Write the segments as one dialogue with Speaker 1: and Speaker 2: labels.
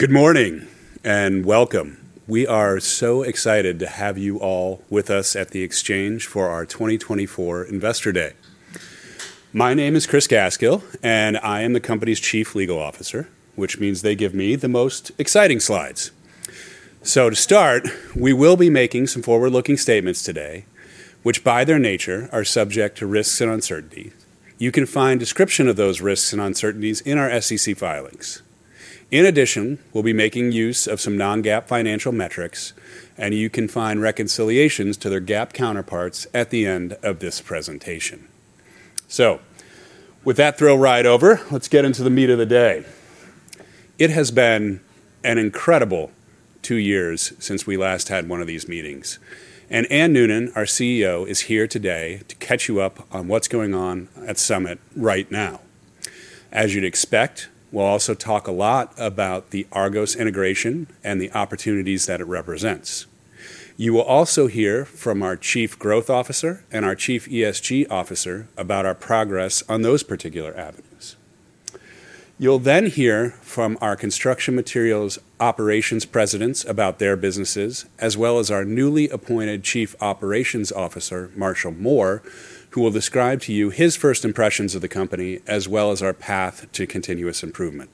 Speaker 1: Good morning and welcome. We are so excited to have you all with us at the Exchange for our 2024 Investor Day. My name is Chris Gaskill, and I am the company's Chief Legal Officer, which means they give me the most exciting slides. So to start, we will be making some forward-looking statements today, which by their nature are subject to risks and uncertainty. You can find a description of those risks and uncertainties in our SEC filings. In addition, we'll be making use of some non-GAAP financial metrics, and you can find reconciliations to their GAAP counterparts at the end of this presentation. So with that thrill right over, let's get into the meat of the day. It has been an incredible two years since we last had one of these meetings, and Anne Noonan, our CEO, is here today to catch you up on what's going on at Summit right now. As you'd expect, we'll also talk a lot about the Argos integration and the opportunities that it represents. You will also hear from our Chief Growth Officer and our Chief ESG Officer about our progress on those particular avenues. You'll then hear from our Construction Materials Operations Presidents about their businesses, as well as our newly appointed Chief Operations Officer, Marshall Moore, who will describe to you his first impressions of the company as well as our path to continuous improvement.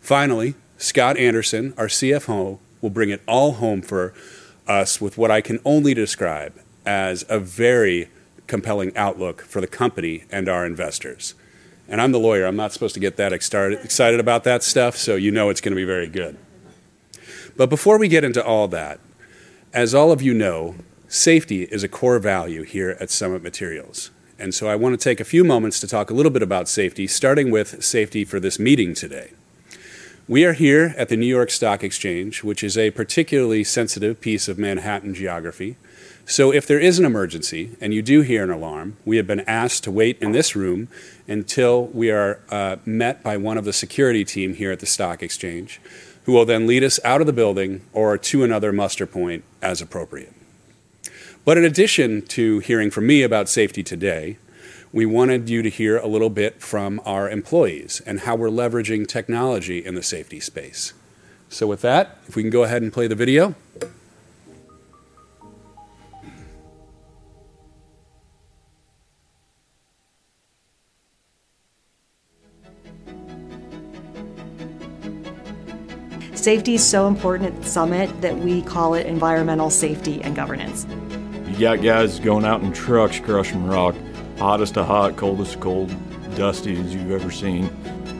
Speaker 1: Finally, Scott Anderson, our CFO, will bring it all home for us with what I can only describe as a very compelling outlook for the company and our investors. I'm the lawyer. I'm not supposed to get that excited about that stuff, so you know it's going to be very good. But before we get into all that, as all of you know, safety is a core value here at Summit Materials. And so I want to take a few moments to talk a little bit about safety, starting with safety for this meeting today. We are here at the New York Stock Exchange, which is a particularly sensitive piece of Manhattan geography. So if there is an emergency and you do hear an alarm, we have been asked to wait in this room until we are met by one of the security team here at the Stock Exchange, who will then lead us out of the building or to another muster point as appropriate. In addition to hearing from me about safety today, we wanted you to hear a little bit from our employees and how we're leveraging technology in the safety space. With that, if we can go ahead and play the video.
Speaker 2: Safety is so important at Summit that we call it environmental safety and governance.
Speaker 3: You got guys going out in trucks crushing rock, hottest of hot, coldest of cold, dustiest you've ever seen.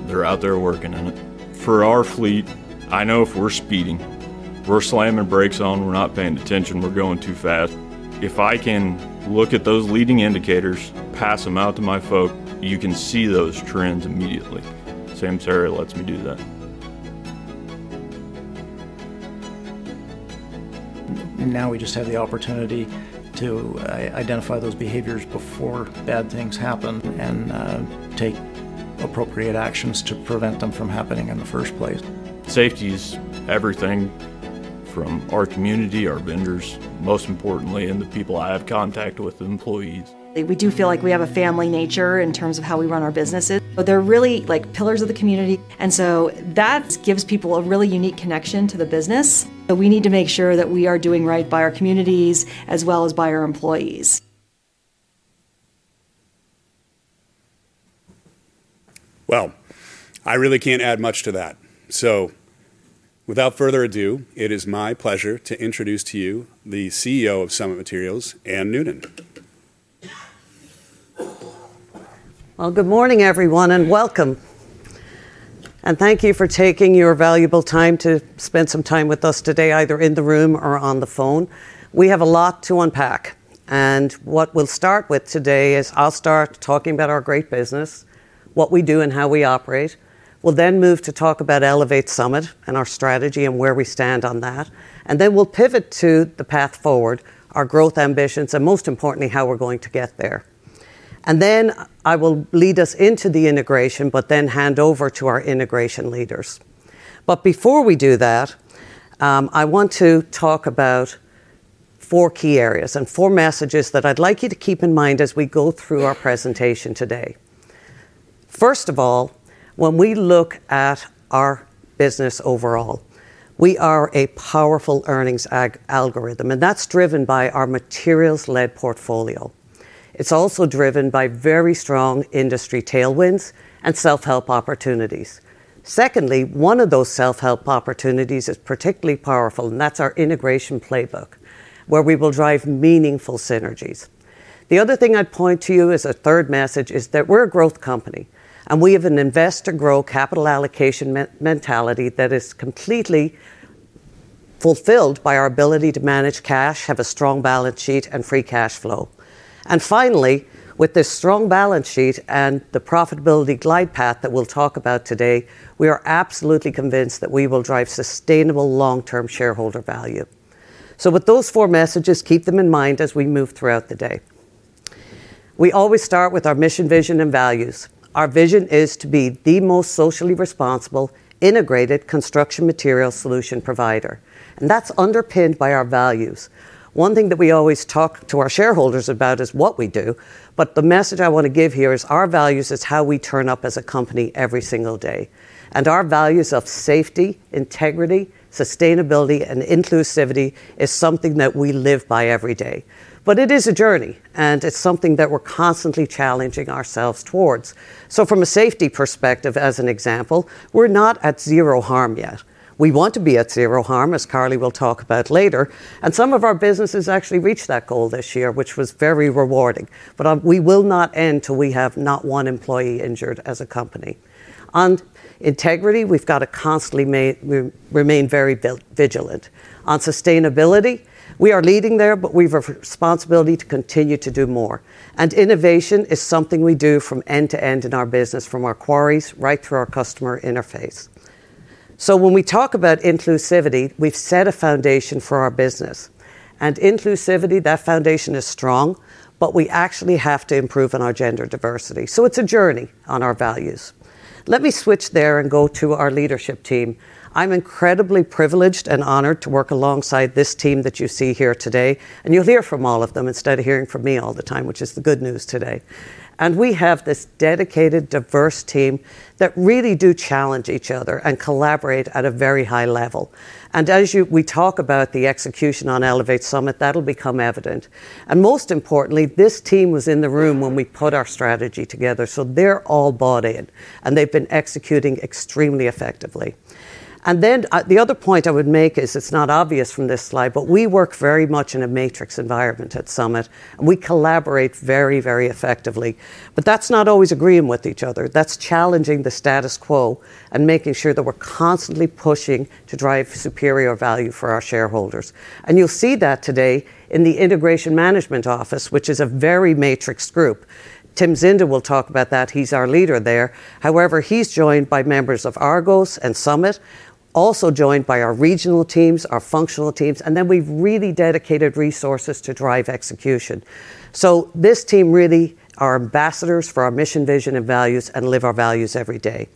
Speaker 3: They're out there working in it. For our fleet, I know if we're speeding, we're slamming brakes on, we're not paying attention, we're going too fast. If I can look at those leading indicators, pass them out to my folk, you can see those trends immediately. Samsara lets me do that. Now we just have the opportunity to identify those behaviors before bad things happen and take appropriate actions to prevent them from happening in the first place. Safety is everything from our community, our vendors, most importantly, and the people I have contact with, the employees.
Speaker 2: We do feel like we have a family nature in terms of how we run our businesses. They're really pillars of the community. And so that gives people a really unique connection to the business. So we need to make sure that we are doing right by our communities as well as by our employees.
Speaker 1: Well, I really can't add much to that. So without further ado, it is my pleasure to introduce to you the CEO of Summit Materials, Anne Noonan.
Speaker 4: Well, good morning, everyone, and welcome. Thank you for taking your valuable time to spend some time with us today, either in the room or on the phone. We have a lot to unpack. What we'll start with today is I'll start talking about our great business, what we do and how we operate. We'll then move to talk about Elevate Summit and our strategy and where we stand on that. Then we'll pivot to the path forward, our growth ambitions, and most importantly, how we're going to get there. Then I will lead us into the integration, but then hand over to our integration leaders. But before we do that, I want to talk about four key areas and four messages that I'd like you to keep in mind as we go through our presentation today. First of all, when we look at our business overall, we are a powerful earnings algorithm, and that's driven by our materials-led portfolio. It's also driven by very strong industry tailwinds and self-help opportunities. Secondly, one of those self-help opportunities is particularly powerful, and that's our integration playbook, where we will drive meaningful synergies. The other thing I'd point to you as a third message is that we're a growth company, and we have an investor-growth capital allocation mentality that is completely fulfilled by our ability to manage cash, have a strong balance sheet, and free cash flow. Finally, with this strong balance sheet and the profitability glide path that we'll talk about today, we are absolutely convinced that we will drive sustainable long-term shareholder value. With those four messages, keep them in mind as we move throughout the day. We always start with our mission, vision, and values. Our vision is to be the most socially responsible, integrated construction materials solution provider. That's underpinned by our values. One thing that we always talk to our shareholders about is what we do, but the message I want to give here is our values is how we turn up as a company every single day. Our values of safety, integrity, sustainability, and inclusivity is something that we live by every day. It is a journey, and it's something that we're constantly challenging ourselves towards. From a safety perspective, as an example, we're not at zero harm yet. We want to be at zero harm, as Karli will talk about later. Some of our businesses actually reached that goal this year, which was very rewarding. But we will not end till we have not one employee injured as a company. On integrity, we've got to constantly remain very vigilant. On sustainability, we are leading there, but we have a responsibility to continue to do more. And innovation is something we do from end to end in our business, from our quarries right through our customer interface. So when we talk about inclusivity, we've set a foundation for our business. And inclusivity, that foundation is strong, but we actually have to improve on our gender diversity. So it's a journey on our values. Let me switch there and go to our leadership team. I'm incredibly privileged and honored to work alongside this team that you see here today. And you'll hear from all of them instead of hearing from me all the time, which is the good news today. We have this dedicated, diverse team that really do challenge each other and collaborate at a very high level. As we talk about the execution on Elevate Summit, that'll become evident. Most importantly, this team was in the room when we put our strategy together. So they're all bought in, and they've been executing extremely effectively. Then the other point I would make is it's not obvious from this slide, but we work very much in a matrix environment at Summit, and we collaborate very, very effectively. But that's not always agreeing with each other. That's challenging the status quo and making sure that we're constantly pushing to drive superior value for our shareholders. You'll see that today in the Integration Management Office, which is a very matrix group. Tim Zinda will talk about that. He's our leader there. However, he's joined by members of Argos and Summit, also joined by our regional teams, our functional teams, and then we've really dedicated resources to drive execution. So this team really are ambassadors for our mission, vision, and values and live our values every day.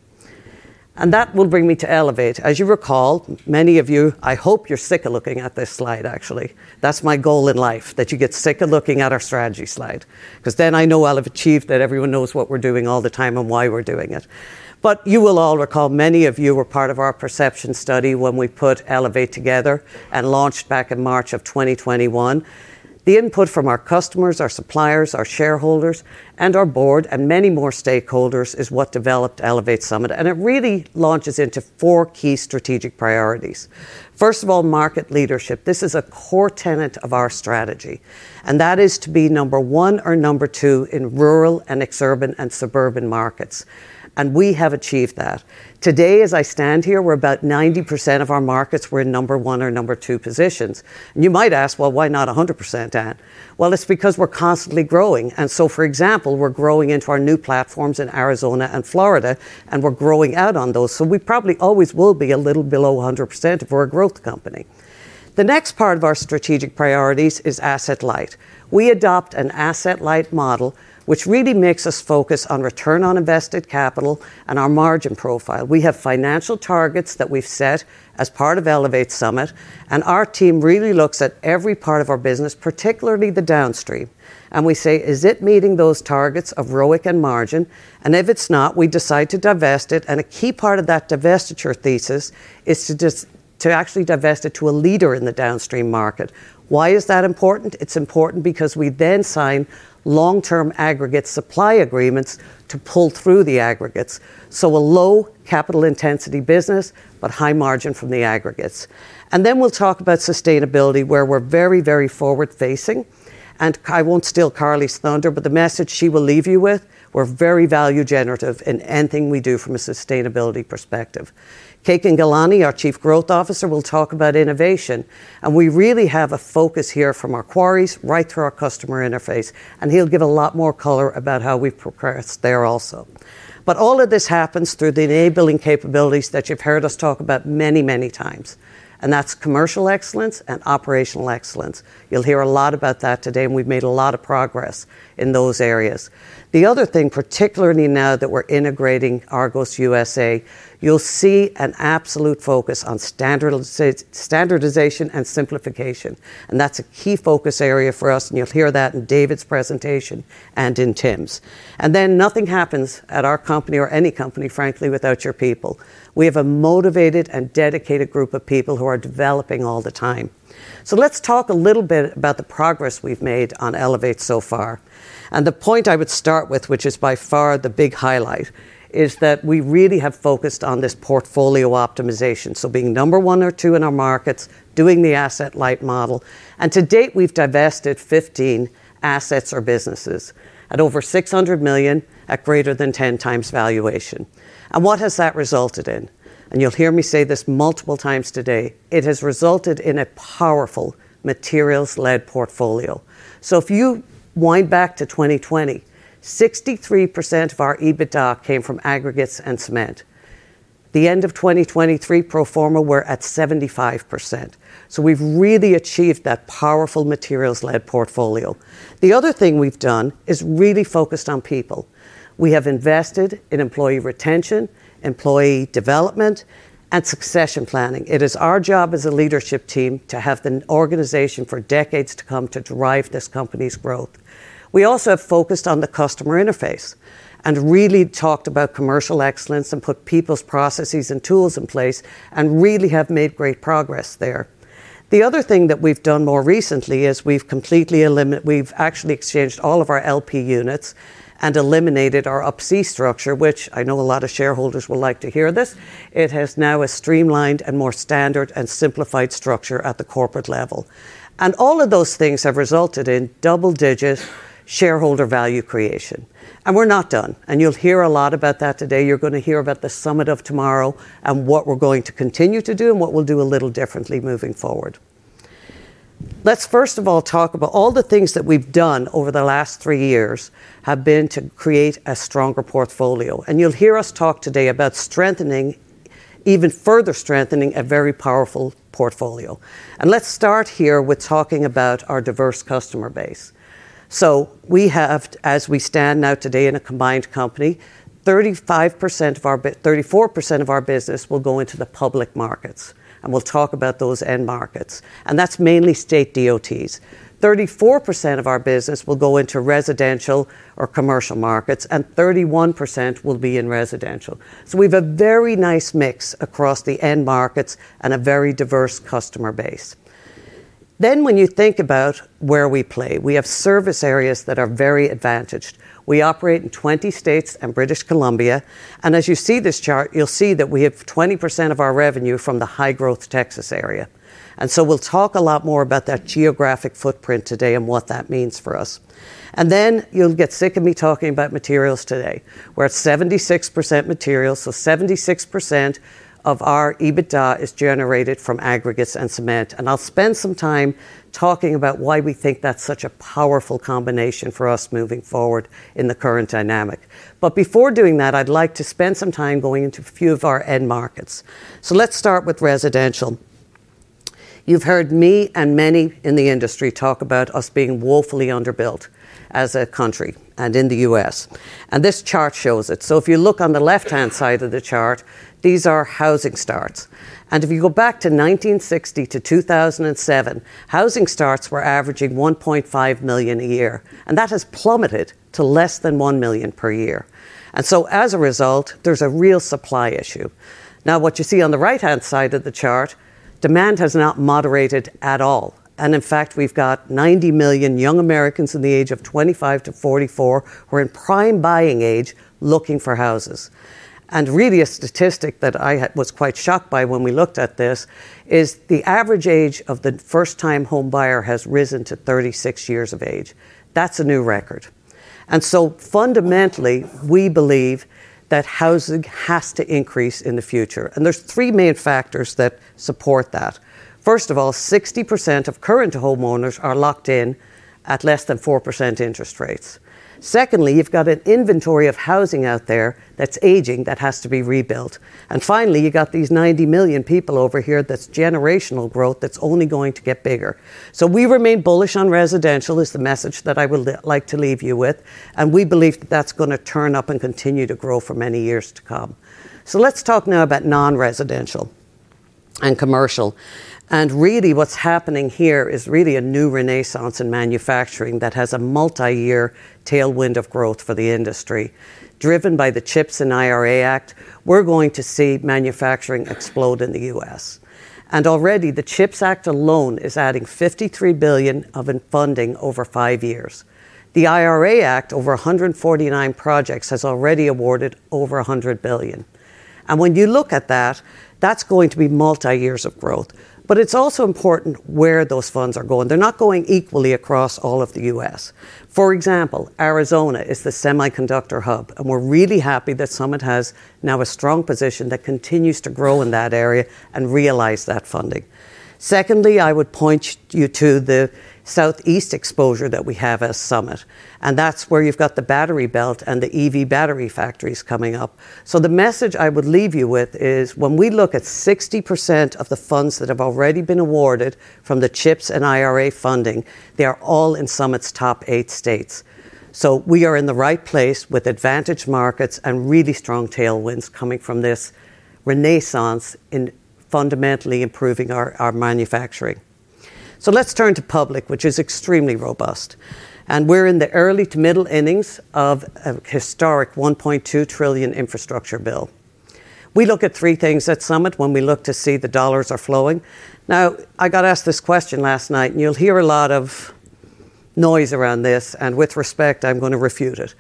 Speaker 4: That will bring me to Elevate. As you recall, many of you I hope you're sick of looking at this slide, actually. That's my goal in life, that you get sick of looking at our strategy slide, because then I know I'll have achieved that everyone knows what we're doing all the time and why we're doing it. But you will all recall many of you were part of our perception study when we put Elevate together and launched back in March of 2021. The input from our customers, our suppliers, our shareholders, and our board, and many more stakeholders, is what developed Elevate Summit. It really launches into four key strategic priorities. First of all, market leadership. This is a core tenet of our strategy. That is to be number one or number two in rural and exurban and suburban markets. We have achieved that. Today, as I stand here, we're about 90% of our markets were in number one or number two positions. You might ask, well, why not 100%, Anne? Well, it's because we're constantly growing. So, for example, we're growing into our new platforms in Arizona and Florida, and we're growing out on those. We probably always will be a little below 100% if we're a growth company. The next part of our strategic priorities is asset light. We adopt an asset light model, which really makes us focus on return on invested capital and our margin profile. We have financial targets that we've set as part of Elevate Summit. Our team really looks at every part of our business, particularly the downstream. We say, is it meeting those targets of ROIC and margin? If it's not, we decide to divest it. A key part of that divestiture thesis is to actually divest it to a leader in the downstream market. Why is that important? It's important because we then sign long-term aggregate supply agreements to pull through the aggregates. A low capital intensity business, but high margin from the aggregates. Then we'll talk about sustainability, where we're very, very forward-facing. I won't steal Karli's thunder, but the message she will leave you with, we're very value-generative in anything we do from a sustainability perspective. Kekin Ghelani, our Chief Growth Officer, will talk about innovation. We really have a focus here from our quarries right through our customer interface. He'll give a lot more color about how we progress there also. But all of this happens through the enabling capabilities that you've heard us talk about many, many times. That's commercial excellence and operational excellence. You'll hear a lot about that today, and we've made a lot of progress in those areas. The other thing, particularly now that we're integrating Argos USA, you'll see an absolute focus on standardization and simplification. That's a key focus area for us. You'll hear that in David's presentation and in Tim's. And then nothing happens at our company or any company, frankly, without your people. We have a motivated and dedicated group of people who are developing all the time. So let's talk a little bit about the progress we've made on Elevate so far. And the point I would start with, which is by far the big highlight, is that we really have focused on this portfolio optimization. So being number one or two in our markets, doing the Asset Light Model. And to date, we've divested 15 assets or businesses at over $600 million at greater than 10x valuation. And what has that resulted in? And you'll hear me say this multiple times today. It has resulted in a powerful materials-led portfolio. So if you wind back to 2020, 63% of our EBITDA came from aggregates and cement. The end of 2023, pro forma, we're at 75%. So we've really achieved that powerful materials-led portfolio. The other thing we've done is really focused on people. We have invested in employee retention, employee development, and succession planning. It is our job as a leadership team to have the organization for decades to come to drive this company's growth. We also have focused on the customer interface and really talked about commercial excellence and put people's processes and tools in place and really have made great progress there. The other thing that we've done more recently is we've actually exchanged all of our LP units and eliminated our UP-C structure, which I know a lot of shareholders will like to hear this. It has now a streamlined and more standard and simplified structure at the corporate level. And all of those things have resulted in double-digit shareholder value creation. And we're not done. You'll hear a lot about that today. You're going to hear about the Summit of tomorrow and what we're going to continue to do and what we'll do a little differently moving forward. Let's first of all talk about all the things that we've done over the last three years have been to create a stronger portfolio. You'll hear us talk today about strengthening, even further strengthening, a very powerful portfolio. Let's start here with talking about our diverse customer base. We have, as we stand now today in a combined company, 35% of our 34% of our business will go into the public markets. We'll talk about those end markets. That's mainly state DOTs. 34% of our business will go into residential or commercial markets, and 31% will be in residential. So we have a very nice mix across the end markets and a very diverse customer base. Then when you think about where we play, we have service areas that are very advantaged. We operate in 20 states and British Columbia. And as you see this chart, you'll see that we have 20% of our revenue from the high-growth Texas area. And so we'll talk a lot more about that geographic footprint today and what that means for us. And then you'll get sick of me talking about materials today. We're at 76% materials. So 76% of our EBITDA is generated from aggregates and cement. And I'll spend some time talking about why we think that's such a powerful combination for us moving forward in the current dynamic. But before doing that, I'd like to spend some time going into a few of our end markets. So let's start with residential. You've heard me and many in the industry talk about us being woefully underbuilt as a country and in the U.S. This chart shows it. So if you look on the left-hand side of the chart, these are housing starts. If you go back to 1960-2007, housing starts were averaging 1.5 million a year. That has plummeted to less than 1 million per year. So as a result, there's a real supply issue. Now, what you see on the right-hand side of the chart, demand has not moderated at all. In fact, we've got 90 million young Americans in the age of 25-44 who are in prime buying age looking for houses. Really, a statistic that I was quite shocked by when we looked at this is the average age of the first-time home buyer has risen to 36 years of age. That's a new record. So fundamentally, we believe that housing has to increase in the future. There's three main factors that support that. First of all, 60% of current homeowners are locked in at less than 4% interest rates. Secondly, you've got an inventory of housing out there that's aging that has to be rebuilt. Finally, you've got these 90 million people over here that's generational growth that's only going to get bigger. So we remain bullish on residential is the message that I would like to leave you with. We believe that that's going to turn up and continue to grow for many years to come. So let's talk now about non-residential and commercial. And really, what's happening here is really a new renaissance in manufacturing that has a multi-year tailwind of growth for the industry. Driven by the CHIPS Act and IRA, we're going to see manufacturing explode in the US. And already, the CHIPS Act alone is adding $53 billion of funding over five years. The IRA, over 149 projects, has already awarded over $100 billion. And when you look at that, that's going to be multi-years of growth. But it's also important where those funds are going. They're not going equally across all of the US. For example, Arizona is the semiconductor hub. And we're really happy that Summit has now a strong position that continues to grow in that area and realize that funding. Secondly, I would point you to the southeast exposure that we have as Summit. And that's where you've got the battery belt and the EV battery factories coming up. So the message I would leave you with is when we look at 60% of the funds that have already been awarded from the CHIPS and IRA funding, they are all in Summit's top eight states. So we are in the right place with advantage markets and really strong tailwinds coming from this renaissance in fundamentally improving our manufacturing. So let's turn to public, which is extremely robust. And we're in the early to middle innings of a historic $1.2 trillion infrastructure bill. We look at three things at Summit when we look to see the dollars are flowing. Now, I got asked this question last night, and you'll hear a lot of noise around this. And with respect, I'm going to refute it.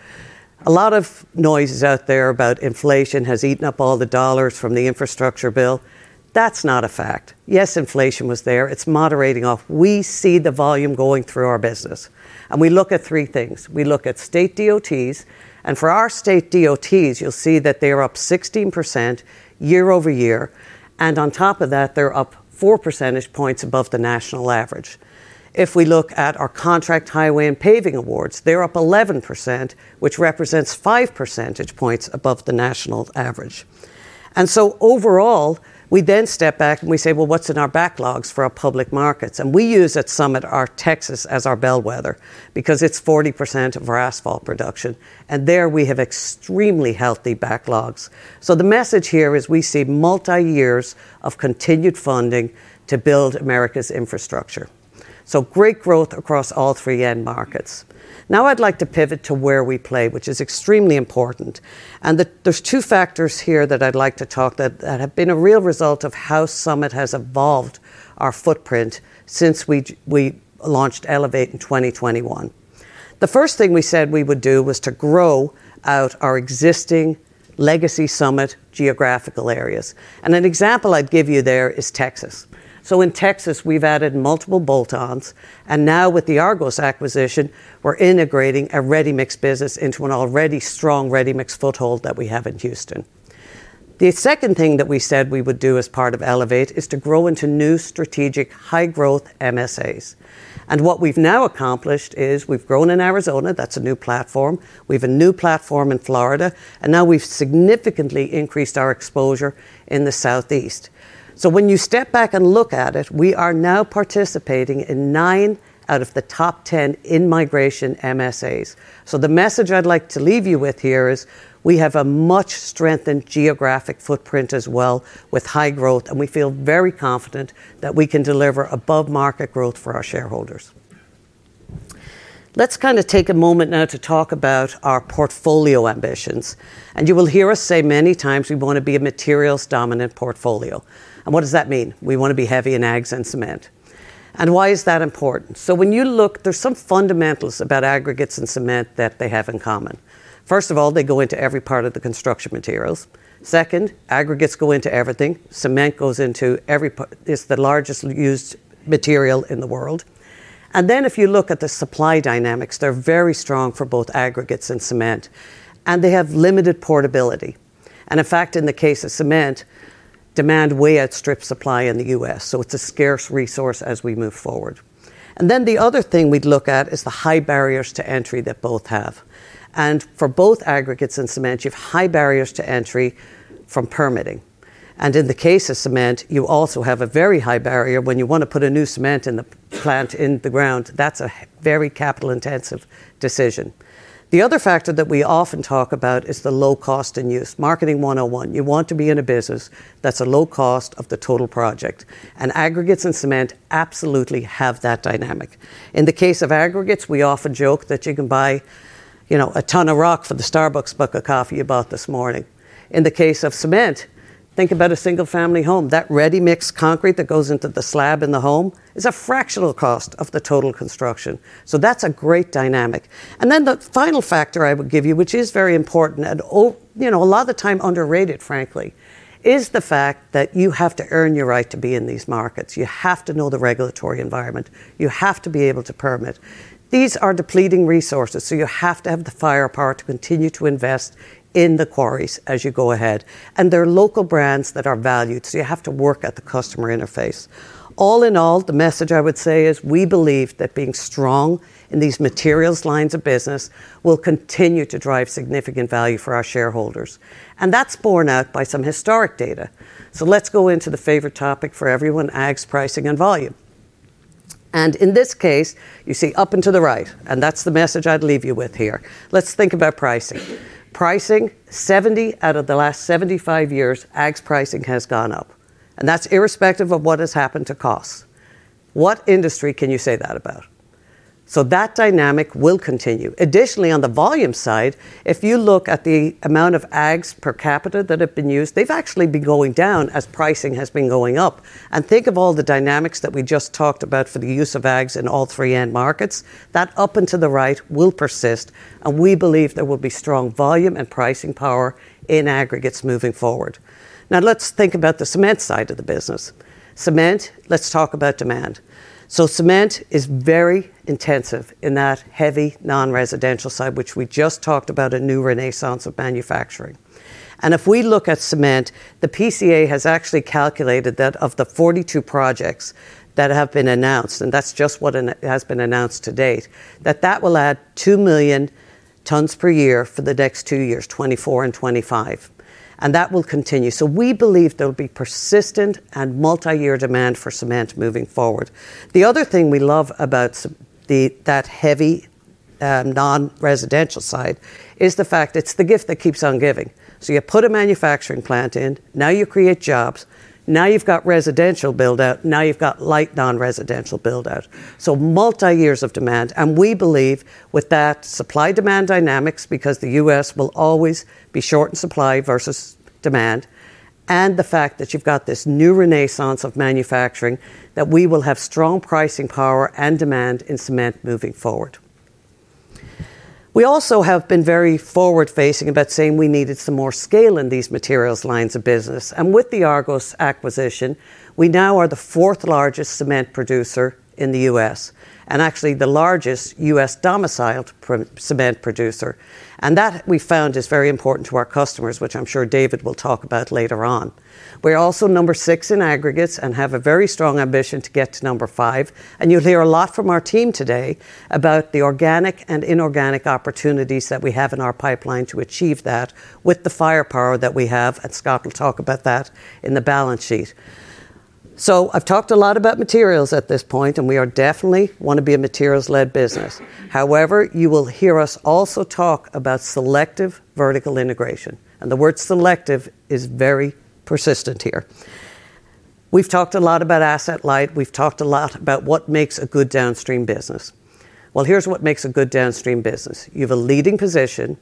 Speaker 4: A lot of noise is out there about inflation has eaten up all the dollars from the infrastructure bill. That's not a fact. Yes, inflation was there. It's moderating off. We see the volume going through our business. We look at three things. We look at state DOTs. For our state DOTs, you'll see that they are up 16% year-over-year. On top of that, they're up 4 percentage points above the national average. If we look at our contract highway and paving awards, they're up 11%, which represents 5 percentage points above the national average. So overall, we then step back and we say, well, what's in our backlogs for our public markets? We use at Summit our Texas as our bellwether because it's 40% of our asphalt production. There we have extremely healthy backlogs. The message here is we see multi-years of continued funding to build America's infrastructure. Great growth across all three end markets. Now, I'd like to pivot to where we play, which is extremely important. There's two factors here that I'd like to talk that have been a real result of how Summit has evolved our footprint since we launched Elevate in 2021. The first thing we said we would do was to grow out our existing legacy Summit geographical areas. An example I'd give you there is Texas. In Texas, we've added multiple bolt-ons. Now, with the Argos acquisition, we're integrating a ready-mix business into an already strong ready-mix foothold that we have in Houston. The second thing that we said we would do as part of Elevate is to grow into new strategic high-growth MSAs. What we've now accomplished is we've grown in Arizona. That's a new platform. We have a new platform in Florida. Now we've significantly increased our exposure in the southeast. So when you step back and look at it, we are now participating in 9 out of the top 10 in-migration MSAs. So the message I'd like to leave you with here is we have a much-strengthened geographic footprint as well with high growth. We feel very confident that we can deliver above-market growth for our shareholders. Let's kind of take a moment now to talk about our portfolio ambitions. You will hear us say many times we want to be a materials-dominant portfolio. What does that mean? We want to be heavy in ags and cement. Why is that important? When you look, there's some fundamentals about aggregates and cement that they have in common. First of all, they go into every part of the construction materials. Second, aggregates go into everything. Cement goes into every part. It's the largest used material in the world. If you look at the supply dynamics, they're very strong for both aggregates and cement. They have limited portability. In fact, in the case of cement, demand way outstrips supply in the U.S. It's a scarce resource as we move forward. The other thing we'd look at is the high barriers to entry that both have. For both aggregates and cement, you have high barriers to entry from permitting. In the case of cement, you also have a very high barrier when you want to put a new cement plant in the ground. That's a very capital-intensive decision. The other factor that we often talk about is the low cost and use, Marketing 101. You want to be in a business that's a low cost of the total project. Aggregates and cement absolutely have that dynamic. In the case of aggregates, we often joke that you can buy a ton of rock for the Starbucks bucket coffee you bought this morning. In the case of cement, think about a single-family home. That ready-mix concrete that goes into the slab in the home is a fractional cost of the total construction. That's a great dynamic. Then the final factor I would give you, which is very important and a lot of the time underrated, frankly, is the fact that you have to earn your right to be in these markets. You have to know the regulatory environment. You have to be able to permit. These are depleting resources. So you have to have the firepower to continue to invest in the quarries as you go ahead. And they're local brands that are valued. So you have to work at the customer interface. All in all, the message I would say is we believe that being strong in these materials lines of business will continue to drive significant value for our shareholders. And that's borne out by some historic data. So let's go into the favorite topic for everyone, ags pricing and volume. And in this case, you see up and to the right. And that's the message I'd leave you with here. Let's think about pricing. Pricing, 70 out of the last 75 years, ags pricing has gone up. And that's irrespective of what has happened to costs. What industry can you say that about? So that dynamic will continue. Additionally, on the volume side, if you look at the amount of ags per capita that have been used, they've actually been going down as pricing has been going up. And think of all the dynamics that we just talked about for the use of ags in all three end markets. That up and to the right will persist. And we believe there will be strong volume and pricing power in aggregates moving forward. Now, let's think about the cement side of the business. Cement, let's talk about demand. So cement is very intensive in that heavy non-residential side, which we just talked about, a new renaissance of manufacturing. If we look at cement, the PCA has actually calculated that of the 42 projects that have been announced, and that's just what has been announced to date, that that will add 2 million tons per year for the next two years, 2024 and 2025. And that will continue. So we believe there will be persistent and multi-year demand for cement moving forward. The other thing we love about that heavy non-residential side is the fact it's the gift that keeps on giving. So you put a manufacturing plant in. Now you create jobs. Now you've got residential build-out. Now you've got light non-residential build-out. So multi-years of demand. We believe with that supply-demand dynamics, because the U.S. will always be short in supply versus demand, and the fact that you've got this new renaissance of manufacturing, that we will have strong pricing power and demand in cement moving forward. We also have been very forward-facing about saying we needed some more scale in these materials lines of business. With the Argos acquisition, we now are the fourth-largest cement producer in the U.S., and actually the largest U.S. domiciled cement producer. And that we found is very important to our customers, which I'm sure David will talk about later on. We're also number 6 in aggregates and have a very strong ambition to get to number 5. You'll hear a lot from our team today about the organic and inorganic opportunities that we have in our pipeline to achieve that with the firepower that we have. Scott will talk about that in the balance sheet. I've talked a lot about materials at this point. We definitely want to be a materials-led business. However, you will hear us also talk about selective vertical integration. The word selective is very persistent here. We've talked a lot about asset light. We've talked a lot about what makes a good downstream business. Well, here's what makes a good downstream business. You have a leading position.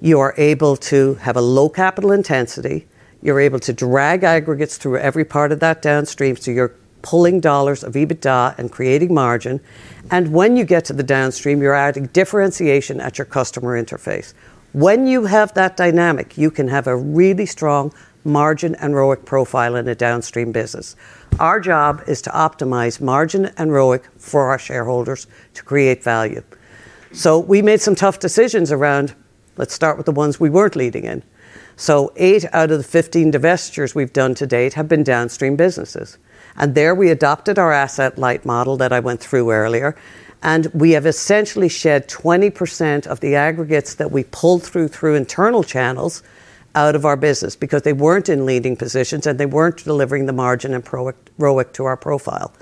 Speaker 4: You are able to have a low capital intensity. You're able to drag aggregates through every part of that downstream. You're pulling dollars of EBITDA and creating margin. When you get to the downstream, you're adding differentiation at your customer interface. When you have that dynamic, you can have a really strong margin and ROIC profile in a downstream business. Our job is to optimize margin and ROIC for our shareholders to create value. So, we made some tough decisions around. Let's start with the ones we weren't leading in. So, eight out of the 15 divestitures we've done to date have been downstream businesses. And there we adopted our Asset Light Model that I went through earlier. And we have essentially shed 20% of the aggregates that we pulled through internal channels out of our business because they weren't in leading positions and they weren't delivering the margin and ROIC to our profile.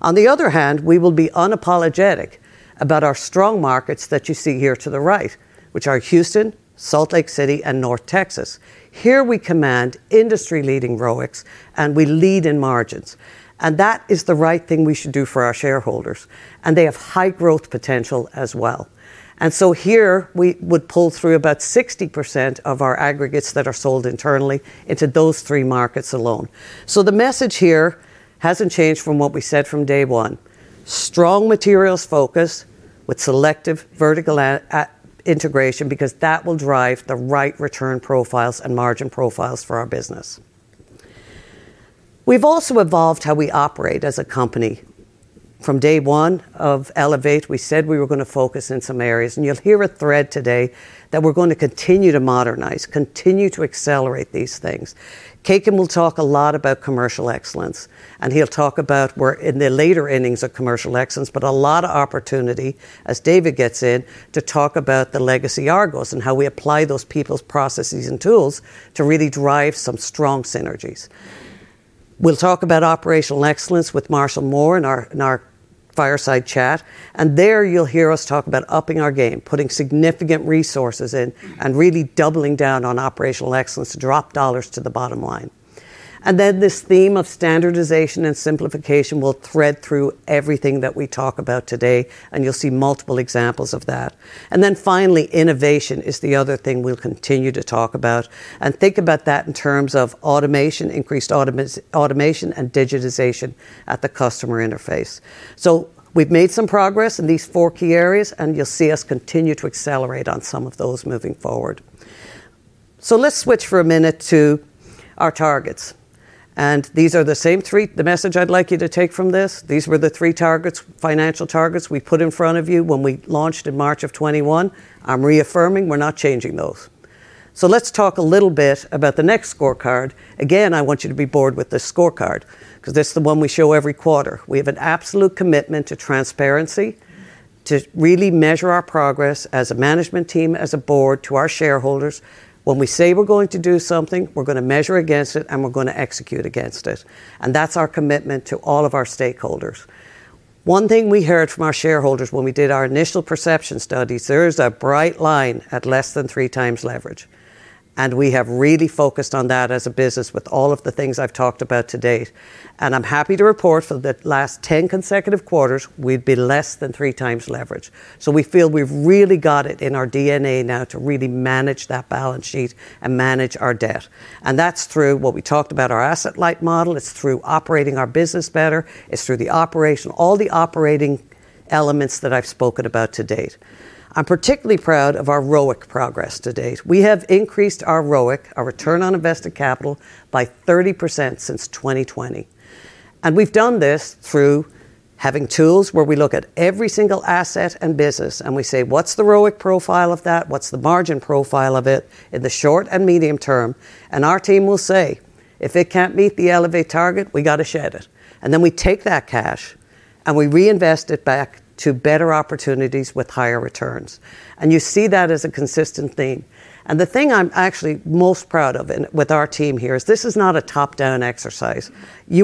Speaker 4: On the other hand, we will be unapologetic about our strong markets that you see here to the right, which are Houston, Salt Lake City, and North Texas. Here we command industry-leading ROICs. And we lead in margins. And that is the right thing we should do for our shareholders. They have high growth potential as well. Here we would pull through about 60% of our aggregates that are sold internally into those three markets alone. The message here hasn't changed from what we said from day one. Strong materials focus with selective vertical integration because that will drive the right return profiles and margin profiles for our business. We've also evolved how we operate as a company. From day one of Elevate, we said we were going to focus in some areas. You'll hear a thread today that we're going to continue to modernize, continue to accelerate these things. Kekin will talk a lot about Commercial Excellence. He'll talk about we're in the later innings of Commercial Excellence, but a lot of opportunity, as David gets in, to talk about the legacy Argos and how we apply those people's processes and tools to really drive some strong synergies. We'll talk about Operational Excellence with Marshall Moore in our fireside chat. And there you'll hear us talk about upping our game, putting significant resources in, and really doubling down on Operational Excellence to drop dollars to the bottom line. And then this theme of standardization and simplification will thread through everything that we talk about today. And you'll see multiple examples of that. And then finally, innovation is the other thing we'll continue to talk about. And think about that in terms of automation, increased automation, and digitization at the customer interface. So we've made some progress in these four key areas. And you'll see us continue to accelerate on some of those moving forward. So let's switch for a minute to our targets. And these are the same three. The message I'd like you to take from this. These were the three targets, financial targets, we put in front of you when we launched in March of 2021. I'm reaffirming we're not changing those. So let's talk a little bit about the next scorecard. Again, I want you to be bored with this scorecard because it's the one we show every quarter. We have an absolute commitment to transparency, to really measure our progress as a management team, as a board, to our shareholders. When we say we're going to do something, we're going to measure against it. And we're going to execute against it. And that's our commitment to all of our stakeholders. One thing we heard from our shareholders when we did our initial perception studies, there is a bright line at less than 3 times leverage. We have really focused on that as a business with all of the things I've talked about to date. I'm happy to report for the last 10 consecutive quarters, we'd be less than 3 times leverage. We feel we've really got it in our DNA now to really manage that balance sheet and manage our debt. That's through what we talked about, our Asset Light Model. It's through operating our business better. It's through the operation, all the operating elements that I've spoken about to date. I'm particularly proud of our ROIC progress to date. We have increased our ROIC, our return on invested capital, by 30% since 2020. We've done this through having tools where we look at every single asset and business. We say, "What's the ROIC profile of that? What's the margin profile of it in the short and medium term?" Our team will say, "If it can't meet the Elevate target, we got to shed it." Then we take that cash and we reinvest it back to better opportunities with higher returns. You see that as a consistent theme. The thing I'm actually most proud of with our team here is this is not a top-down exercise. I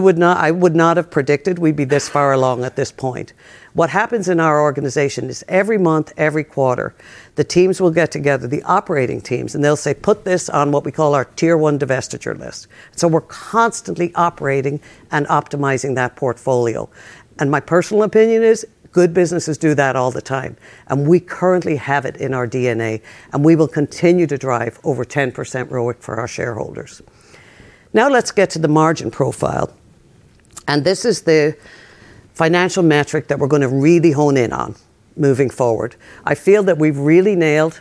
Speaker 4: would not have predicted we'd be this far along at this point. What happens in our organization is every month, every quarter, the teams will get together, the operating teams, and they'll say, "Put this on what we call our tier one divestiture list." We're constantly operating and optimizing that portfolio. My personal opinion is good businesses do that all the time. We currently have it in our DNA. We will continue to drive over 10% ROIC for our shareholders. Now let's get to the margin profile. This is the financial metric that we're going to really hone in on moving forward. I feel that we've really nailed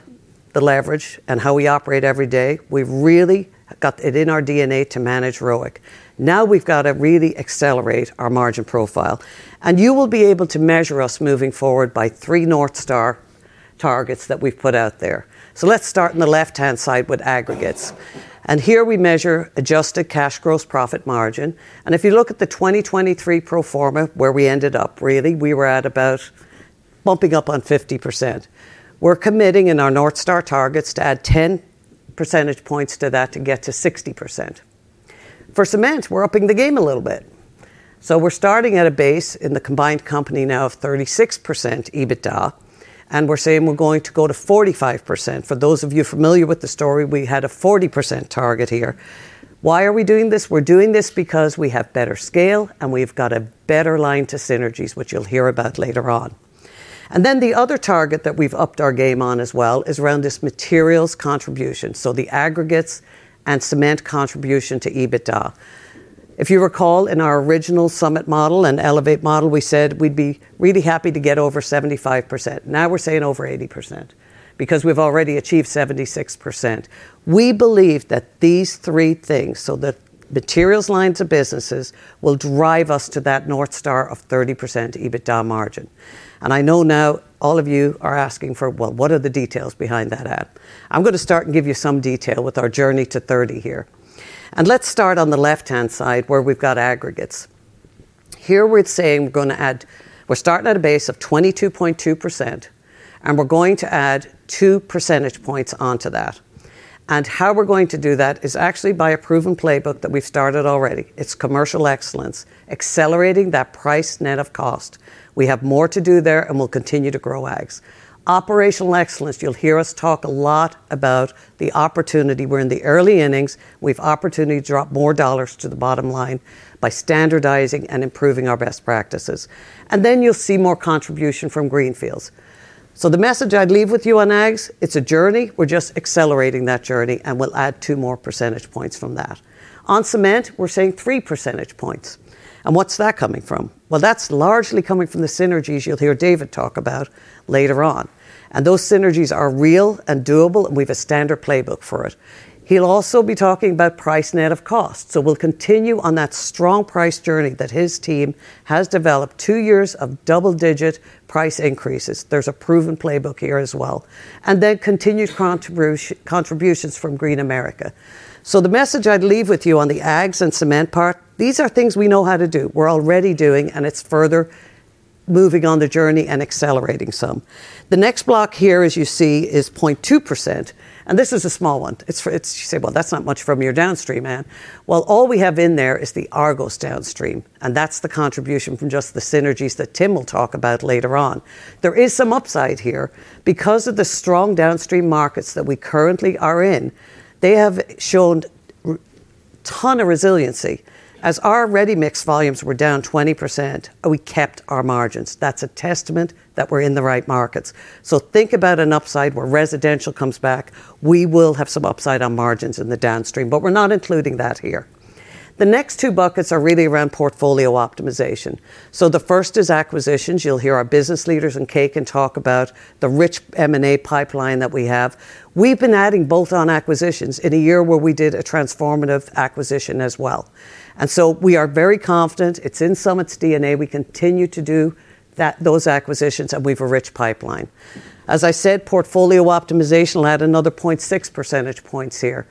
Speaker 4: the leverage and how we operate every day. We've really got it in our DNA to manage ROIC. Now we've got to really accelerate our margin profile. You will be able to measure us moving forward by three North Star targets that we've put out there. So let's start in the left-hand side with aggregates. And here we measure adjusted cash growth profit margin. And if you look at the 2023 pro forma where we ended up, really, we were at about bumping up on 50%. We're committing in our North Star targets to add 10 percentage points to that to get to 60%. For cement, we're upping the game a little bit. So we're starting at a base in the combined company now of 36% EBITDA. And we're saying we're going to go to 45%. For those of you familiar with the story, we had a 40% target here. Why are we doing this? We're doing this because we have better scale. And we've got a better line to synergies, which you'll hear about later on. And then the other target that we've upped our game on as well is around this materials contribution. So the aggregates and cement contribution to EBITDA. If you recall, in our original Summit model and Elevate model, we said we'd be really happy to get over 75%. Now we're saying over 80% because we've already achieved 76%. We believe that these three things, so the materials lines of businesses, will drive us to that North Star of 30% EBITDA margin. And I know now all of you are asking, "Well, what are the details behind that add?" I'm going to start and give you some detail with our journey to 30 here. And let's start on the left-hand side where we've got aggregates. Here we're saying we're going to add; we're starting at a base of 22.2%. And we're going to add two percentage points onto that. And how we're going to do that is actually by a proven playbook that we've started already. It's commercial excellence, accelerating that price net of cost. We have more to do there. We'll continue to grow ags. Operational excellence, you'll hear us talk a lot about the opportunity. We're in the early innings. We've opportunity to drop more dollars to the bottom line by standardizing and improving our best practices. Then you'll see more contribution from greenfields. So the message I'd leave with you on ags, it's a journey. We're just accelerating that journey. We'll add two more percentage points from that. On cement, we're saying three percentage points. What's that coming from? Well, that's largely coming from the synergies you'll hear David talk about later on. Those synergies are real and doable. We have a standard playbook for it. He'll also be talking about price net of cost. So we'll continue on that strong price journey that his team has developed, two years of double-digit price increases. There's a proven playbook here as well. And then continued contributions from Green America. So the message I'd leave with you on the ags and cement part, these are things we know how to do. We're already doing. And it's further moving on the journey and accelerating some. The next block here, as you see, is 0.2%. And this is a small one. You say, "Well, that's not much from your downstream, Anne." Well, all we have in there is the Argos downstream. And that's the contribution from just the synergies that Tim will talk about later on. There is some upside here because of the strong downstream markets that we currently are in. They have shown a ton of resiliency. As our ready mix volumes were down 20%, we kept our margins. That's a testament that we're in the right markets. So think about an upside where residential comes back. We will have some upside on margins in the downstream. But we're not including that here. The next two buckets are really around portfolio optimization. So the first is acquisitions. You'll hear our business leaders and Kekin talk about the rich M&A pipeline that we have. We've been adding bolt-on acquisitions in a year where we did a transformative acquisition as well. And so we are very confident it's in Summit's DNA. We continue to do those acquisitions. And we have a rich pipeline. As I said, portfolio optimization will add another 0.6 percentage points here.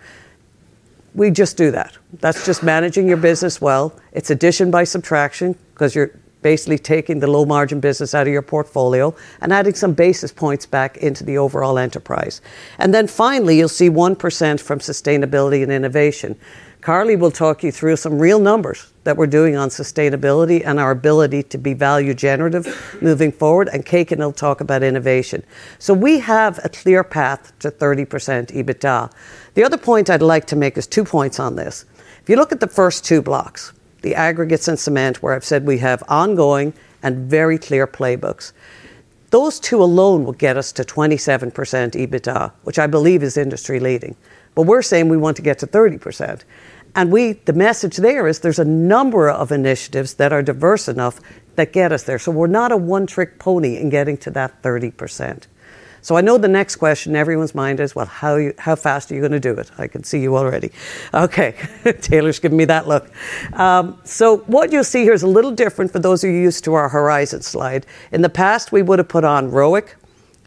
Speaker 4: We just do that. That's just managing your business well. It's addition by subtraction because you're basically taking the low margin business out of your portfolio and adding some basis points back into the overall enterprise. And then finally, you'll see 1% from sustainability and innovation. Karli will talk you through some real numbers that we're doing on sustainability and our ability to be value generative moving forward. And Kekin will talk about innovation. So we have a clear path to 30% EBITDA. The other point I'd like to make is two points on this. If you look at the first two blocks, the aggregates and cement where I've said we have ongoing and very clear playbooks, those two alone will get us to 27% EBITDA, which I believe is industry leading. But we're saying we want to get to 30%. And the message there is there's a number of initiatives that are diverse enough that get us there. So we're not a one-trick pony in getting to that 30%. So I know the next question in everyone's mind is, "Well, how fast are you going to do it?" I can see you already. Okay. Taylor's giving me that look. So what you'll see here is a little different for those of you used to our horizon slide. In the past, we would have put on ROIC,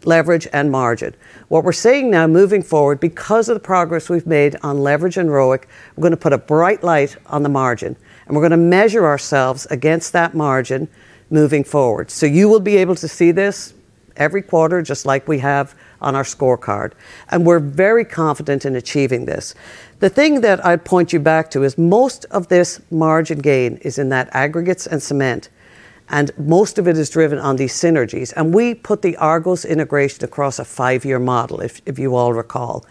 Speaker 4: leverage, and margin. What we're saying now moving forward, because of the progress we've made on leverage and ROIC, we're going to put a bright light on the margin. And we're going to measure ourselves against that margin moving forward. So you will be able to see this every quarter just like we have on our scorecard. And we're very confident in achieving this. The thing that I'd point you back to is most of this margin gain is in that aggregates and cement. Most of it is driven on these synergies. We put the Argos integration across a 5-year model, if you all recall.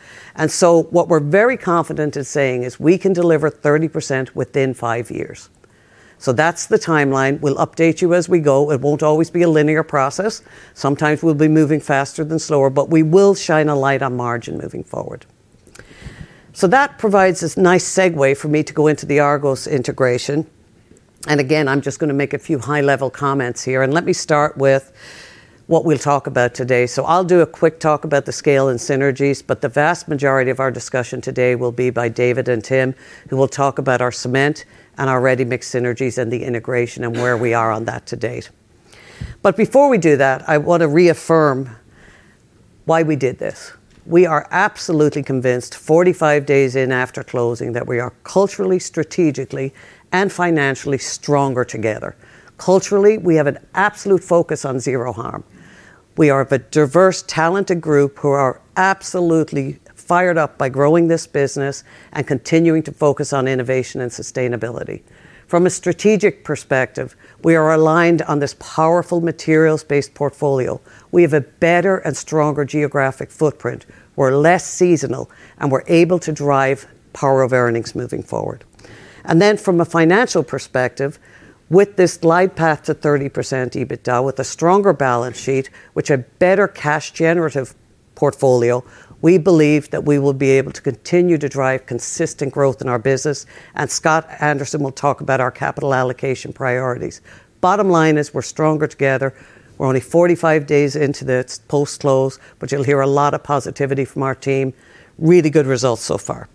Speaker 4: So what we're very confident in saying is we can deliver 30% within 5 years. That's the timeline. We'll update you as we go. It won't always be a linear process. Sometimes we'll be moving faster than slower. But we will shine a light on margin moving forward. That provides this nice segue for me to go into the Argos integration. Again, I'm just going to make a few high-level comments here. Let me start with what we'll talk about today. I'll do a quick talk about the scale and synergies. But the vast majority of our discussion today will be by David and Tim who will talk about our cement and our ready mix synergies and the integration and where we are on that to date. But before we do that, I want to reaffirm why we did this. We are absolutely convinced 45 days in after closing that we are culturally, strategically, and financially stronger together. Culturally, we have an absolute focus on zero harm. We are a diverse, talented group who are absolutely fired up by growing this business and continuing to focus on innovation and sustainability. From a strategic perspective, we are aligned on this powerful materials-based portfolio. We have a better and stronger geographic footprint. We're less seasonal. And we're able to drive power of earnings moving forward. And then from a financial perspective, with this light path to 30% EBITDA, with a stronger balance sheet, with a better cash generative portfolio, we believe that we will be able to continue to drive consistent growth in our business. Scott Anderson will talk about our capital allocation priorities. Bottom line is we're stronger together. We're only 45 days into the post-close. But you'll hear a lot of positivity from our team. Really good results so far.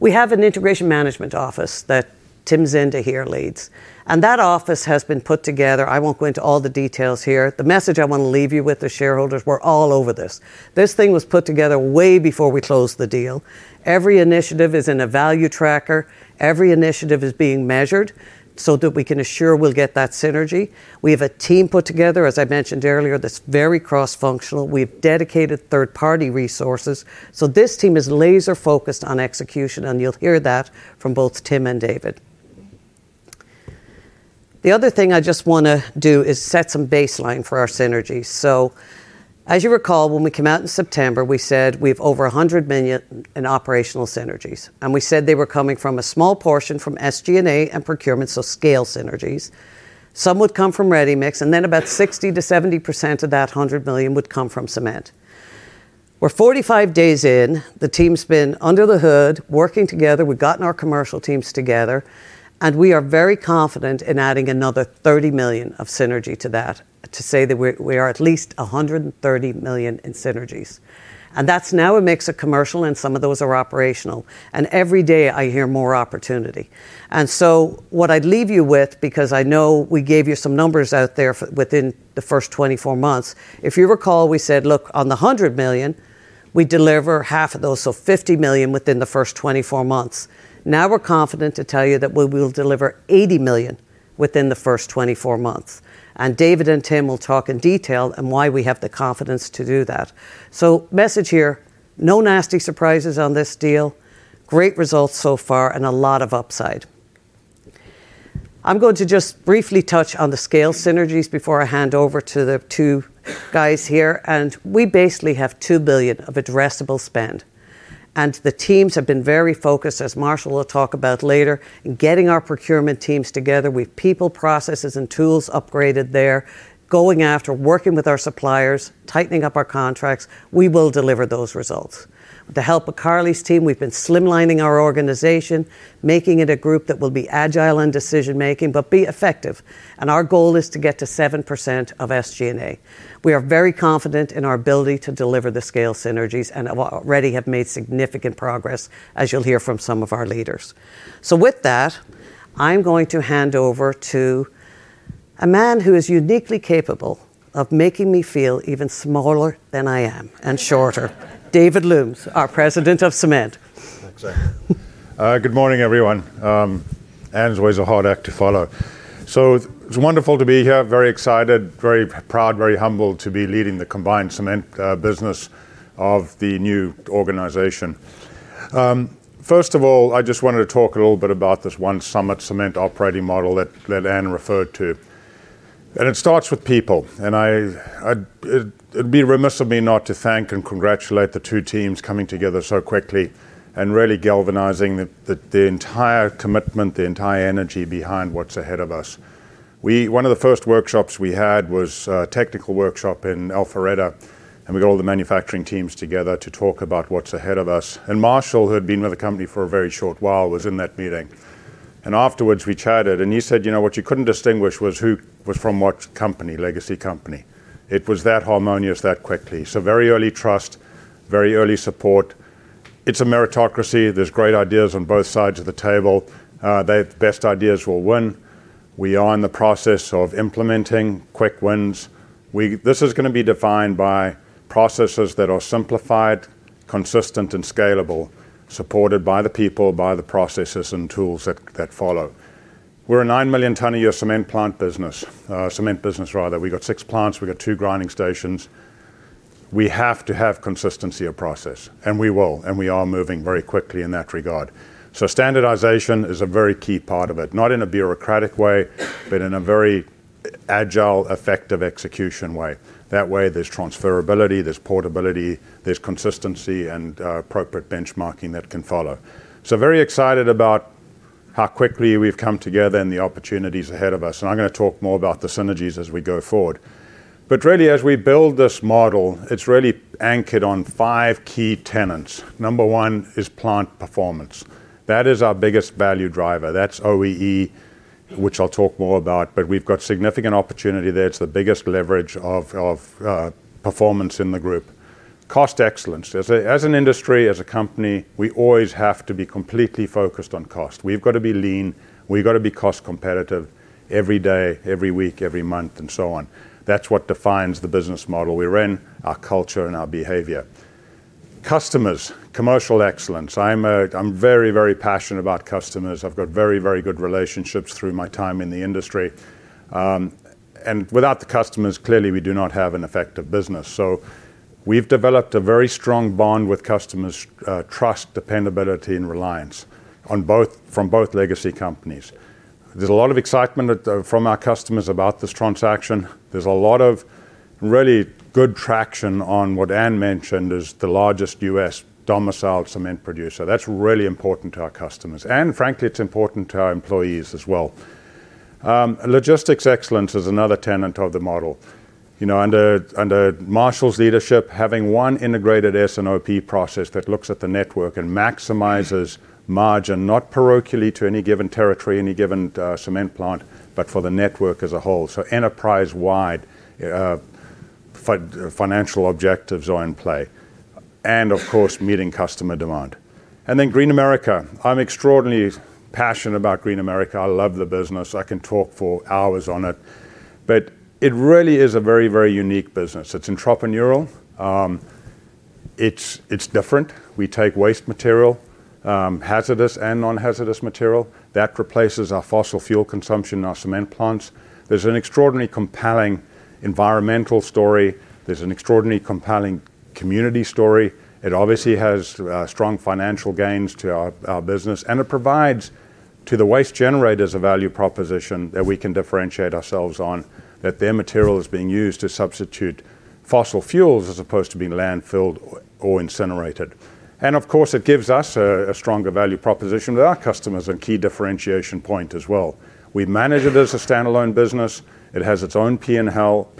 Speaker 4: We have an integration management office that Tim Zinda here leads. And that office has been put together. I won't go into all the details here. The message I want to leave you with, the shareholders, we're all over this. This thing was put together way before we closed the deal. Every initiative is in a value tracker. Every initiative is being measured so that we can assure we'll get that synergy. We have a team put together, as I mentioned earlier, that's very cross-functional. We have dedicated third-party resources. So this team is laser-focused on execution. And you'll hear that from both Tim and David. The other thing I just want to do is set some baseline for our synergies. So as you recall, when we came out in September, we said we have over $100 million in operational synergies. And we said they were coming from a small portion from SG&A and procurement, so scale synergies. Some would come from ready mix. And then about 60%-70% of that $100 million would come from cement. We're 45 days in. The team's been under the hood working together. We've gotten our commercial teams together. And we are very confident in adding another $30 million of synergy to that to say that we are at least $130 million in synergies. That's now a mix of commercial. Some of those are operational. Every day I hear more opportunity. So what I'd leave you with, because I know we gave you some numbers out there within the first 24 months, if you recall, we said, "Look, on the $100 million, we deliver half of those, so $50 million within the first 24 months." Now we're confident to tell you that we will deliver $80 million within the first 24 months. David and Tim will talk in detail and why we have the confidence to do that. So message here, no nasty surprises on this deal. Great results so far. A lot of upside. I'm going to just briefly touch on the scale synergies before I hand over to the two guys here. We basically have $2 billion of addressable spend. The teams have been very focused, as Marshall will talk about later, in getting our procurement teams together. We've people, processes, and tools upgraded there, going after, working with our suppliers, tightening up our contracts. We will deliver those results. With the help of Karli's team, we've been streamlining our organization, making it a group that will be agile in decision-making but be effective. Our goal is to get to 7% of SG&A. We are very confident in our ability to deliver the scale synergies. And already have made significant progress, as you'll hear from some of our leaders. So with that, I'm going to hand over to a man who is uniquely capable of making me feel even smaller than I am and shorter, David Loomes, our President of Cement.
Speaker 5: Thanks, Anne. Good morning, everyone. Anne's always a hard act to follow. So it's wonderful to be here. Very excited, very proud, very humble to be leading the combined cement business of the new organization. First of all, I just wanted to talk a little bit about this one Summit cement operating model that Anne referred to. And it starts with people. And it'd be remiss of me not to thank and congratulate the two teams coming together so quickly and really galvanizing the entire commitment, the entire energy behind what's ahead of us. One of the first workshops we had was a technical workshop in Alpharetta. And we got all the manufacturing teams together to talk about what's ahead of us. And Marshall, who had been with the company for a very short while, was in that meeting. And afterwards, we chatted. And he said, "You know what? You couldn't distinguish who was from what company, legacy company. It was that harmonious, that quickly. So very early trust, very early support. It's a meritocracy. There's great ideas on both sides of the table. The best ideas will win. We are in the process of implementing quick wins. This is going to be defined by processes that are simplified, consistent, and scalable, supported by the people, by the processes, and tools that follow. We're a 9 million-ton-a-year cement plant business, cement business, rather. We got six plants. We got two grinding stations. We have to have consistency of process. And we will. And we are moving very quickly in that regard. So standardization is a very key part of it, not in a bureaucratic way but in a very agile, effective execution way. That way, there's transferability. There's portability. There's consistency and appropriate benchmarking that can follow. So very excited about how quickly we've come together and the opportunities ahead of us. I'm going to talk more about the synergies as we go forward. But really, as we build this model, it's really anchored on five key tenets. Number one is plant performance. That is our biggest value driver. That's OEE, which I'll talk more about. But we've got significant opportunity there. It's the biggest leverage of performance in the group. Cost excellence. As an industry, as a company, we always have to be completely focused on cost. We've got to be lean. We've got to be cost competitive every day, every week, every month, and so on. That's what defines the business model we're in, our culture, and our behavior. Customers, commercial excellence. I'm very, very passionate about customers. I've got very, very good relationships through my time in the industry. Without the customers, clearly, we do not have an effective business. So we've developed a very strong bond with customers, trust, dependability, and reliance from both legacy companies. There's a lot of excitement from our customers about this transaction. There's a lot of really good traction on what Anne mentioned as the largest U.S. domiciled cement producer. That's really important to our customers. And frankly, it's important to our employees as well. Logistics excellence is another tenet of the model. Under Marshall's leadership, having one integrated S&OP process that looks at the network and maximizes margin, not parochial to any given territory, any given cement plant, but for the network as a whole, so enterprise-wide financial objectives are in play and, of course, meeting customer demand. And then Green America. I'm extraordinarily passionate about Green America. I love the business. I can talk for hours on it. But it really is a very, very unique business. It's intrapreneurial. It's different. We take waste material, hazardous and non-hazardous material. That replaces our fossil fuel consumption in our cement plants. There's an extraordinarily compelling environmental story. There's an extraordinarily compelling community story. It obviously has strong financial gains to our business. And it provides to the waste generators a value proposition that we can differentiate ourselves on, that their material is being used to substitute fossil fuels as opposed to being landfilled or incinerated. And of course, it gives us a stronger value proposition with our customers and key differentiation point as well. We've managed it as a standalone business. It has its own P&L.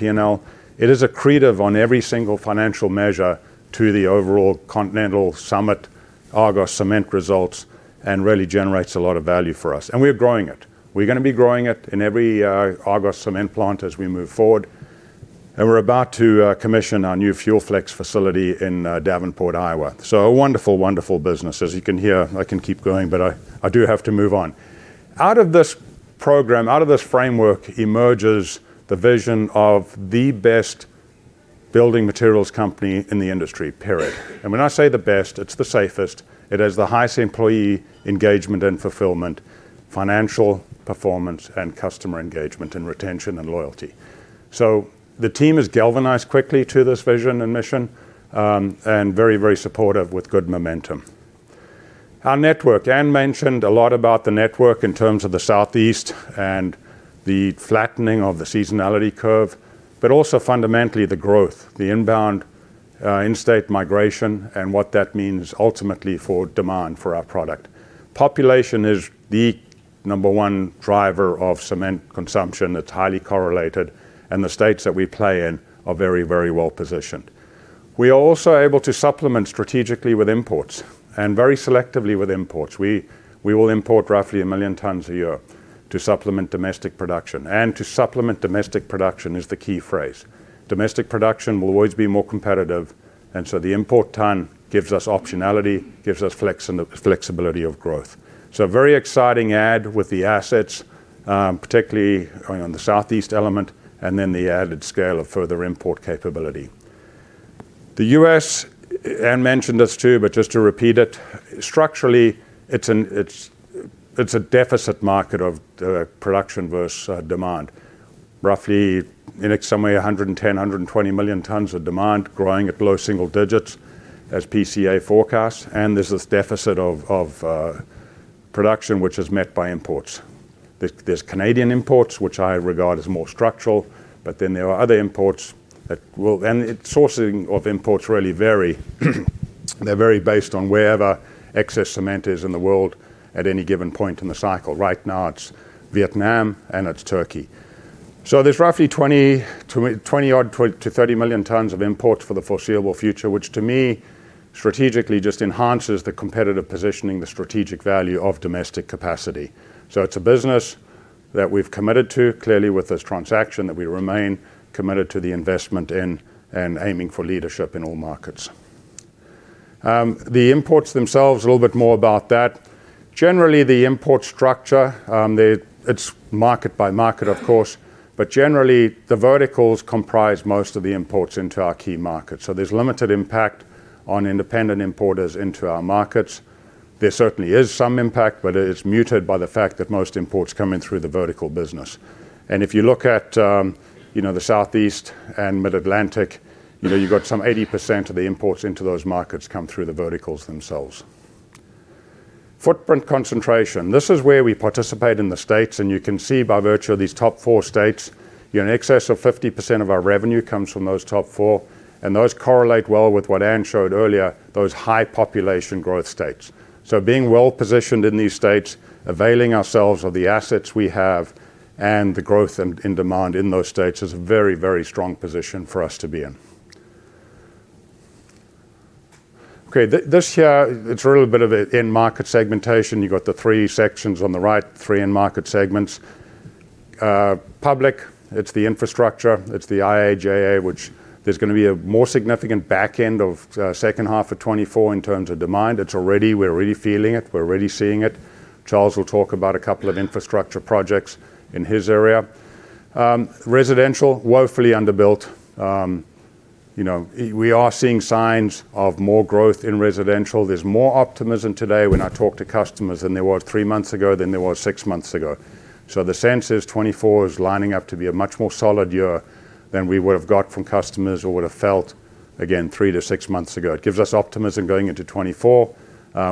Speaker 5: It is accretive on every single financial measure to the overall Continental Summit Argos cement results and really generates a lot of value for us. And we're growing it. We're going to be growing it in every Argos cement plant as we move forward. And we're about to commission our new FuelFlex facility in Davenport, Iowa. So a wonderful, wonderful business. As you can hear, I can keep going. But I do have to move on. Out of this program, out of this framework, emerges the vision of the best building materials company in the industry, period. And when I say the best, it's the safest. It has the highest employee engagement and fulfillment, financial performance, and customer engagement and retention and loyalty. So the team has galvanized quickly to this vision and mission and very, very supportive with good momentum. Our network. Anne mentioned a lot about the network in terms of the Southeast and the flattening of the seasonality curve, but also fundamentally the growth, the inbound in-state migration, and what that means ultimately for demand for our product. Population is the number one driver of cement consumption. It's highly correlated. The states that we play in are very, very well positioned. We are also able to supplement strategically with imports and very selectively with imports. We will import roughly 1 million tons a year to supplement domestic production. To supplement domestic production is the key phrase. Domestic production will always be more competitive. So the import ton gives us optionality, gives us flexibility of growth. So a very exciting add with the assets, particularly on the Southeast element, and then the added scale of further import capability. The US. Anne mentioned this too. But just to repeat it, structurally, it's a deficit market of production versus demand, roughly somewhere 110-120 million tons of demand growing at low single digits as PCA forecasts. And there's this deficit of production, which is met by imports. There's Canadian imports, which I regard as more structural. But then there are other imports that will and sourcing of imports really vary. They're very based on wherever excess cement is in the world at any given point in the cycle. Right now, it's Vietnam. And it's Turkey. So there's roughly 20-30 million tons of imports for the foreseeable future, which to me, strategically, just enhances the competitive positioning, the strategic value of domestic capacity. So it's a business that we've committed to, clearly with this transaction, that we remain committed to the investment in and aiming for leadership in all markets. The imports themselves, a little bit more about that. Generally, the import structure, it's market by market, of course. But generally, the verticals comprise most of the imports into our key markets. So there's limited impact on independent importers into our markets. There certainly is some impact. But it's muted by the fact that most imports come in through the vertical business. And if you look at the Southeast and Mid-Atlantic, you've got some 80% of the imports into those markets come through the verticals themselves. Footprint concentration. This is where we participate in the states. And you can see by virtue of these top four states, an excess of 50% of our revenue comes from those top four. And those correlate well with what Anne showed earlier, those high population growth states. So being well positioned in these states, availing ourselves of the assets we have and the growth in demand in those states is a very, very strong position for us to be in. Okay. This here, it's a little bit of an end market segmentation. You've got the three sections on the right, three end market segments. Public, it's the infrastructure. It's the IIJA, which there's going to be a more significant backend of second half of 2024 in terms of demand. We're already feeling it. We're already seeing it. Charles will talk about a couple of infrastructure projects in his area. Residential, woefully underbuilt. We are seeing signs of more growth in residential. There's more optimism today when I talk to customers than there was three months ago, than there was six months ago. So the sense is 2024 is lining up to be a much more solid year than we would have got from customers or would have felt, again, 3-6 months ago. It gives us optimism going into 2024.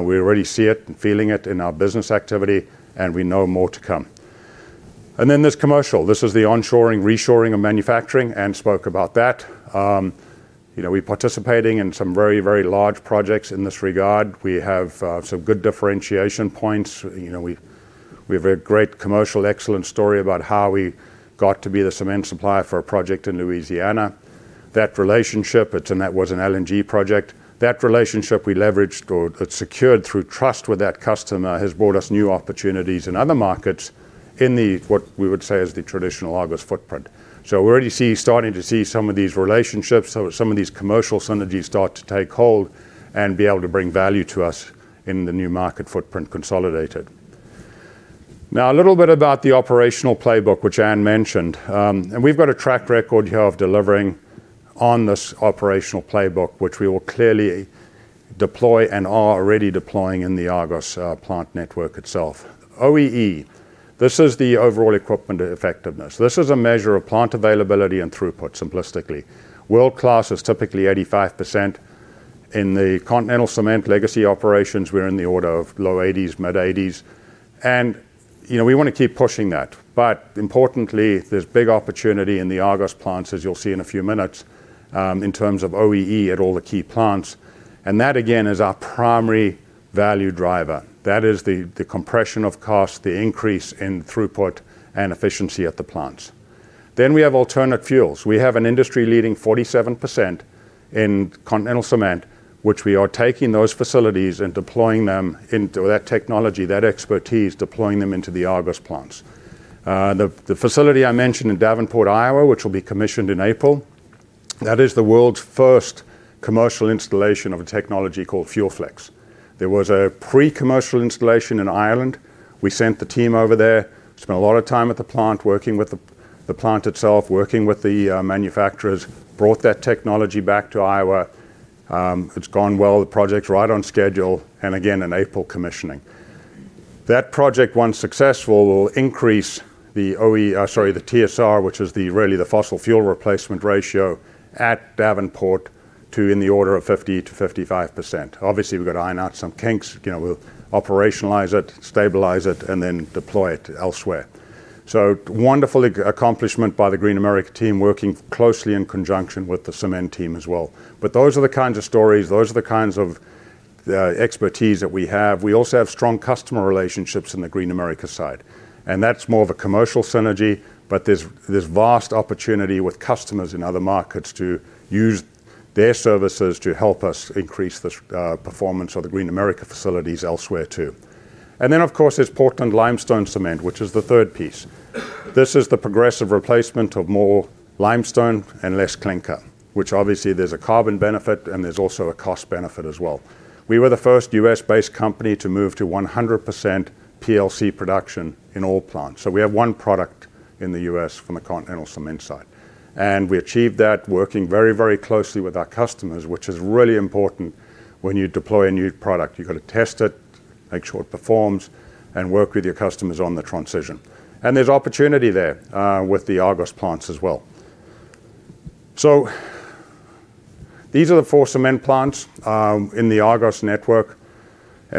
Speaker 5: We already see it and feeling it in our business activity. And we know more to come. And then there's commercial. This is the onshoring, reshoring, and manufacturing. Anne spoke about that. We're participating in some very, very large projects in this regard. We have some good differentiation points. We have a great Commercial Excellence story about how we got to be the cement supplier for a project in Louisiana. That relationship, and that was an LNG project, that relationship we leveraged or secured through trust with that customer has brought us new opportunities in other markets in what we would say is the traditional Argos footprint. We already see, starting to see some of these relationships, some of these commercial synergies start to take hold and be able to bring value to us in the new market footprint consolidated. Now, a little bit about the operational playbook, which Anne mentioned. We've got a track record here of delivering on this operational playbook, which we will clearly deploy and are already deploying in the Argos plant network itself. OEE, this is the overall equipment effectiveness. This is a measure of plant availability and throughput, simplistically. World-class is typically 85%. In the Continental Cement legacy operations, we're in the order of low 80s, mid 80s. We want to keep pushing that. But importantly, there's big opportunity in the Argos plants, as you'll see in a few minutes, in terms of OEE at all the key plants. That, again, is our primary value driver. That is the compression of cost, the increase in throughput, and efficiency at the plants. Then we have alternative fuels. We have an industry-leading 47% in Continental Cement, which we are taking those facilities and deploying them into that technology, that expertise, deploying them into the Argos plants. The facility I mentioned in Davenport, Iowa, which will be commissioned in April, that is the world's first commercial installation of a technology called FuelFlex. There was a pre-commercial installation in Ireland. We sent the team over there, spent a lot of time at the plant, working with the plant itself, working with the manufacturers, brought that technology back to Iowa. It's gone well. The project's right on schedule. And again, in April, commissioning. That project, once successful, will increase the OE sorry, the TSR, which is really the fossil fuel replacement ratio, at Davenport to in the order of 50%-55%. Obviously, we've got to iron out some kinks. We'll operationalize it, stabilize it, and then deploy it elsewhere. So wonderful accomplishment by the Green America team working closely in conjunction with the cement team as well. But those are the kinds of stories. Those are the kinds of expertise that we have. We also have strong customer relationships in the Green America side. And that's more of a commercial synergy. But there's vast opportunity with customers in other markets to use their services to help us increase the performance of the Green America facilities elsewhere too. And then, of course, there's Portland limestone cement, which is the third piece. This is the progressive replacement of more limestone and less clinker, which obviously, there's a carbon benefit. There's also a cost benefit as well. We were the first U.S.-based company to move to 100% PLC production in all plants. We have one product in the U.S. from the Continental Cement side. We achieved that working very, very closely with our customers, which is really important when you deploy a new product. You've got to test it, make sure it performs, and work with your customers on the transition. There's opportunity there with the Argos plants as well. These are the four cement plants in the Argos network.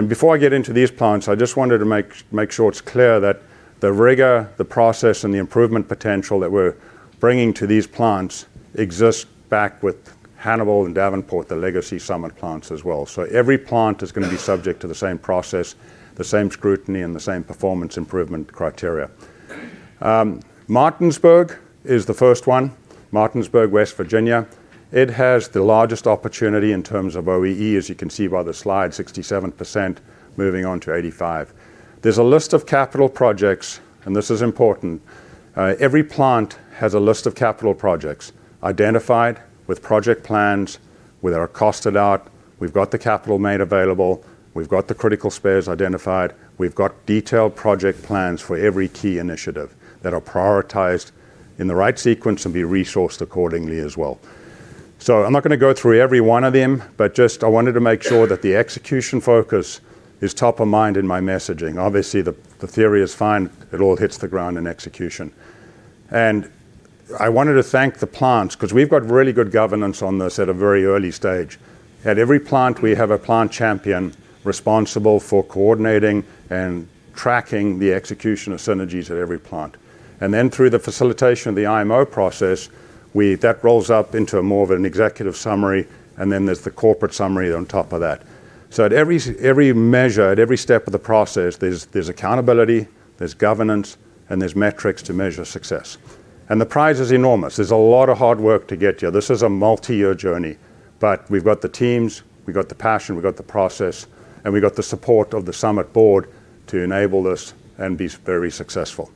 Speaker 5: Before I get into these plants, I just wanted to make sure it's clear that the rigor, the process, and the improvement potential that we're bringing to these plants exists back with Hannibal and Davenport, the legacy Summit plants as well. Every plant is going to be subject to the same process, the same scrutiny, and the same performance improvement criteria. Martinsburg is the first one, Martinsburg, West Virginia. It has the largest opportunity in terms of OEE, as you can see by the slide, 67%-85%. There's a list of capital projects. This is important. Every plant has a list of capital projects identified with project plans where they're costed out. We've got the capital made available. We've got the critical spares identified. We've got detailed project plans for every key initiative that are prioritized in the right sequence and be resourced accordingly as well. So I'm not going to go through every one of them. But just I wanted to make sure that the execution focus is top of mind in my messaging. Obviously, the theory is fine. It all hits the ground in execution. I wanted to thank the plants because we've got really good governance on this at a very early stage. At every plant, we have a plant champion responsible for coordinating and tracking the execution of synergies at every plant. Then through the facilitation of the IMO process, that rolls up into more of an executive summary. Then there's the corporate summary on top of that. So at every measure, at every step of the process, there's accountability. There's governance. And there's metrics to measure success. And the prize is enormous. There's a lot of hard work to get here. This is a multi-year journey. But we've got the teams. We've got the passion. We've got the process. And we've got the support of the Summit board to enable this and be very successful.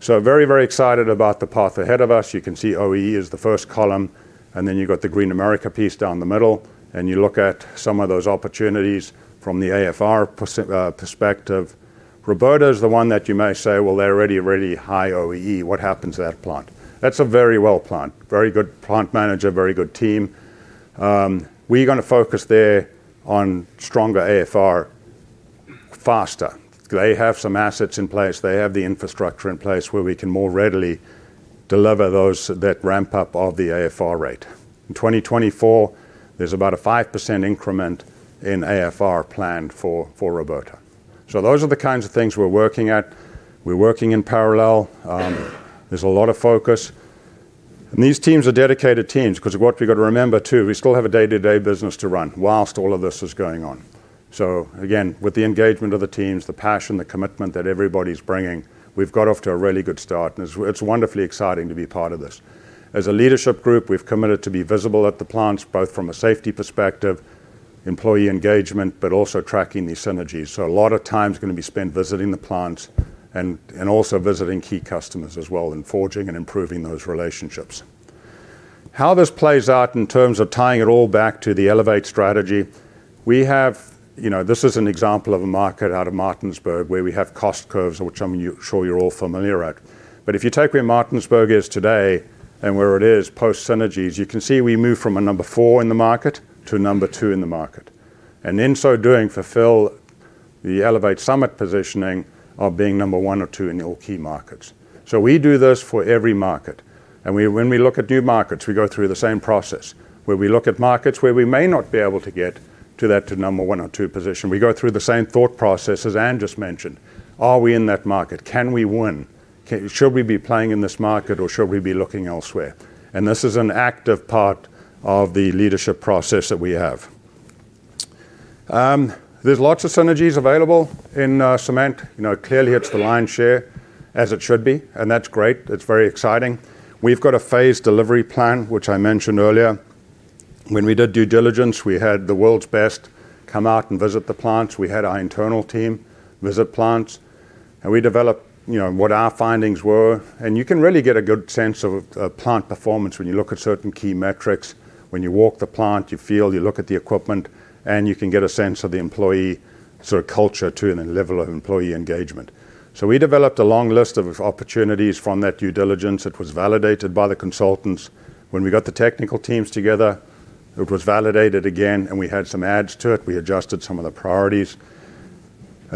Speaker 5: So very, very excited about the path ahead of us. You can see OEE is the first column. And then you've got the Green America piece down the middle. And you look at some of those opportunities from the AFR perspective. Roberta is the one that you may say, "Well, they're already a really high OEE. What happens to that plant?" That's a very well planned, very good plant manager, very good team. We're going to focus there on stronger AFR faster. They have some assets in place. They have the infrastructure in place where we can more readily deliver that ramp-up of the AFR rate. In 2024, there's about a 5% increment in AFR planned for Roberta. So those are the kinds of things we're working at. We're working in parallel. There's a lot of focus. And these teams are dedicated teams because what we've got to remember too, we still have a day-to-day business to run while all of this is going on. So again, with the engagement of the teams, the passion, the commitment that everybody's bringing, we've got off to a really good start. And it's wonderfully exciting to be part of this. As a leadership group, we've committed to be visible at the plants both from a safety perspective, employee engagement, but also tracking these synergies. So a lot of time is going to be spent visiting the plants and also visiting key customers as well in forging and improving those relationships. How this plays out in terms of tying it all back to the Elevate strategy, we have this is an example of a market out of Martinsburg where we have cost curves, which I'm sure you're all familiar with. But if you take where Martinsburg is today and where it is post-synergies, you can see we move from a number four in the market to a number two in the market. And in so doing, fulfill the Elevate Summit positioning of being number one or two in all key markets. We do this for every market. When we look at new markets, we go through the same process where we look at markets where we may not be able to get to that number one or two position. We go through the same thought process as Ann just mentioned. Are we in that market? Can we win? Should we be playing in this market? Or should we be looking elsewhere? And this is an active part of the leadership process that we have. There's lots of synergies available in cement. Clearly, it's the lion's share as it should be. And that's great. It's very exciting. We've got a phased delivery plan, which I mentioned earlier. When we did due diligence, we had the world's best come out and visit the plants. We had our internal team visit plants. And we developed what our findings were. You can really get a good sense of plant performance when you look at certain key metrics. When you walk the plant, you feel, you look at the equipment. You can get a sense of the employee sort of culture too and the level of employee engagement. We developed a long list of opportunities from that due diligence. It was validated by the consultants. When we got the technical teams together, it was validated again. We had some adds to it. We adjusted some of the priorities.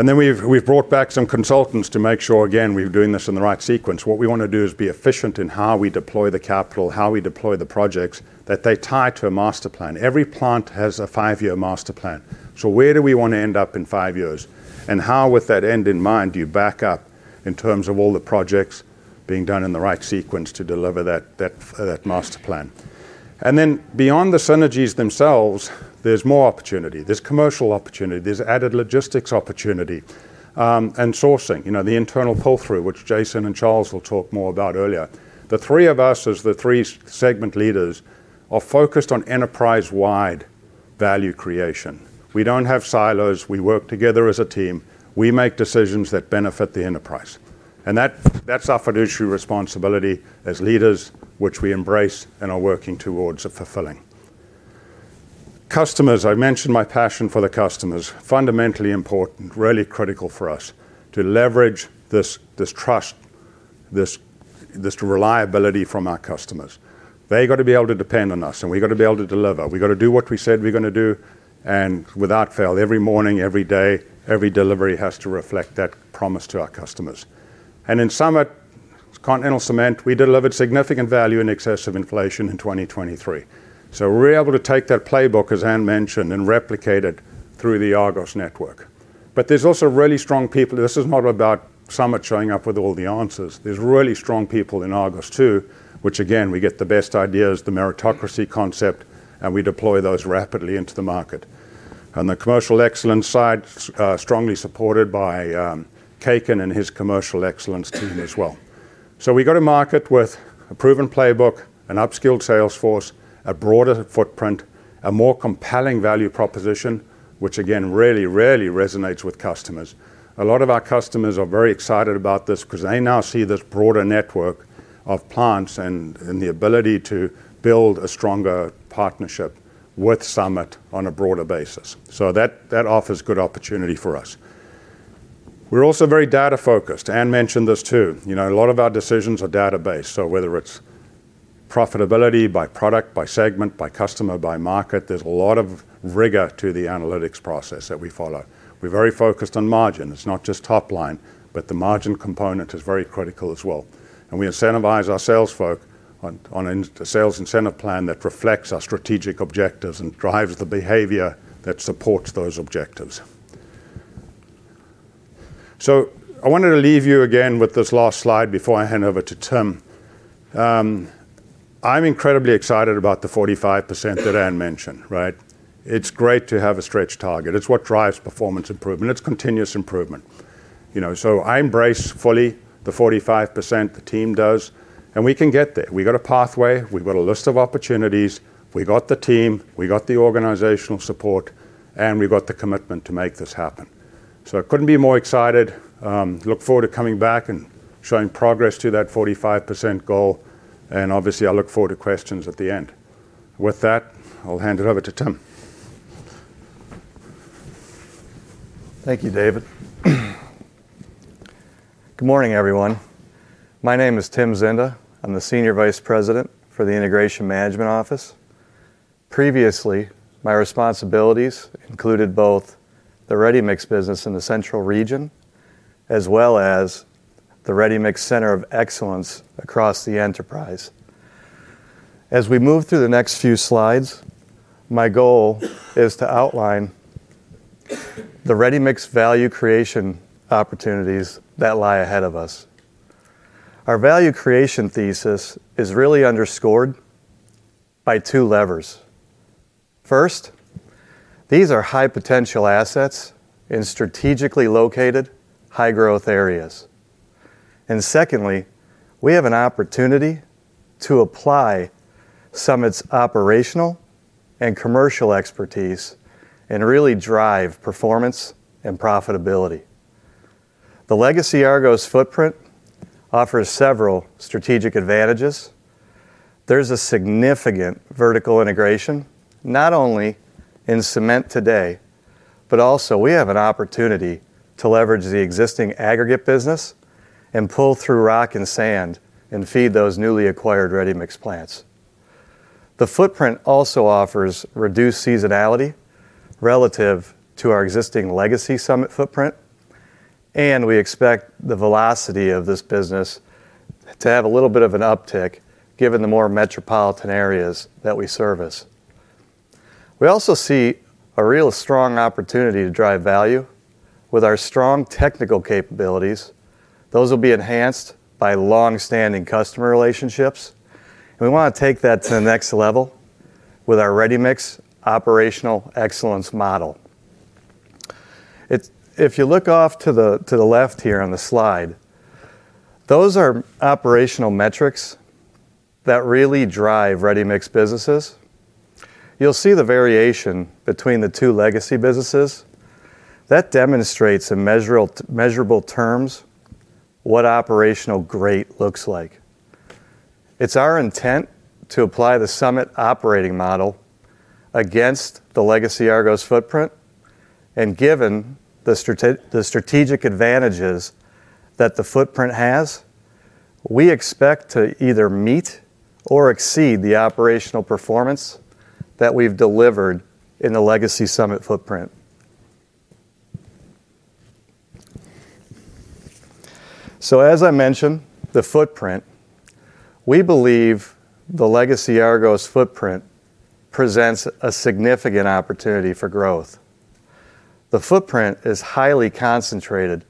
Speaker 5: We've brought back some consultants to make sure, again, we're doing this in the right sequence. What we want to do is be efficient in how we deploy the capital, how we deploy the projects that they tie to a master plan. Every plant has a five-year master plan. So where do we want to end up in five years? And how, with that end in mind, do you back up in terms of all the projects being done in the right sequence to deliver that master plan? And then beyond the synergies themselves, there's more opportunity. There's commercial opportunity. There's added logistics opportunity and sourcing, the internal pull-through, which Jason and Charles will talk more about earlier. The three of us as the three segment leaders are focused on enterprise-wide value creation. We don't have silos. We work together as a team. We make decisions that benefit the enterprise. And that's our fiduciary responsibility as leaders, which we embrace and are working towards fulfilling. Customers, I mentioned my passion for the customers, fundamentally important, really critical for us to leverage this trust, this reliability from our customers. They've got to be able to depend on us. We've got to be able to deliver. We've got to do what we said we're going to do and without fail, every morning, every day, every delivery has to reflect that promise to our customers. In Summit Continental Cement, we delivered significant value in excess of inflation in 2023. We were able to take that playbook, as Anne mentioned, and replicate it through the Argos network. There's also really strong people. This is not about Summit showing up with all the answers. There's really strong people in Argos too, which, again, we get the best ideas, the meritocracy concept. We deploy those rapidly into the market. The Commercial Excellence side is strongly supported by Kekin and his Commercial Excellence team as well. So we got a market with a proven playbook, an upskilled sales force, a broader footprint, a more compelling value proposition, which, again, really, really resonates with customers. A lot of our customers are very excited about this because they now see this broader network of plants and the ability to build a stronger partnership with Summit on a broader basis. That offers good opportunity for us. We're also very data-focused. Ann mentioned this too. A lot of our decisions are data-based. Whether it's profitability by product, by segment, by customer, by market, there's a lot of rigor to the analytics process that we follow. We're very focused on margin. It's not just top line. But the margin component is very critical as well. And we incentivize our sales folk on a sales incentive plan that reflects our strategic objectives and drives the behavior that supports those objectives. So I wanted to leave you again with this last slide before I hand over to Tim. I'm incredibly excited about the 45% that Anne mentioned, right? It's great to have a stretched target. It's what drives performance improvement. It's continuous improvement. So I embrace fully the 45% the team does. And we can get there. We've got a pathway. We've got a list of opportunities. We've got the team. We've got the organizational support. And we've got the commitment to make this happen. So I couldn't be more excited. Look forward to coming back and showing progress to that 45% goal. And obviously, I look forward to questions at the end. With that, I'll hand it over to Tim.
Speaker 6: Thank you, David. Good morning, everyone. My name is Tim Zinda. I'm the Senior Vice President for the Integration Management Office. Previously, my responsibilities included both the ready-mix business in the central region as well as the Ready-Mix Center of Excellence across the enterprise. As we move through the next few slides, my goal is to outline the ready-mix value creation opportunities that lie ahead of us. Our value creation thesis is really underscored by two levers. First, these are high-potential assets in strategically located high-growth areas. And secondly, we have an opportunity to apply Summit's operational and commercial expertise and really drive performance and profitability. The legacy Argos footprint offers several strategic advantages. There's a significant vertical integration not only in cement today but also we have an opportunity to leverage the existing aggregate business and pull through rock and sand and feed those newly acquired ready-mix plants. The footprint also offers reduced seasonality relative to our existing legacy Summit footprint. We expect the velocity of this business to have a little bit of an uptick given the more metropolitan areas that we service. We also see a real strong opportunity to drive value with our strong technical capabilities. Those will be enhanced by longstanding customer relationships. We want to take that to the next level with our ready-mix operational excellence model. If you look off to the left here on the slide, those are operational metrics that really drive ready-mix businesses. You'll see the variation between the two legacy businesses. That demonstrates in measurable terms what operational greatness looks like. It's our intent to apply the Summit operating model against the legacy Argos footprint. And given the strategic advantages that the footprint has, we expect to either meet or exceed the operational performance that we've delivered in the legacy Summit footprint. So as I mentioned, the footprint, we believe the legacy Argos footprint presents a significant opportunity for growth. The footprint is highly concentrated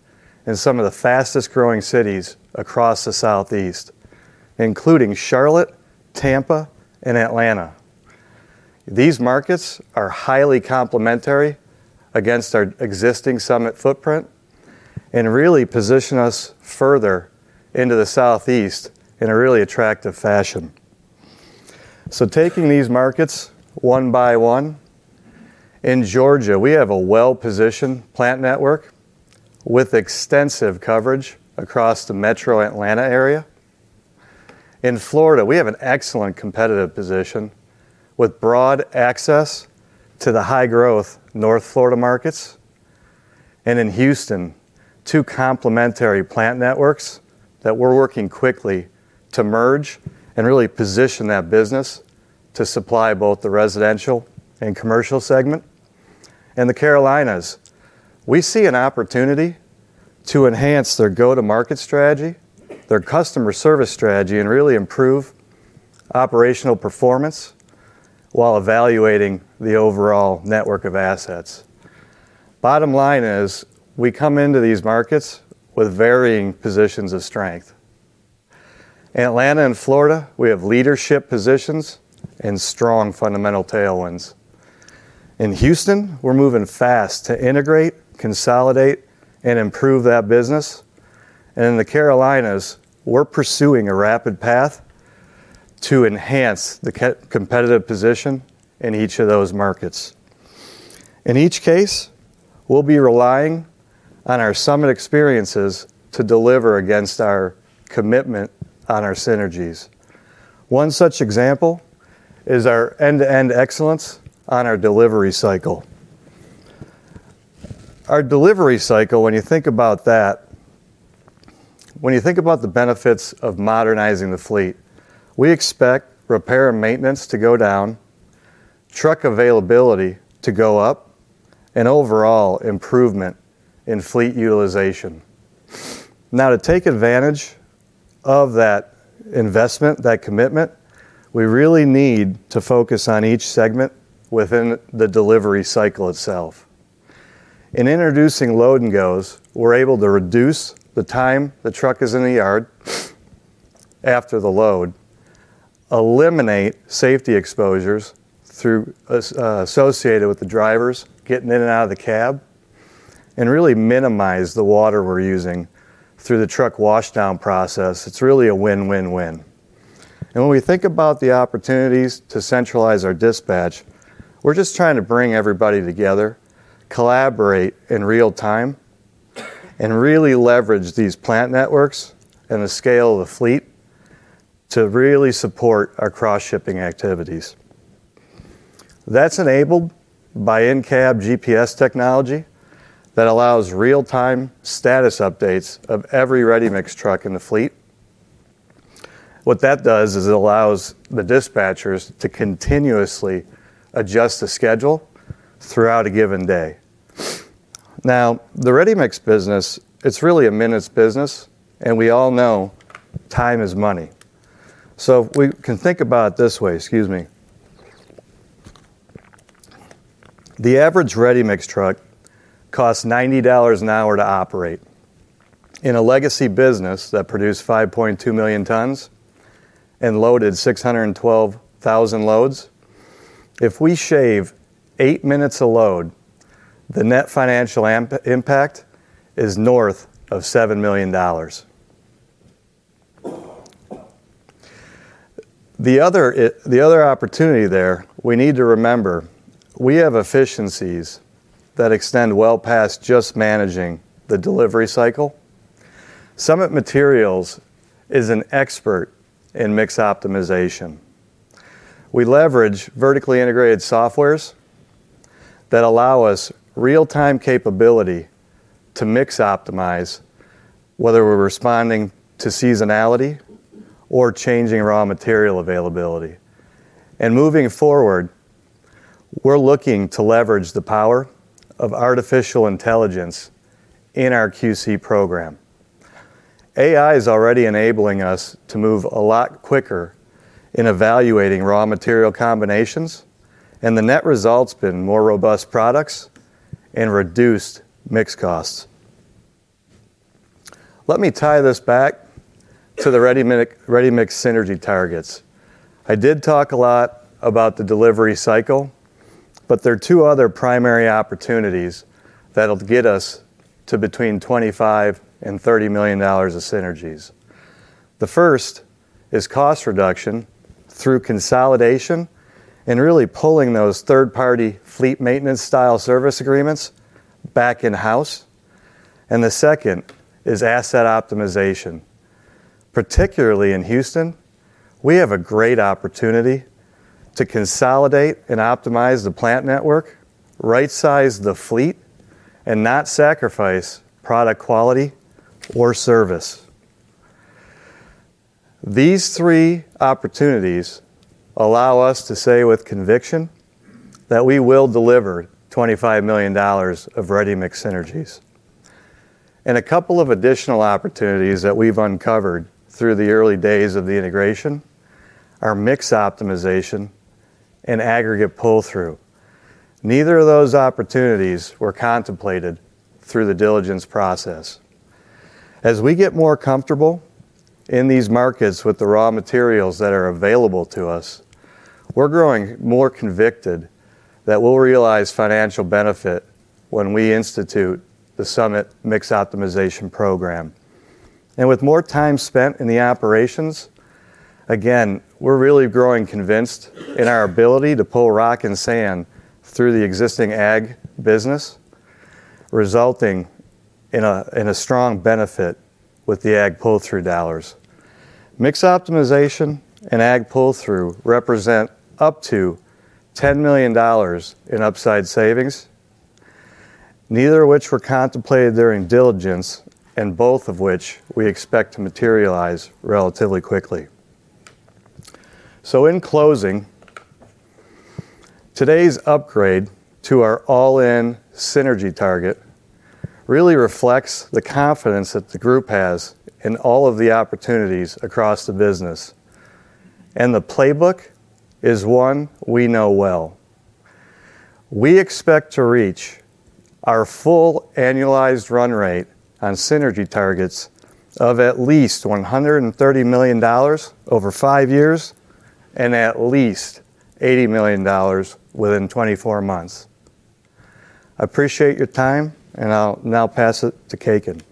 Speaker 6: in some of the fastest-growing cities across the Southeast, including Charlotte, Tampa, and Atlanta. These markets are highly complementary against our existing Summit footprint and really position us further into the Southeast in a really attractive fashion. So taking these markets one by one, in Georgia, we have a well-positioned plant network with extensive coverage across the Metro Atlanta area. In Florida, we have an excellent competitive position with broad access to the high-growth North Florida markets. In Houston, two complementary plant networks that we're working quickly to merge and really position that business to supply both the residential and commercial segment. In the Carolinas, we see an opportunity to enhance their go-to-market strategy, their customer service strategy, and really improve operational performance while evaluating the overall network of assets. Bottom line is we come into these markets with varying positions of strength. In Atlanta and Florida, we have leadership positions and strong fundamental tailwinds. In Houston, we're moving fast to integrate, consolidate, and improve that business. In the Carolinas, we're pursuing a rapid path to enhance the competitive position in each of those markets. In each case, we'll be relying on our Summit experiences to deliver against our commitment on our synergies. One such example is our end-to-end excellence on our delivery cycle. Our delivery cycle, when you think about that, when you think about the benefits of modernizing the fleet, we expect repair and maintenance to go down, truck availability to go up, and overall improvement in fleet utilization. Now, to take advantage of that investment, that commitment, we really need to focus on each segment within the delivery cycle itself. In introducing Load-and-Gos, we're able to reduce the time the truck is in the yard after the load, eliminate safety exposures associated with the drivers getting in and out of the cab, and really minimize the water we're using through the truck washdown process. It's really a win-win-win. And when we think about the opportunities to centralize our dispatch, we're just trying to bring everybody together, collaborate in real time, and really leverage these plant networks and the scale of the fleet to really support our cross-shipping activities. That's enabled by in-cab GPS technology that allows real-time status updates of every ready-mix truck in the fleet. What that does is it allows the dispatchers to continuously adjust the schedule throughout a given day. Now, the ready-mix business, it's really a minute's business. And we all know time is money. So we can think about it this way, excuse me. The average ready-mix truck costs $90 an hour to operate. In a legacy business that produced 5.2 million tons and loaded 612,000 loads, if we shave 8 minutes a load, the net financial impact is north of $7 million. The other opportunity there, we need to remember, we have efficiencies that extend well past just managing the delivery cycle. Summit Materials is an expert in mix optimization. We leverage vertically integrated software that allows us real-time capability to mix optimize, whether we're responding to seasonality or changing raw material availability. Moving forward, we're looking to leverage the power of artificial intelligence in our QC program. AI is already enabling us to move a lot quicker in evaluating raw material combinations. And the net result's been more robust products and reduced mix costs. Let me tie this back to the ready-mix synergy targets. I did talk a lot about the delivery cycle. But there are two other primary opportunities that'll get us to between $25 million and $30 million of synergies. The first is cost reduction through consolidation and really pulling those third-party fleet maintenance-style service agreements back in-house. And the second is asset optimization. Particularly in Houston, we have a great opportunity to consolidate and optimize the plant network, right-size the fleet, and not sacrifice product quality or service. These three opportunities allow us to say with conviction that we will deliver $25 million of ready-mix synergies. A couple of additional opportunities that we've uncovered through the early days of the integration are mix optimization and aggregate pull-through. Neither of those opportunities were contemplated through the diligence process. As we get more comfortable in these markets with the raw materials that are available to us, we're growing more convicted that we'll realize financial benefit when we institute the Summit Mix Optimization Program. With more time spent in the operations, again, we're really growing convinced in our ability to pull rock and sand through the existing ag business, resulting in a strong benefit with the ag pull-through dollars. Mix optimization and ag pull-through represent up to $10 million in upside savings, neither of which were contemplated during diligence, and both of which we expect to materialize relatively quickly. So in closing, today's upgrade to our all-in synergy target really reflects the confidence that the group has in all of the opportunities across the business. And the playbook is one we know well. We expect to reach our full annualized run rate on synergy targets of at least $130 million over five years and at least $80 million within 24 months. I appreciate your time. And I'll now pass it to Kekin.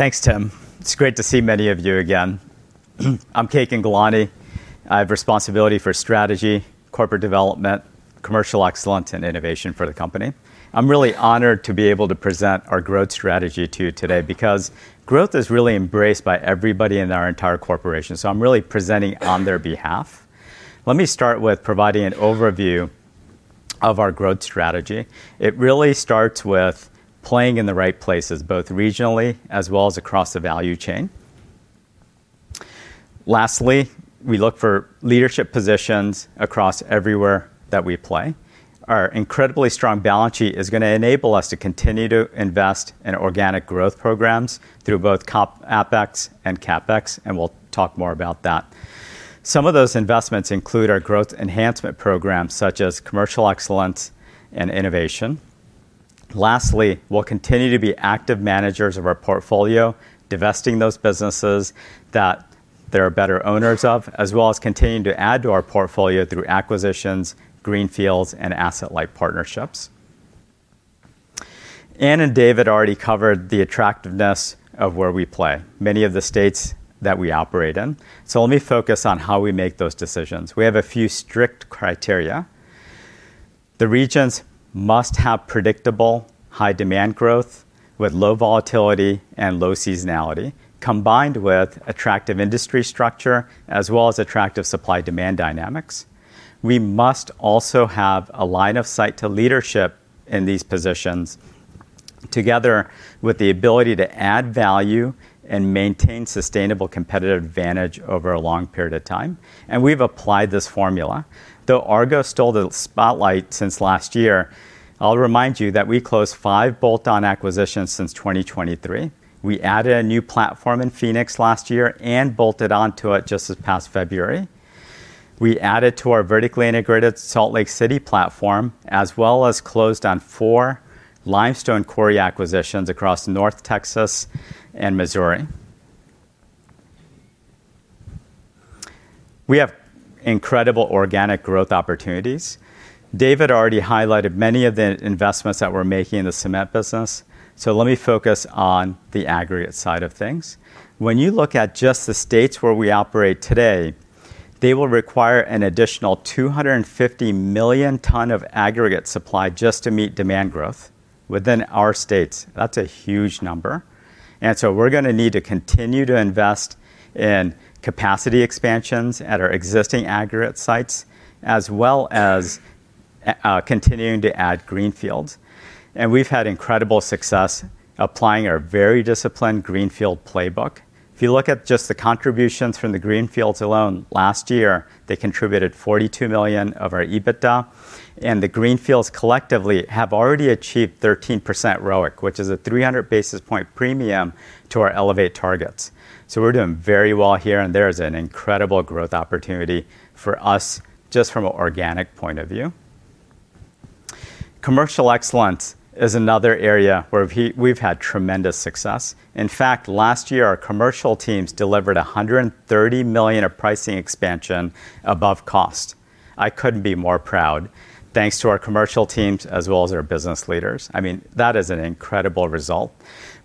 Speaker 7: Thanks, Tim. It's great to see many of you again. I'm Kekin Ghelani. I have responsibility for strategy, corporate development, commercial excellence, and innovation for the company. I'm really honored to be able to present our growth strategy to you today because growth is really embraced by everybody in our entire corporation. So I'm really presenting on their behalf. Let me start with providing an overview of our growth strategy. It really starts with playing in the right places, both regionally as well as across the value chain. Lastly, we look for leadership positions across everywhere that we play. Our incredibly strong balance sheet is going to enable us to continue to invest in organic growth programs through both OpEx and CapEx. And we'll talk more about that. Some of those investments include our growth enhancement programs such as commercial excellence and innovation. Lastly, we'll continue to be active managers of our portfolio, divesting those businesses that they're better owners of, as well as continuing to add to our portfolio through acquisitions, greenfields, and asset-light partnerships. Anne and David already covered the attractiveness of where we play, many of the states that we operate in. So let me focus on how we make those decisions. We have a few strict criteria. The regions must have predictable high-demand growth with low volatility and low seasonality, combined with attractive industry structure as well as attractive supply-demand dynamics. We must also have a line of sight to leadership in these positions, together with the ability to add value and maintain sustainable competitive advantage over a long period of time. And we've applied this formula. Though Argos stole the spotlight since last year, I'll remind you that we closed five bolt-on acquisitions since 2023. We added a new platform in Phoenix last year and bolted onto it just this past February. We added to our vertically integrated Salt Lake City platform as well as closed on four limestone quarry acquisitions across North Texas and Missouri. We have incredible organic growth opportunities. David already highlighted many of the investments that we're making in the cement business. So let me focus on the aggregate side of things. When you look at just the states where we operate today, they will require an additional 250 million tons of aggregate supply just to meet demand growth within our states. That's a huge number. And so we're going to need to continue to invest in capacity expansions at our existing aggregate sites as well as continuing to add greenfields. And we've had incredible success applying our very disciplined greenfield playbook. If you look at just the contributions from the greenfields alone, last year, they contributed $42 million of our EBITDA. The greenfields collectively have already achieved 13% ROIC, which is a 300 basis points premium to our Elevate targets. We're doing very well here. There is an incredible growth opportunity for us just from an organic point of view. Commercial excellence is another area where we've had tremendous success. In fact, last year, our commercial teams delivered $130 million of pricing expansion above cost. I couldn't be more proud, thanks to our commercial teams as well as our business leaders. I mean, that is an incredible result.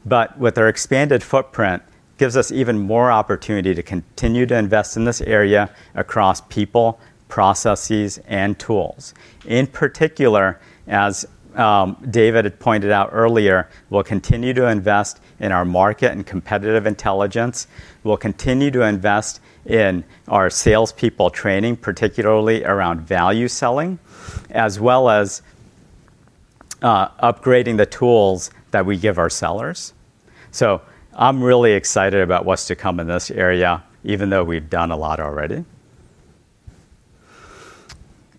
Speaker 7: With our expanded footprint, it gives us even more opportunity to continue to invest in this area across people, processes, and tools. In particular, as David had pointed out earlier, we'll continue to invest in our market and competitive intelligence. We'll continue to invest in our salespeople training, particularly around value selling, as well as upgrading the tools that we give our sellers. So I'm really excited about what's to come in this area, even though we've done a lot already.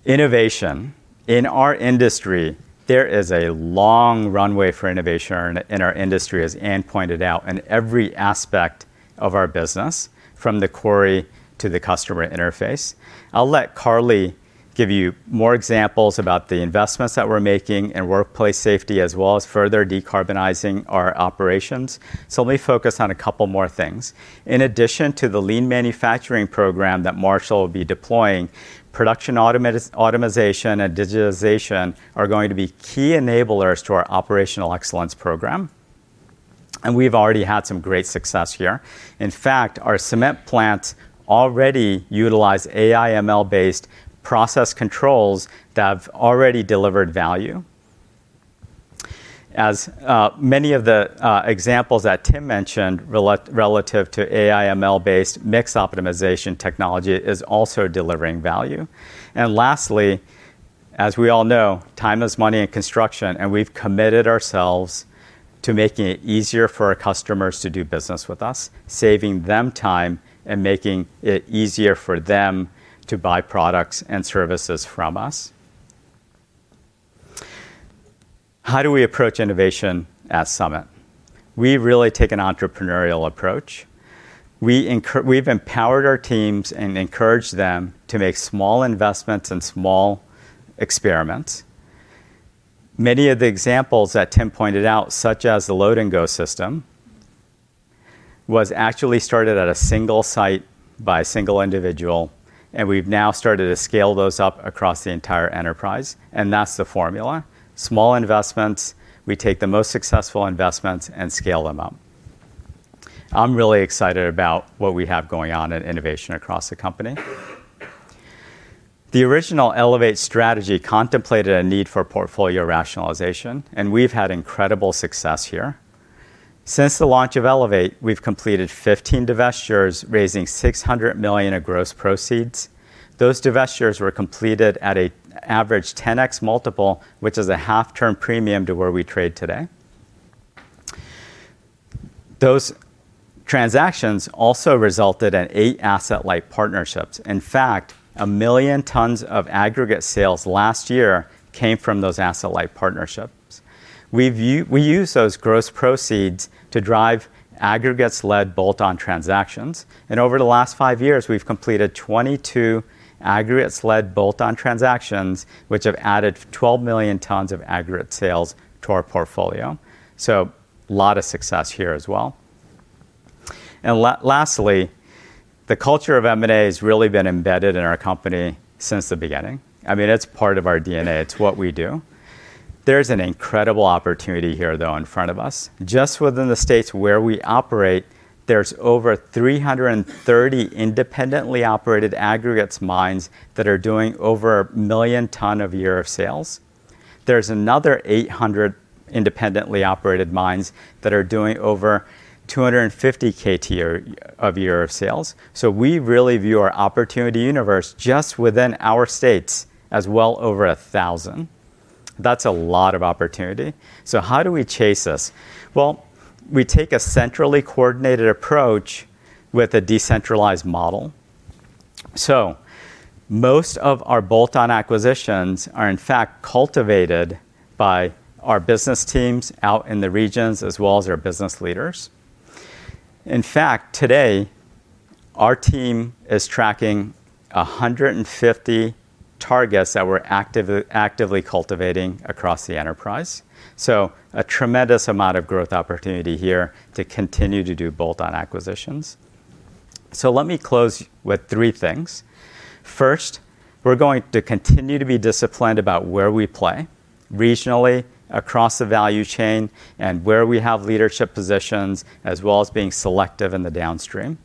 Speaker 7: Innovation. In our industry, there is a long runway for innovation. In our industry, as Anne pointed out, in every aspect of our business, from the quarry to the customer interface. I'll let Karli give you more examples about the investments that we're making in workplace safety as well as further decarbonizing our operations. So let me focus on a couple more things. In addition to the Lean Manufacturing Program that Marshall will be deploying, production automation and digitization are going to be key enablers to our Operational Excellence program. We've already had some great success here. In fact, our cement plants already utilize AI/ML-based process controls that have already delivered value. As many of the examples that Tim mentioned relative to AI/ML-based mix optimization technology is also delivering value. Lastly, as we all know, time is money in construction. We've committed ourselves to making it easier for our customers to do business with us, saving them time and making it easier for them to buy products and services from us. How do we approach innovation at Summit? We really take an entrepreneurial approach. We've empowered our teams and encouraged them to make small investments and small experiments. Many of the examples that Tim pointed out, such as the Load-and-Go system, was actually started at a single site by a single individual. We've now started to scale those up across the entire enterprise. That's the formula: small investments, we take the most successful investments, and scale them up. I'm really excited about what we have going on in innovation across the company. The original Elevate strategy contemplated a need for portfolio rationalization. We've had incredible success here. Since the launch of Elevate, we've completed 15 divestitures, raising $600 million of gross proceeds. Those divestitures were completed at an average 10x multiple, which is a half-turn premium to where we trade today. Those transactions also resulted in 8 asset-light partnerships. In fact, 1 million tons of aggregate sales last year came from those asset-light partnerships. We use those gross proceeds to drive aggregates-led bolt-on transactions. Over the last 5 years, we've completed 22 aggregates-led bolt-on transactions, which have added 12 million tons of aggregate sales to our portfolio. A lot of success here as well. Lastly, the culture of M&A has really been embedded in our company since the beginning. I mean, it's part of our DNA. It's what we do. There's an incredible opportunity here, though, in front of us. Just within the states where we operate, there's over 330 independently operated aggregates mines that are doing over 1 million ton of year-of-sales. There's another 800 independently operated mines that are doing over 250 KT of year-of-sales. So we really view our opportunity universe just within our states as well over 1,000. That's a lot of opportunity. So how do we chase this? Well, we take a centrally coordinated approach with a decentralized model. So most of our bolt-on acquisitions are, in fact, cultivated by our business teams out in the regions as well as our business leaders. In fact, today, our team is tracking 150 targets that we're actively cultivating across the enterprise. So a tremendous amount of growth opportunity here to continue to do bolt-on acquisitions. So let me close with three things. First, we're going to continue to be disciplined about where we play regionally, across the value chain, and where we have leadership positions as well as being selective in the downstream.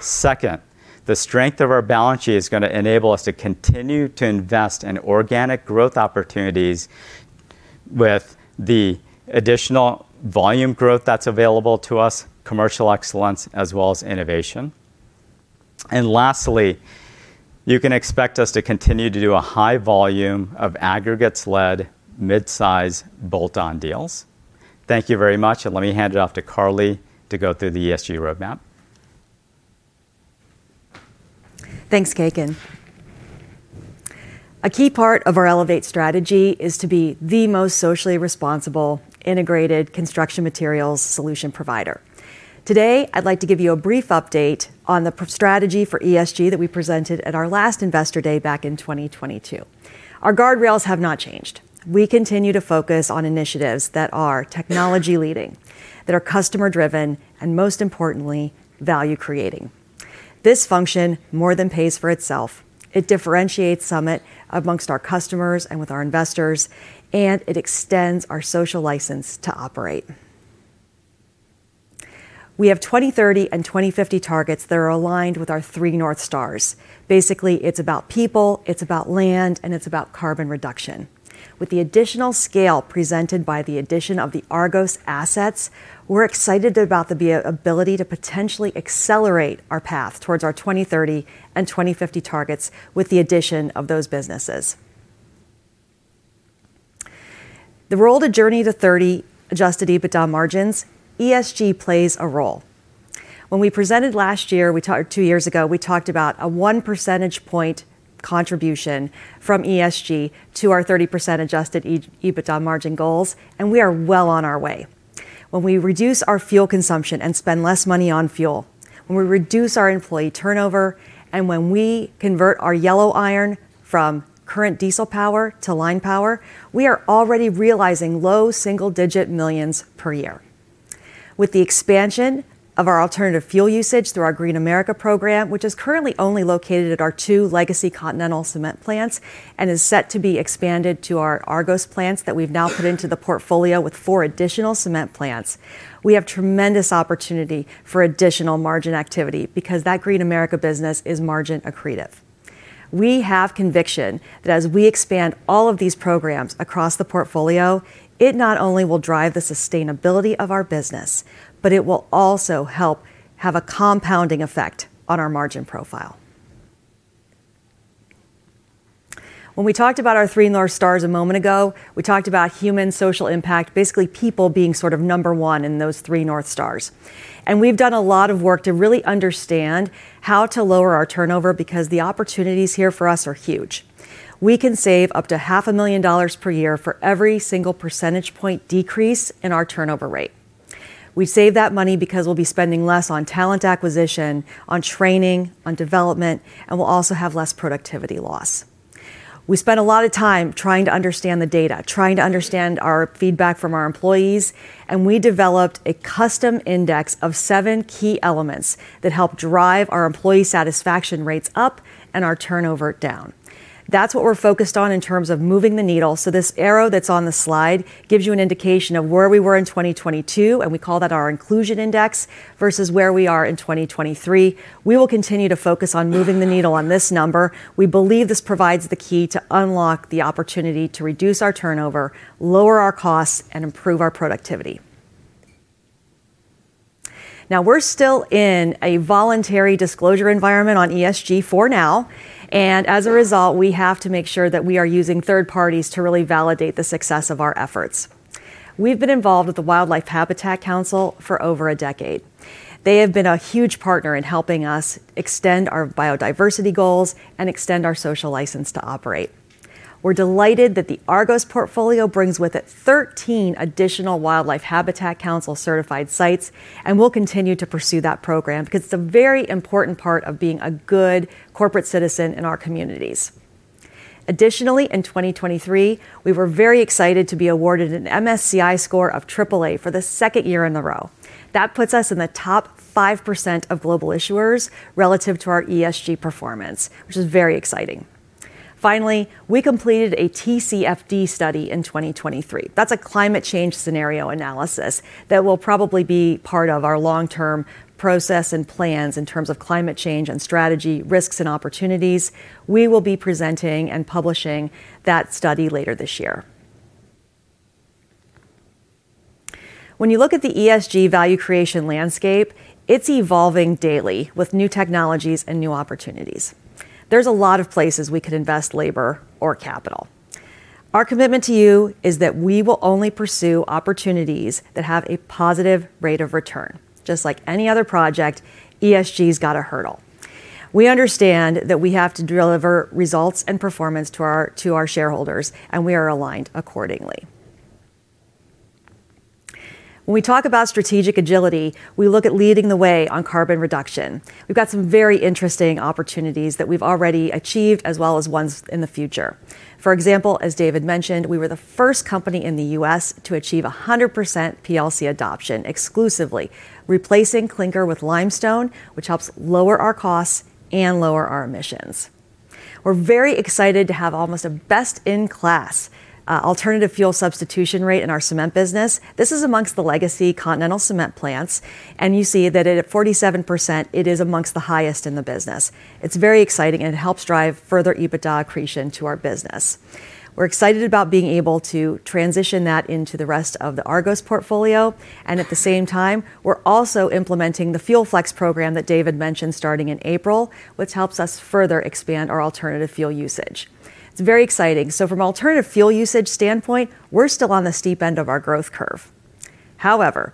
Speaker 7: Second, the strength of our balance sheet is going to enable us to continue to invest in organic growth opportunities with the additional volume growth that's available to us, commercial excellence as well as innovation. And lastly, you can expect us to continue to do a high volume of aggregates-led midsize bolt-on deals. Thank you very much. And let me hand it off to Karli to go through the ESG roadmap.
Speaker 8: Thanks, Kekin. A key part of our Elevate strategy is to be the most socially responsible, integrated construction materials solution provider. Today, I'd like to give you a brief update on the strategy for ESG that we presented at our last Investor Day back in 2022. Our guardrails have not changed. We continue to focus on initiatives that are technology-leading, that are customer-driven, and most importantly, value-creating. This function more than pays for itself. It differentiates Summit amongst our customers and with our investors. And it extends our social license to operate. We have 2030 and 2050 targets that are aligned with our three North Stars. Basically, it's about people. It's about land. And it's about carbon reduction. With the additional scale presented by the addition of the Argos assets, we're excited about the ability to potentially accelerate our path towards our 2030 and 2050 targets with the addition of those businesses. The role to journey to 30% adjusted EBITDA margins, ESG plays a role. When we presented last year, two years ago, we talked about a 1 percentage point contribution from ESG to our 30% adjusted EBITDA margin goals. And we are well on our way. When we reduce our fuel consumption and spend less money on fuel, when we reduce our employee turnover, and when we convert our yellow iron from current diesel power to line power, we are already realizing low single-digit $millions per year. With the expansion of our alternative fuel usage through our Green America program, which is currently only located at our two legacy Continental cement plants and is set to be expanded to our Argos plants that we've now put into the portfolio with four additional cement plants, we have tremendous opportunity for additional margin activity because that Green America business is margin accretive. We have conviction that as we expand all of these programs across the portfolio, it not only will drive the sustainability of our business, but it will also help have a compounding effect on our margin profile. When we talked about our three North Stars a moment ago, we talked about human social impact, basically people being sort of number one in those three North Stars. We've done a lot of work to really understand how to lower our turnover because the opportunities here for us are huge. We can save up to $500,000 per year for every single percentage point decrease in our turnover rate. We save that money because we'll be spending less on talent acquisition, on training, on development. And we'll also have less productivity loss. We spend a lot of time trying to understand the data, trying to understand our feedback from our employees. And we developed a custom index of seven key elements that help drive our employee satisfaction rates up and our turnover down. That's what we're focused on in terms of moving the needle. So this arrow that's on the slide gives you an indication of where we were in 2022. And we call that our inclusion index versus where we are in 2023. We will continue to focus on moving the needle on this number. We believe this provides the key to unlock the opportunity to reduce our turnover, lower our costs, and improve our productivity. Now, we're still in a voluntary disclosure environment on ESG for now. And as a result, we have to make sure that we are using third parties to really validate the success of our efforts. We've been involved with the Wildlife Habitat Council for over a decade. They have been a huge partner in helping us extend our biodiversity goals and extend our social license to operate. We're delighted that the Argos portfolio brings with it 13 additional Wildlife Habitat Council certified sites. And we'll continue to pursue that program because it's a very important part of being a good corporate citizen in our communities. Additionally, in 2023, we were very excited to be awarded an MSCI score of AAA for the second year in a row. That puts us in the top 5% of global issuers relative to our ESG performance, which is very exciting. Finally, we completed a TCFD study in 2023. That's a climate change scenario analysis that will probably be part of our long-term process and plans in terms of climate change and strategy, risks, and opportunities. We will be presenting and publishing that study later this year. When you look at the ESG value creation landscape, it's evolving daily with new technologies and new opportunities. There's a lot of places we could invest labor or capital. Our commitment to you is that we will only pursue opportunities that have a positive rate of return. Just like any other project, ESG's got a hurdle. We understand that we have to deliver results and performance to our shareholders. We are aligned accordingly. When we talk about strategic agility, we look at leading the way on carbon reduction. We've got some very interesting opportunities that we've already achieved as well as ones in the future. For example, as David mentioned, we were the first company in the U.S. to achieve 100% PLC adoption exclusively, replacing clinker with limestone, which helps lower our costs and lower our emissions. We're very excited to have almost a best-in-class alternative fuel substitution rate in our cement business. This is among the legacy Continental Cement plants. And you see that at 47%, it is among the highest in the business. It's very exciting. And it helps drive further EBITDA accretion to our business. We're excited about being able to transition that into the rest of the Argos portfolio. At the same time, we're also implementing the FuelFlex program that David mentioned starting in April, which helps us further expand our alternative fuel usage. It's very exciting. So from an alternative fuel usage standpoint, we're still on the steep end of our growth curve. However,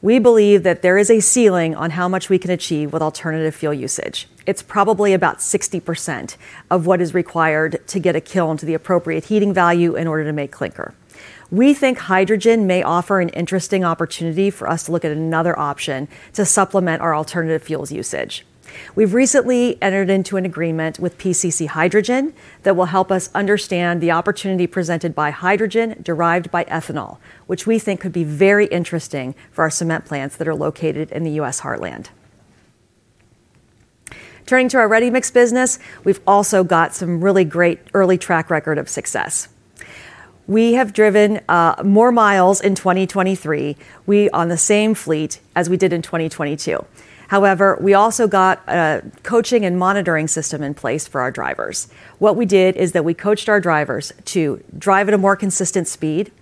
Speaker 8: we believe that there is a ceiling on how much we can achieve with alternative fuel usage. It's probably about 60% of what is required to get a kiln to the appropriate heating value in order to make clinker. We think hydrogen may offer an interesting opportunity for us to look at another option to supplement our alternative fuels usage. We've recently entered into an agreement with PCC Hydrogen that will help us understand the opportunity presented by hydrogen derived by ethanol, which we think could be very interesting for our cement plants that are located in the U.S. heartland. Turning to our ready mix business, we've also got some really great early track record of success. We have driven more miles in 2023 on the same fleet as we did in 2022. However, we also got a coaching and monitoring system in place for our drivers. What we did is that we coached our drivers to drive at a more consistent speed,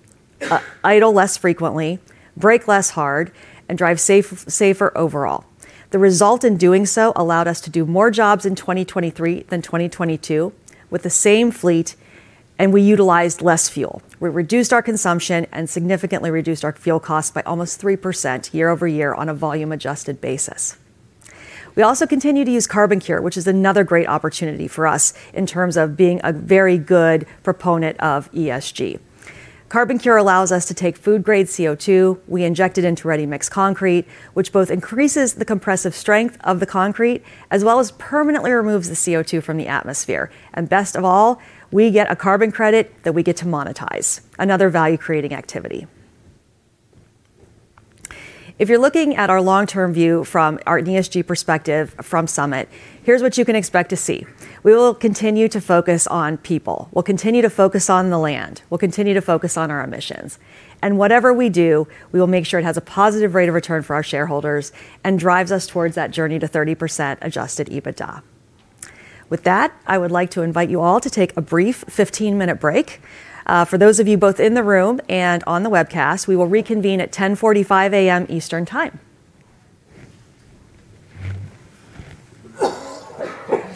Speaker 8: idle less frequently, brake less hard, and drive safer overall. The result in doing so allowed us to do more jobs in 2023 than 2022 with the same fleet. And we utilized less fuel. We reduced our consumption and significantly reduced our fuel costs by almost 3% year-over-year on a volume-adjusted basis. We also continue to use CarbonCure, which is another great opportunity for us in terms of being a very good proponent of ESG. CarbonCure allows us to take food-grade CO2. We inject it into ready mix concrete, which both increases the compressive strength of the concrete as well as permanently removes the CO2 from the atmosphere. And best of all, we get a carbon credit that we get to monetize, another value-creating activity. If you're looking at our long-term view from an ESG perspective from Summit, here's what you can expect to see. We will continue to focus on people. We'll continue to focus on the land. We'll continue to focus on our emissions. And whatever we do, we will make sure it has a positive rate of return for our shareholders and drives us towards that journey to 30% adjusted EBITDA. With that, I would like to invite you all to take a brief 15-minute break. For those of you both in the room and on the webcast, we will reconvene at 10:45 A.M. Eastern Time.
Speaker 9: You can't hide standing under these stars. Know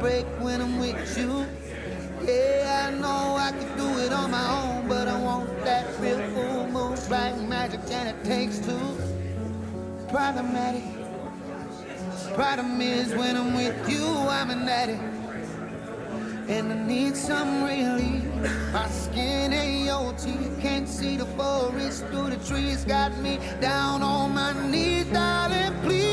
Speaker 10: the skin off my bones. Don't you know I lose control when you're not next to me? I'm falling apart right in front of you. Can't you see I lose control when you're not next to me? Yeah, you're breaking my heart, baby. You make a mess of me. Problem at it. Problem is I want your body like a feel like a bad habit. Bad habit's hard to break when I'm with you. Yeah, I know I could do it on my own. But I want that real full moon black magic. And it takes two. Problem at it. Problem is when I'm with you, I'm an addict. I need some relief. My skin and your teeth can't see the forest through the trees. Got me down on my knees, darling, please.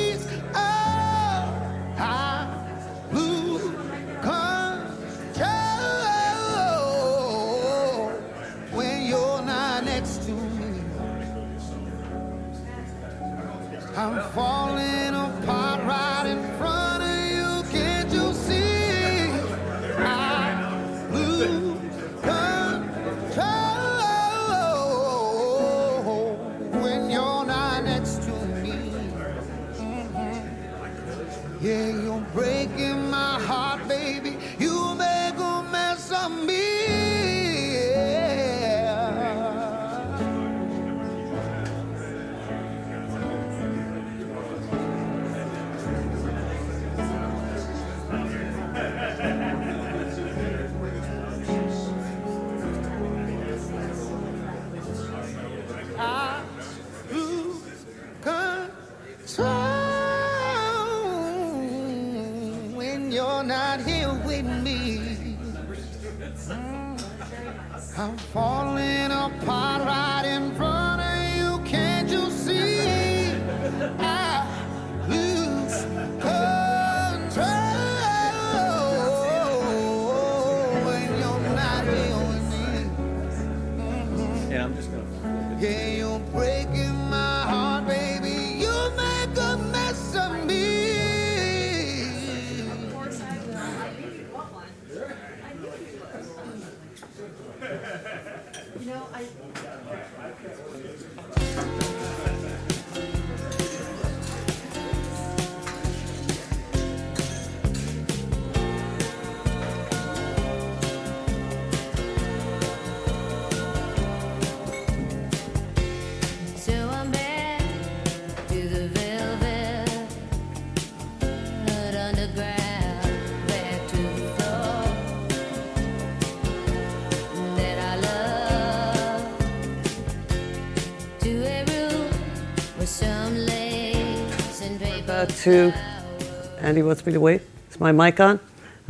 Speaker 1: Andy wants me to wait. Is my mic on?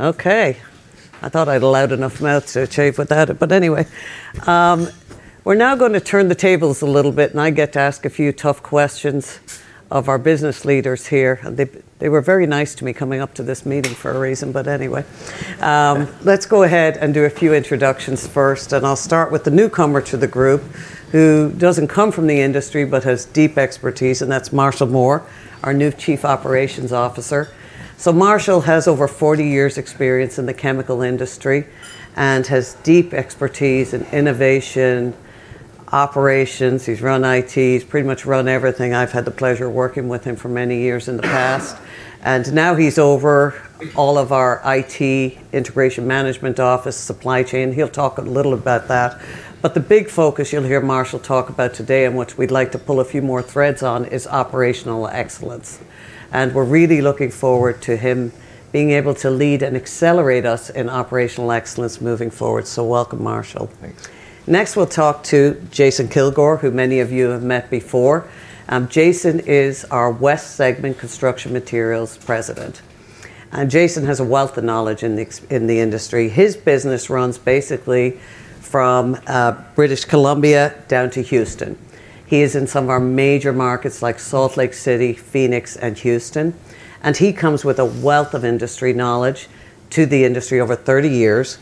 Speaker 1: OK. I thought I had a loud enough mouth to carry without it. But anyway, we're now going to turn the tables a little bit. I get to ask a few tough questions of our business leaders here. They were very nice to me coming up to this meeting for a reason. But anyway, let's go ahead and do a few introductions first. I'll start with the newcomer to the group who doesn't come from the industry but has deep expertise. That's Marshall Moore, our new Chief Operations Officer. So Marshall has over 40 years' experience in the chemical industry and has deep expertise in innovation, operations. He's run IT. He's pretty much run everything. I've had the pleasure of working with him for many years in the past. Now he's over all of our integration management office, supply chain. He'll talk a little about that. But the big focus you'll hear Marshall talk about today and which we'd like to pull a few more threads on is Operational Excellence. We're really looking forward to him being able to lead and accelerate us in Operational Excellence moving forward. So welcome, Marshall. Thanks. Next, we'll talk to Jason Kilgore, who many of you have met before. Jason is our West Segment Construction Materials President. Jason has a wealth of knowledge in the industry. His business runs basically from British Columbia down to Houston. He is in some of our major markets like Salt Lake City, Phoenix, and Houston. He comes with a wealth of industry knowledge to the industry over 30 years.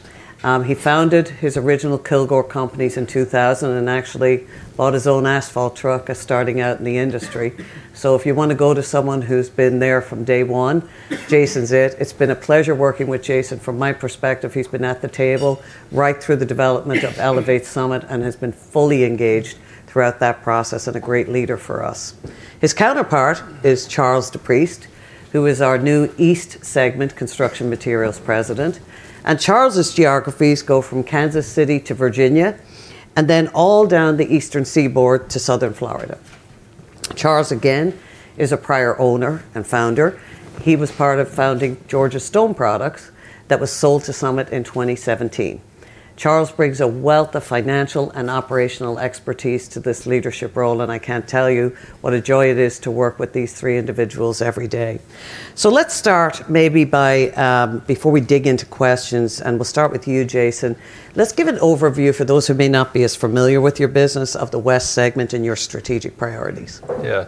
Speaker 1: He founded his original Kilgore Companies in 2000 and actually bought his own asphalt truck starting out in the industry. So if you want to go to someone who's been there from day one, Jason's it. It's been a pleasure working with Jason. From my perspective, he's been at the table right through the development of Elevate Summit and has been fully engaged throughout that process and a great leader for us. His counterpart is Charles DePriest, who is our new East Segment Construction Materials President. Charles's geographies go from Kansas City to Virginia and then all down the eastern seaboard to southern Florida. Charles, again, is a prior owner and founder. He was part of founding Georgia Stone Products that was sold to Summit in 2017. Charles brings a wealth of financial and operational expertise to this leadership role. I can't tell you what a joy it is to work with these three individuals every day. Let's start maybe by before we dig into questions. We'll start with you, Jason. Let's give an overview for those who may not be as familiar with your business of the West Segment and your strategic priorities.
Speaker 11: Yeah.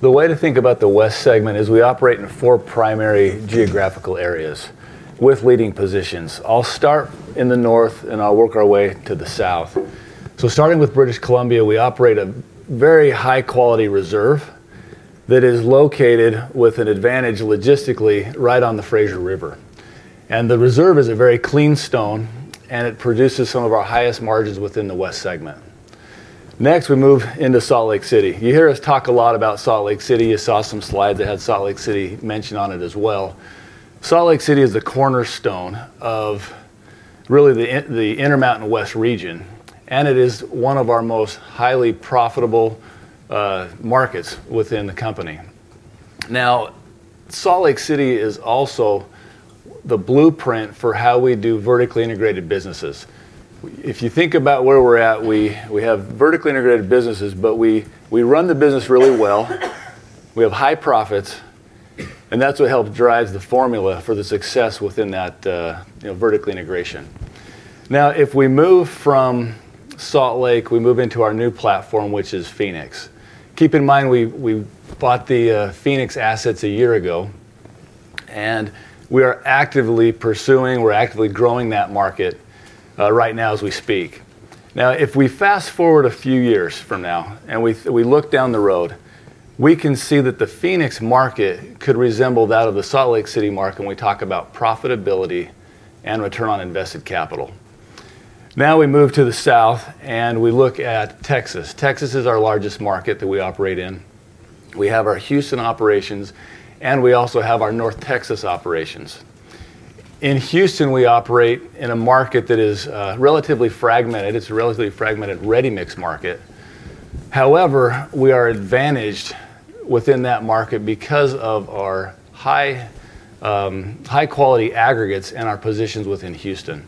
Speaker 11: The way to think about the West Segment is we operate in four primary geographical areas with leading positions. I'll start in the north and I'll work our way to the south. So starting with British Columbia, we operate a very high-quality reserve that is located with an advantage logistically right on the Fraser River. The reserve is a very clean stone. It produces some of our highest margins within the West Segment. Next, we move into Salt Lake City. You hear us talk a lot about Salt Lake City. You saw some slides that had Salt Lake City mentioned on it as well. Salt Lake City is the cornerstone of really the Intermountain West region. It is one of our most highly profitable markets within the company. Now, Salt Lake City is also the blueprint for how we do vertically integrated businesses. If you think about where we're at, we have vertically integrated businesses. We run the business really well. We have high profits. That's what helps drive the formula for the success within that vertical integration. Now, if we move from Salt Lake, we move into our new platform, which is Phoenix. Keep in mind, we bought the Phoenix assets a year ago. We are actively pursuing we're actively growing that market right now as we speak. Now, if we fast forward a few years from now and we look down the road, we can see that the Phoenix market could resemble that of the Salt Lake City market when we talk about profitability and return on invested capital. Now, we move to the south. We look at Texas. Texas is our largest market that we operate in. We have our Houston operations. We also have our North Texas operations. In Houston, we operate in a market that is relatively fragmented. It's a relatively fragmented ready-mix market. However, we are advantaged within that market because of our high-quality aggregates and our positions within Houston.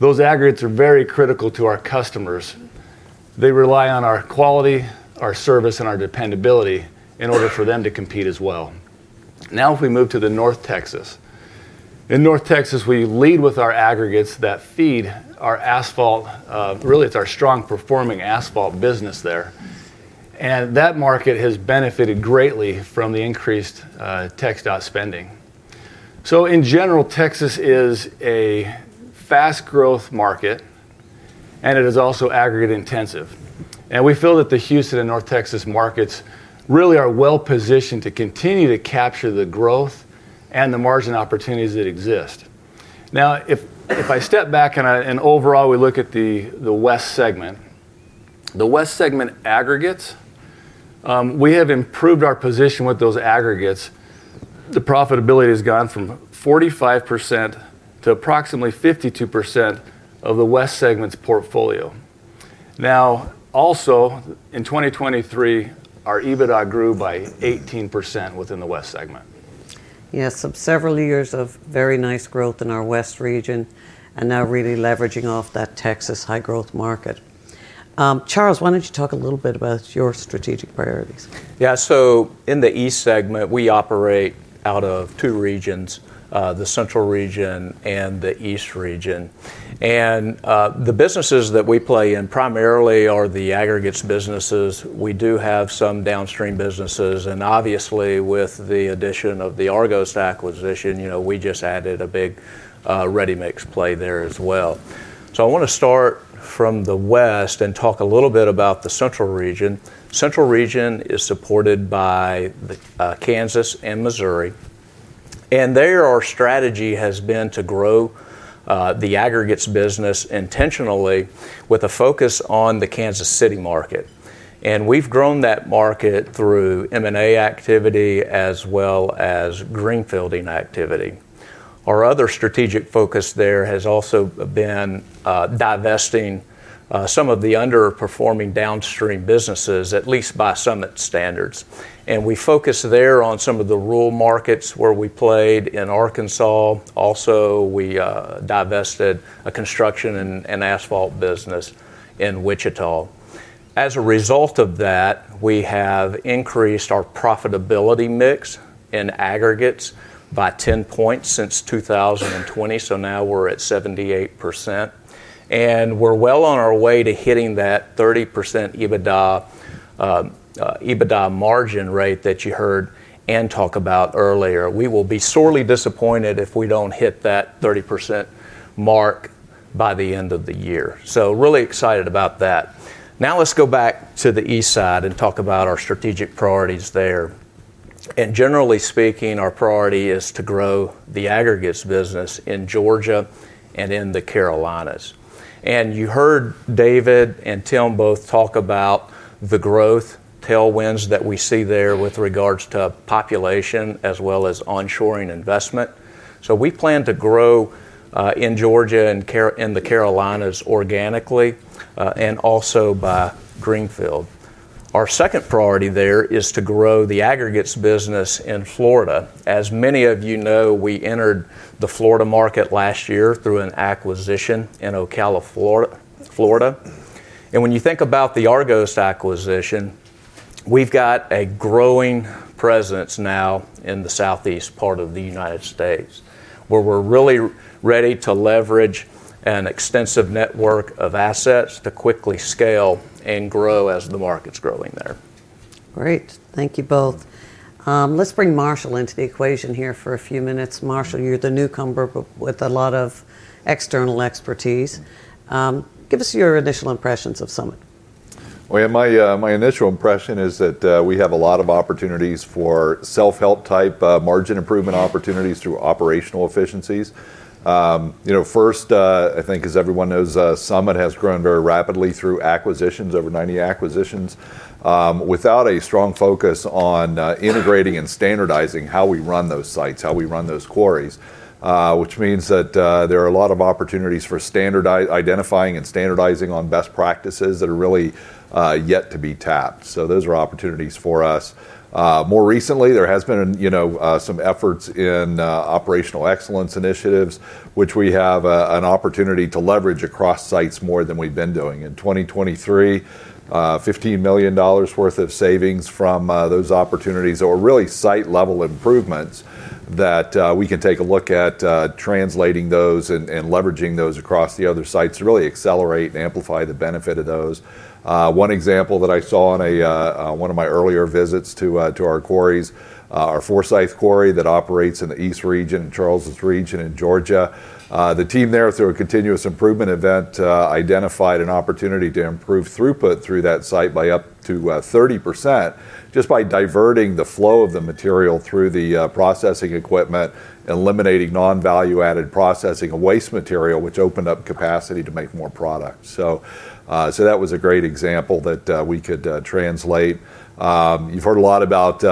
Speaker 11: Those aggregates are very critical to our customers. They rely on our quality, our service, and our dependability in order for them to compete as well. Now, if we move to the North Texas, in North Texas, we lead with our aggregates that feed our asphalt really, it's our strong performing asphalt business there. And that market has benefited greatly from the increased TxDOT spending. So in general, Texas is a fast-growth market. And it is also aggregate-intensive. And we feel that the Houston and North Texas markets really are well-positioned to continue to capture the growth and the margin opportunities that exist. Now, if I step back and overall, we look at the West Segment, the West Segment aggregates, we have improved our position with those aggregates. The profitability has gone from 45% to approximately 52% of the West Segment's portfolio. Now, also, in 2023, our EBITDA grew by 18% within the West Segment.
Speaker 4: Yes. Several years of very nice growth in our West region and now really leveraging off that Texas high-growth market. Charles, why don't you talk a little bit about your strategic priorities?
Speaker 12: Yeah. So in the East Segment, we operate out of two regions, the Central Region and the East Region. The businesses that we play in primarily are the aggregates businesses. We do have some downstream businesses. Obviously, with the addition of the Argos acquisition, we just added a big ready-mix play there as well. I want to start from the west and talk a little bit about the Central Region. Central Region is supported by Kansas and Missouri. Their strategy has been to grow the aggregates business intentionally with a focus on the Kansas City market. We've grown that market through M&A activity as well as greenfielding activity. Our other strategic focus there has also been divesting some of the underperforming downstream businesses, at least by Summit standards. We focus there on some of the rural markets where we played in Arkansas. Also, we divested a construction and asphalt business in Wichita. As a result of that, we have increased our profitability mix in aggregates by 10 points since 2020. So now, we're at 78%. And we're well on our way to hitting that 30% EBITDA margin rate that you heard Anne talk about earlier. We will be sorely disappointed if we don't hit that 30% mark by the end of the year. So really excited about that. Now, let's go back to the East Side and talk about our strategic priorities there. And generally speaking, our priority is to grow the aggregates business in Georgia and in the Carolinas. And you heard David and Tim both talk about the growth tailwinds that we see there with regards to population as well as onshoring investment. So we plan to grow in Georgia and in the Carolinas organically and also by greenfield. Our second priority there is to grow the aggregates business in Florida. As many of you know, we entered the Florida market last year through an acquisition in Ocala, Florida. And when you think about the Argos acquisition, we've got a growing presence now in the Southeast part of the United States where we're really ready to leverage an extensive network of assets to quickly scale and grow as the market's growing there. Great.
Speaker 4: Thank you both. Let's bring Marshall into the equation here for a few minutes. Marshall, you're the newcomer with a lot of external expertise. Give us your initial impressions of Summit.
Speaker 11: Well, yeah. My initial impression is that we have a lot of opportunities for self-help type margin improvement opportunities through operational efficiencies. First, I think, as everyone knows, Summit has grown very rapidly through acquisitions, over 90 acquisitions, without a strong focus on integrating and standardizing how we run those sites, how we run those quarries, which means that there are a lot of opportunities for identifying and standardizing on best practices that are really yet to be tapped. So those are opportunities for us. More recently, there has been some efforts in Operational Excellence initiatives, which we have an opportunity to leverage across sites more than we've been doing. In 2023, $15 million worth of savings from those opportunities that were really site-level improvements that we can take a look at translating those and leveraging those across the other sites to really accelerate and amplify the benefit of those. One example that I saw on one of my earlier visits to our quarries, our Forsyth quarry that operates in the East Region and Charles's region in Georgia, the team there, through a continuous improvement event, identified an opportunity to improve throughput through that site by up to 30% just by diverting the flow of the material through the processing equipment, eliminating non-value-added processing of waste material, which opened up capacity to make more product. So that was a great example that we could translate. You've heard a lot about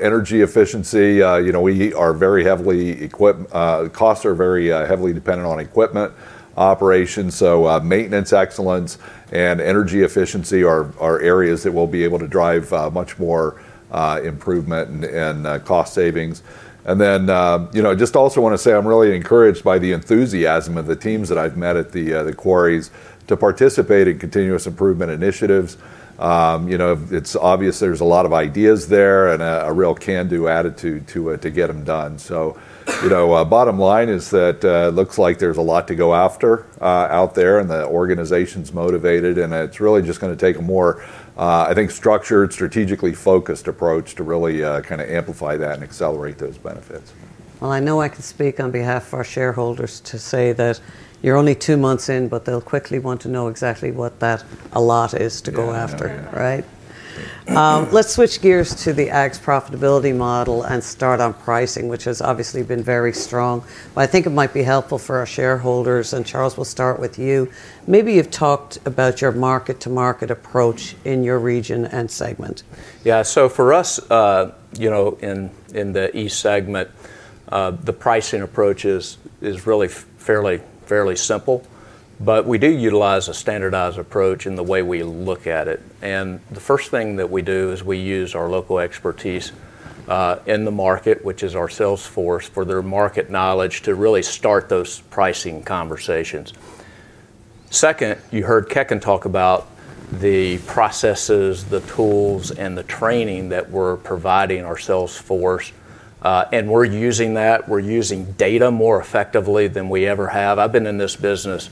Speaker 11: energy efficiency. We are very heavily costs are very heavily dependent on equipment operations. So maintenance excellence and energy efficiency are areas that will be able to drive much more improvement and cost savings. And then I just also want to say I'm really encouraged by the enthusiasm of the teams that I've met at the quarries to participate in continuous improvement initiatives. It's obvious there's a lot of ideas there and a real can-do attitude to get them done. So bottom line is that it looks like there's a lot to go after out there. And the organization's motivated. And it's really just going to take a more, I think, structured, strategically focused approach to really kind of amplify that and accelerate those benefits.
Speaker 4: Well, I know I can speak on behalf of our shareholders to say that you're only two months in. But they'll quickly want to know exactly what that a lot is to go after, right? Yeah. Let's switch gears to the aggs profitability model and start on pricing, which has obviously been very strong. I think it might be helpful for our shareholders. Charles, we'll st
Speaker 12: art with you. Maybe you've talked about your market-to-market approach in your region and segment? Yeah. For us in the East Segment, the pricing approach is really fairly simple. But we do utilize a standardized approach in the way we look at it. The first thing that we do is we use our local expertise in the market, which is our sales force, for their market knowledge to really start those pricing conversations. Second, you heard Kekin talk about the processes, the tools, and the training that we're providing our sales force. We're using that. We're using data more effectively than we ever have. I've been in this business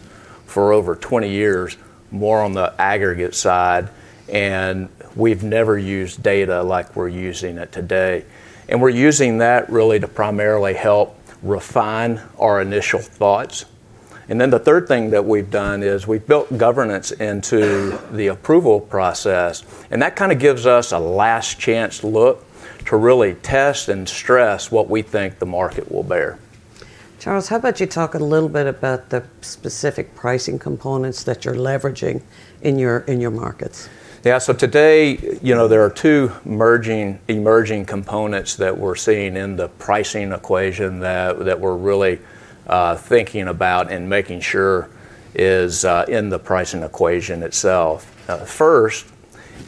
Speaker 12: for over 20 years, more on the aggregate side. We've never used data like we're using it today. We're using that really to primarily help refine our initial thoughts. Then the third thing that we've done is we've built governance into the approval process. That kind of gives us a last-chance look to really test and stress what we think the market will bear.
Speaker 4: Charles, how about you talk a little bit about the specific pricing components that you're leveraging in your markets?
Speaker 12: Yeah. Today, there are two emerging components that we're seeing in the pricing equation that we're really thinking about and making sure is in the pricing equation itself. First,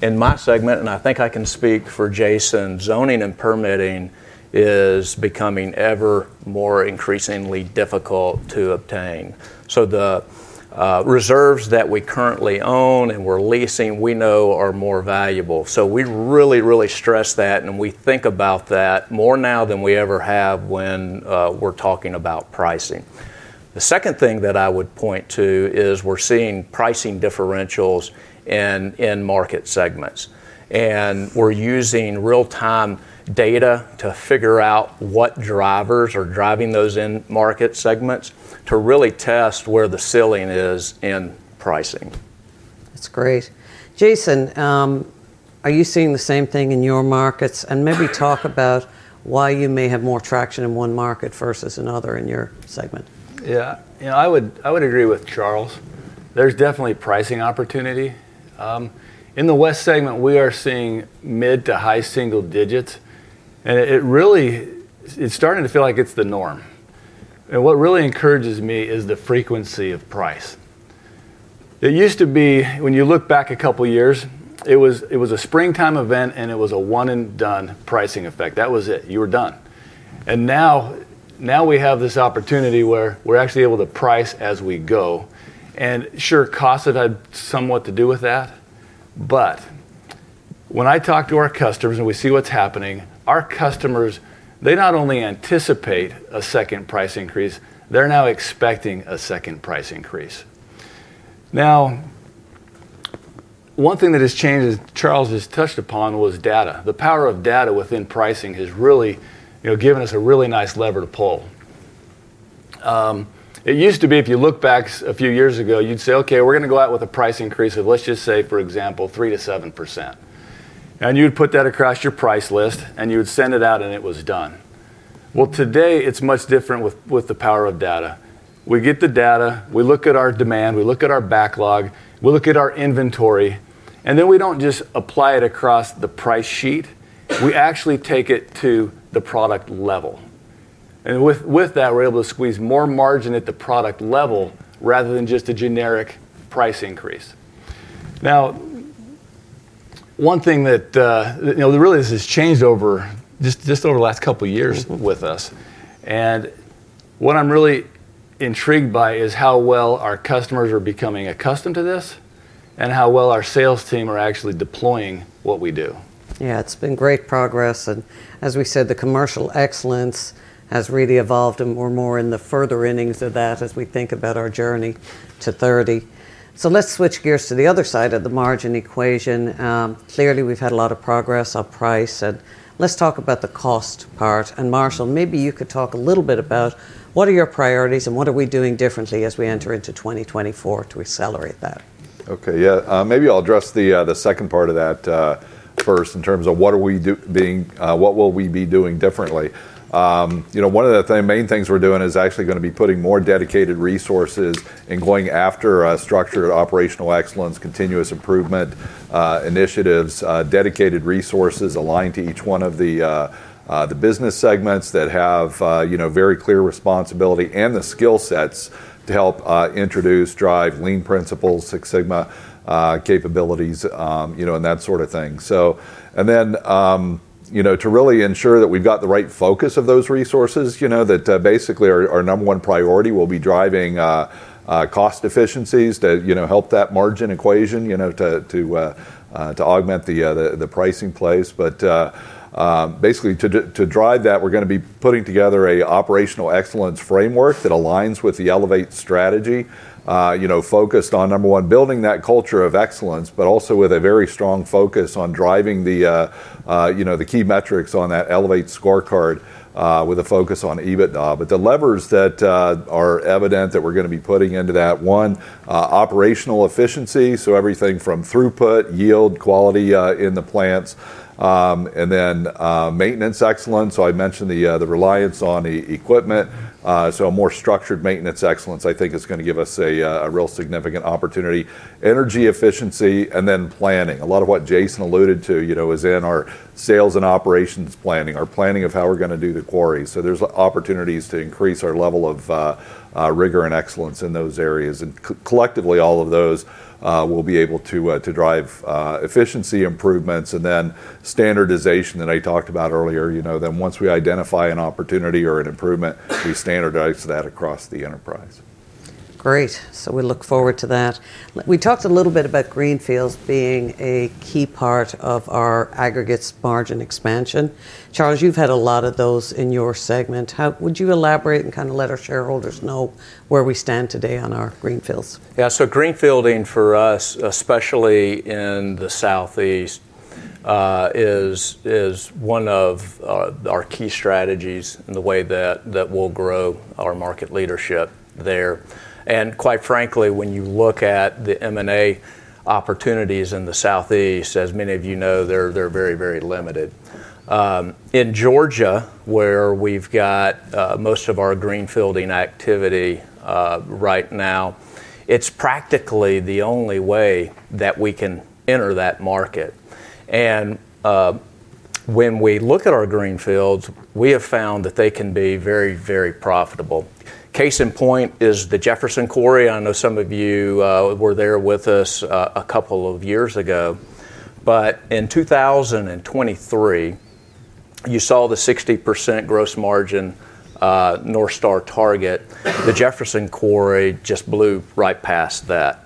Speaker 12: in my segment, and I think I can speak for Jason, zoning and permitting is becoming ever more increasingly difficult to obtain. So the reserves that we currently own and we're leasing, we know, are more valuable. So we really, really stress that. And we think about that more now than we ever have when we're talking about pricing. The second thing that I would point to is we're seeing pricing differentials in market segments. And we're using real-time data to figure out what drivers are driving those in-market segments to really test where the ceiling is in pricing.
Speaker 4: That's great. Jason, are you seeing the same thing in your markets? And maybe talk about why you may have more traction in one market versus another in your segment.
Speaker 11: Yeah. I would agree with Charles. There's definitely pricing opportunity. In the West Segment, we are seeing mid- to high-single digits. And it's starting to feel like it's the norm. And what really encourages me is the frequency of price. It used to be when you look back a couple of years, it was a springtime event. And it was a one-and-done pricing effect. That was it. You were done. And now, we have this opportunity where we're actually able to price as we go. And sure, costs have had somewhat to do with that. But when I talk to our customers and we see what's happening, our customers, they not only anticipate a second price increase. They're now expecting a second price increase. Now, one thing that has changed, as Charles has touched upon, was data. The power of data within pricing has really given us a really nice lever to pull. It used to be if you look back a few years ago, you'd say, "OK, we're going to go out with a price increase of, let's just say, for example, 3%-7%." And you'd put that across your price list. And you would send it out. And it was done. Well, today, it's much different with the power of data. We get the data. We look at our demand. We look at our backlog. We look at our inventory. And then we don't just apply it across the price sheet. We actually take it to the product level. And with that, we're able to squeeze more margin at the product level rather than just a generic price increase. Now, one thing that really has changed just over the last couple of years with us and what I'm really intrigued by is how well our customers are becoming accustomed to this and how well our sales team are actually deploying what we do.
Speaker 4: Yeah. It's been great progress. And as we said, the Commercial Excellence has really evolved more and more in the further innings of that as we think about our journey to 30. So let's switch gears to the other side of the margin equation. Clearly, we've had a lot of progress on price. Let's talk about the cost part. Marshall, maybe you could talk a little bit about what are your priorities? And what are we doing differently as we enter into 2024 to accelerate that?
Speaker 12: OK. Yeah. Maybe I'll address the second part of that first in terms of what will we be doing differently? One of the main things we're doing is actually going to be putting more dedicated resources and going after structured operational excellence, continuous improvement initiatives, dedicated resources aligned to each one of the business segments that have very clear responsibility and the skill sets to help introduce, drive lean principles, Six Sigma capabilities, and that sort of thing. And then to really ensure that we've got the right focus of those resources that basically our number one priority will be driving cost efficiencies to help that margin equation, to augment the pricing place. But basically, to drive that, we're going to be putting together an operational excellence framework that aligns with the Elevate strategy focused on, number one, building that culture of excellence but also with a very strong focus on driving the key metrics on that Elevate scorecard with a focus on EBITDA. But the levers that are evident that we're going to be putting into that, one, operational efficiency, so everything from throughput, yield, quality in the plants, and then maintenance excellence. So I mentioned the reliance on equipment. So a more structured maintenance excellence, I think, is going to give us a real significant opportunity. Energy efficiency and then planning. A lot of what Jason alluded to is in our sales and operations planning, our planning of how we're going to do the quarries. There's opportunities to increase our level of rigor and excellence in those areas. Collectively, all of those will be able to drive efficiency improvements and then standardization that I talked about earlier. Once we identify an opportunity or an improvement, we standardize that across the enterprise .
Speaker 4: Great. We look forward to that. We talked a little bit about greenfields being a key part of our aggregates margin expansion. Charles, you've had a lot of those in your segment. Would you elaborate and kind of let our shareholders know where we stand today on our greenfields?
Speaker 12: Yeah. So greenfielding for us, especially in the Southeast, is one of our key strategies in the way that we'll grow our market leadership there. Quite frankly, when you look at the M&A opportunities in the Southeast, as many of you know, they're very, very limited. In Georgia, where we've got most of our greenfielding activity right now, it's practically the only way that we can enter that market. When we look at our greenfields, we have found that they can be very, very profitable. Case in point is the Jefferson quarry. I know some of you were there with us a couple of years ago. In 2023, you saw the 60% gross margin North Star target. The Jefferson quarry just blew right past that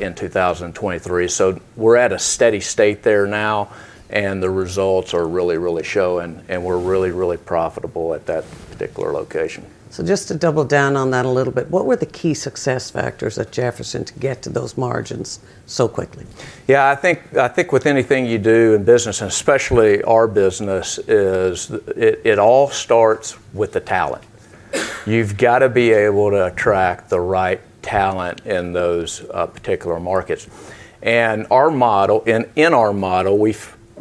Speaker 12: in 2023. We're at a steady state there now. The results are really, really showing. We're really, really profitable at that part icular location.
Speaker 4: So just to double down on that a little bit, what were the key success factors at Jefferson to get to those margins so quickly?
Speaker 11: Yeah. I think with anything you do in business, and especially our business, it all starts with the talent. You've got to be able to attract the right talent in those particular markets. In our model, we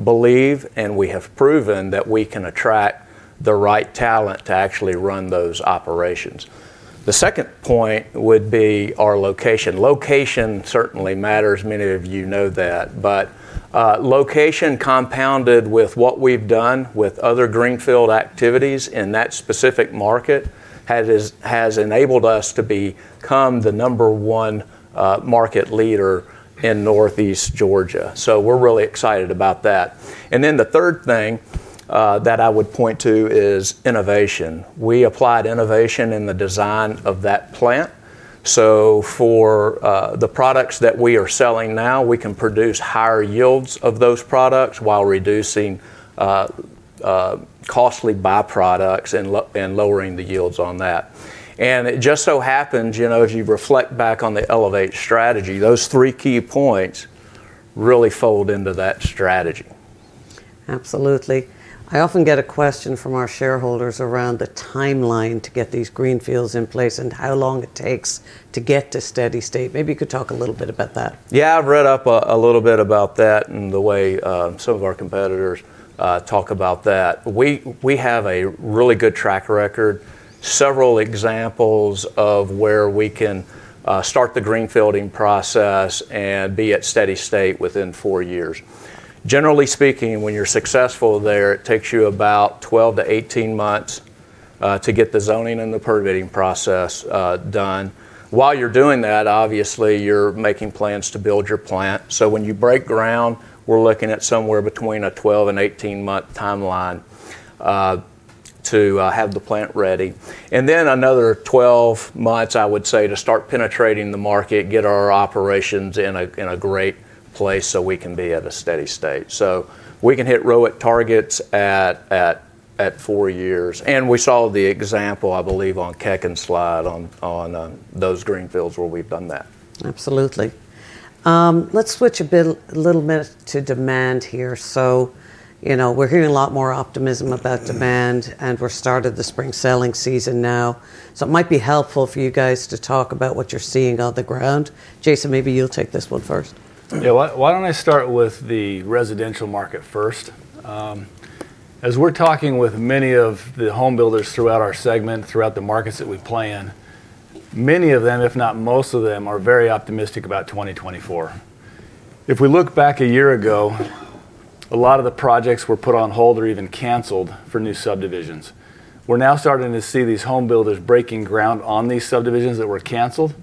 Speaker 11: believe and we have proven that we can attract the right talent to actually run those operations. The second point would be our location. Location certainly matters. Many of you know that. Location compounded with what we've done with other greenfield activities in that specific market has enabled us to become the number one market leader in Northeast Georgia. We're really excited about that. Then the third thing that I would point to is innovation. We applied innovation in the design of that plant. So for the products that we are selling now, we can produce higher yields of those products while reducing costly byproducts and lowering the yields on that. It just so happens, as you reflect back on the Elevate strategy, those three key points really fold into that strategy. Absolutely. I often get a question from our shareholders around the timeline to get these greenfields in place and how long it takes to get to steady state. Maybe you could talk a little bit about that. Yeah. I've read up a little bit about that and the way some of our competitors talk about that. We have a really good track record, several examples of where we can start the greenfielding process and be at steady state within four years. Generally speaking, when you're successful there, it takes you about 12-18 months to get the zoning and the permitting process done. While you're doing that, obviously, you're making plans to build your plant. When you break ground, we're looking at somewhere between a 12- and 18-month timeline to have the plant ready. Then another 12 months, I would say, to start penetrating the market, get our operations in a great place so we can be at a steady state. We can hit ROIC targets at four years. We saw the example, I believe, on Kekin's slide on those greenfields where we've done that.
Speaker 4: Absolutely. Let's switch a little bit to demand here. We're hearing a lot more optimism about demand. We've started the spring selling season now. So it might be helpful for you guys to talk about what you're seeing on the ground. Jason, maybe you'll take this one first.
Speaker 11: Yeah. Why don't I start with the residential market first? As we're talking with many of the home builders throughout our segment, throughout the markets that we plan, many of them, if not most of them, are very optimistic about 2024. If we look back a year ago, a lot of the projects were put on hold or even canceled for new subdivisions. We're now starting to see these home builders breaking ground on these subdivisions that were canceled.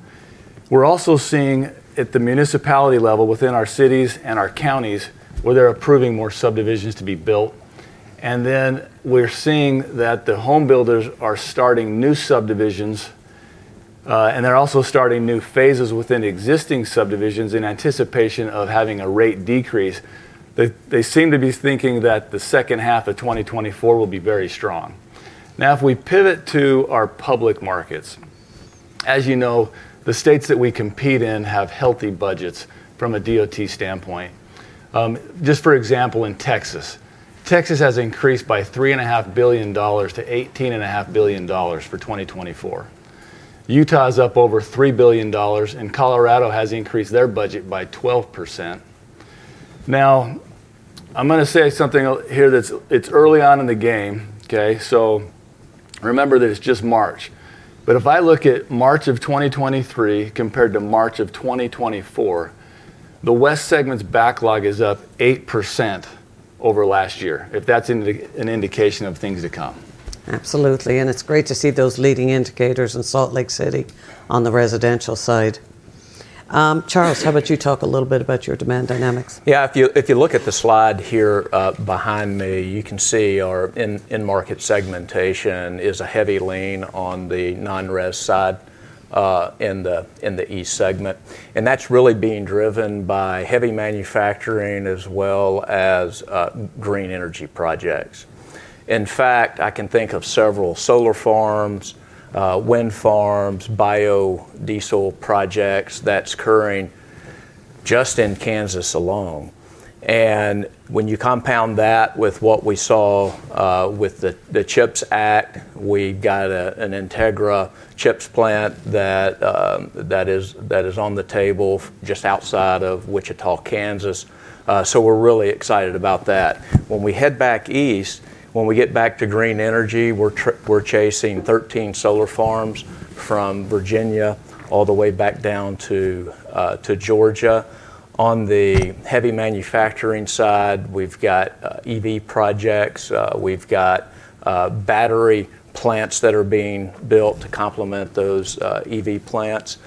Speaker 11: We're also seeing at the municipality level within our cities and our counties where they're approving more subdivisions to be built. And then we're seeing that the home builders are starting new subdivisions. They're also starting new phases within existing subdivisions in anticipation of having a rate decrease. They seem to be thinking that the second half of 2024 will be very strong. Now, if we pivot to our public markets, as you know, the states that we compete in have healthy budgets from a DOT standpoint. Just for example, in Texas, Texas has increased by $3.5 billion to $18.5 billion for 2024. Utah is up over $3 billion. And Colorado has increased their budget by 12%. Now, I'm going to say something here that's early on in the game. So remember that it's just March. But if I look at March of 2023 compared to March of 2024, the West Segment's backlog is up 8% over last year if that's an indication of things to come. Absolutely.
Speaker 4: It's great to see those leading indicators in Salt Lake City on the residential side. Charles, how about you talk a little bit about your demand dynamics?
Speaker 12: Yeah. If you look at the slide here behind me, you can see our in-market segmentation is a heavy lean on the non-res side in the East Segment. And that's really being driven by heavy manufacturing as well as green energy projects. In fact, I can think of several solar farms, wind farms, biodiesel projects that's occurring just in Kansas alone. And when you compound that with what we saw with the CHIPS Act, we got an Integra CHIPS plant that is on the table just outside of Wichita, Kansas. So we're really excited about that. When we head back east, when we get back to green energy, we're chasing 13 solar farms from Virginia all the way back down to Georgia. On the heavy manufacturing side, we've got EV projects. We've got battery plants that are being built to complement those EV plants.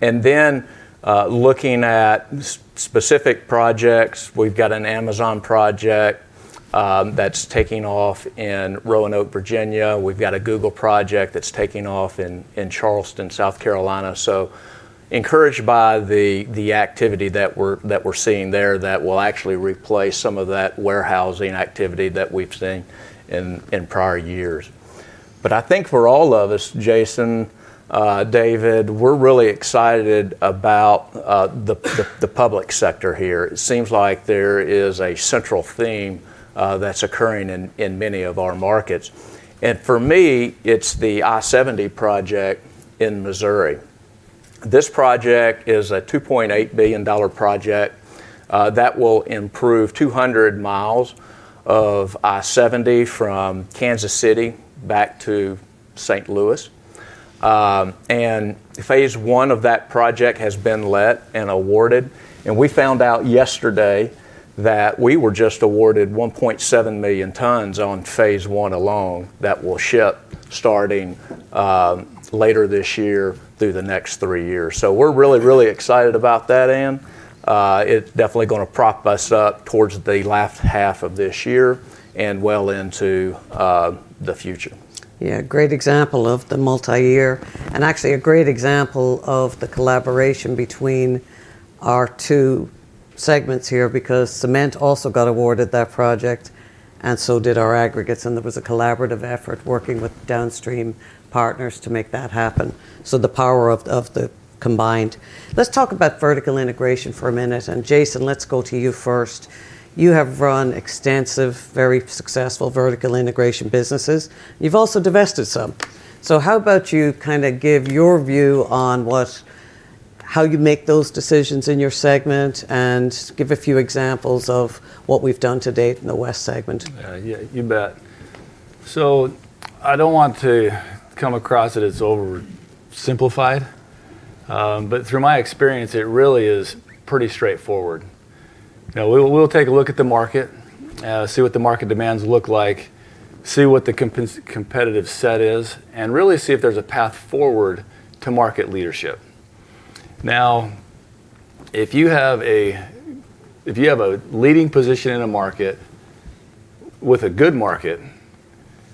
Speaker 12: Then looking at specific projects, we've got an Amazon project that's taking off in Roanoke, Virginia. We've got a Google project that's taking off in Charleston, South Carolina. Encouraged by the activity that we're seeing there, that will actually replace some of that warehousing activity that we've seen in prior years. I think for all of us, Jason, David, we're really excited about the public sector here. It seems like there is a central theme that's occurring in many of our markets. For me, it's the I-70 project in Missouri. This project is a $2.8 billion project that will improve 200 miles of I-70 from Kansas City back to St. Louis. Phase one of that project has been let and awarded. And we found out yesterday that we were just awarded 1.7 million tons on phase one alone that will ship starting later this year through the next three years. So we're really, really excited about that, Ann. It's definitely going to prop us up towards the last half of this year and well into the futu
Speaker 4: re. Yeah. Great example of the multi-year and actually a great example of the collaboration between our two segments here because cement also got awarded that project. And so did our aggregates. And there was a collaborative effort working with downstream partners to make that happen. So the power of the combined. Let's talk about vertical integration for a minute. And Jason, let's go to you first. You have run extensive, very successful vertical integration businesses. You've also divested some. So how about you kind of give your view on how you make those decisions in your segment and give a few examples of what we've done to date in the West Segment?
Speaker 11: Yeah. You bet. So I don't want to come across that it's oversimplified. But through my experience, it really is pretty straightforward. We'll take a look at the market, see what the market demands look like, see what the competitive set is, and really see if there's a path forward to market leadership. Now, if you have a leading position in a market with a good market,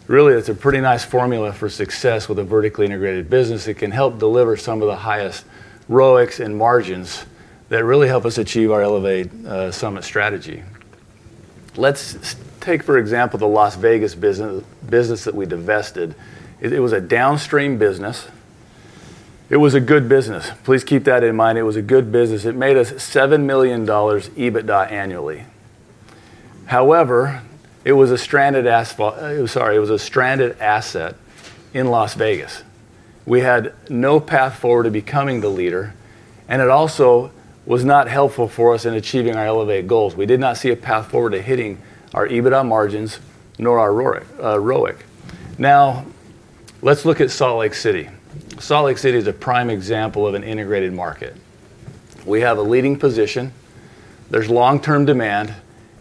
Speaker 11: really, it's a pretty nice formula for success with a vertically integrated business that can help deliver some of the highest ROICs and margins that really help us achieve our Elevate Summit strategy. Let's take, for example, the Las Vegas business that we divested. It was a downstream business. It was a good business. Please keep that in mind. It was a good business. It made us $7 million EBITDA annually. However, it was a stranded asset in Las Vegas. We had no path forward to becoming the leader. And it also was not helpful for us in achieving our Elevate goals. We did not see a path forward to hitting our EBITDA margins nor our ROIC. Now, let's look at Salt Lake City. Salt Lake City is a prime example of an integrated market. We have a leading position. There's long-term demand.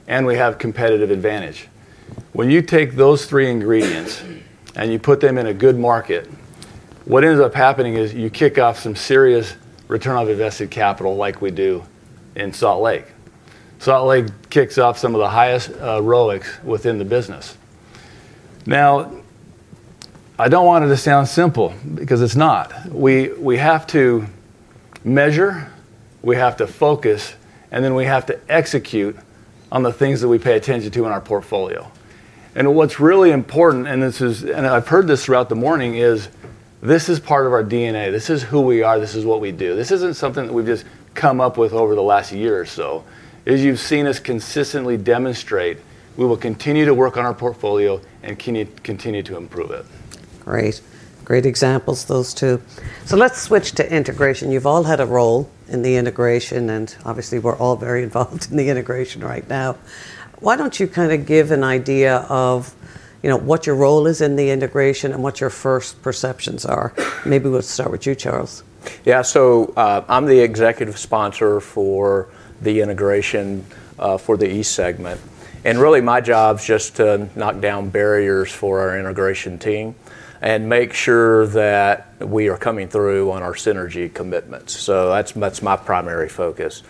Speaker 11: And we have competitive advantage. When you take those three ingredients and you put them in a good market, what ends up happening is you kick off some serious return on invested capital like we do in Salt Lake. Salt Lake kicks off some of the highest ROICs within the business. Now, I don't want it to sound simple because it's not. We have to measure. We have to focus. Then we have to execute on the things that we pay attention to in our portfolio. What's really important and I've heard this throughout the morning is this is part of our DNA. This is who we are. This is what we do. This isn't something that we've just come up with over the last year or so. As you've seen us consistently demonstrate, we will continue to work on our portfolio and continue to improve it. Great. Great examples, those two. Let's switch to integration. You've all had a role in the integration. Obviously, we're all very involved in the integration right now. Why don't you kind of give an idea of what your role is in the integration and what your first perceptions are?
Speaker 4: Maybe we'll start with you, Charles.
Speaker 12: Yeah. So I'm the executive sponsor for the integration for the East Segment. And really, my job's just to knock down barriers for our integration team and make sure that we are coming through on our synergy commitments. So that's my primary focus.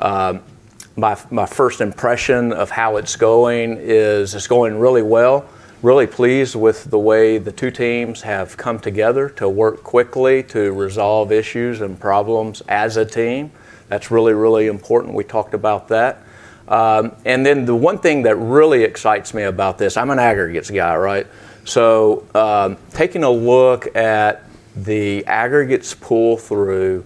Speaker 12: My first impression of how it's going is it's going really well, really pleased with the way the two teams have come together to work quickly to resolve issues and problems as a team. That's really, really important. We talked about that. And then the one thing that really excites me about this, I'm an aggregates guy, right? So taking a look at the aggregates pull through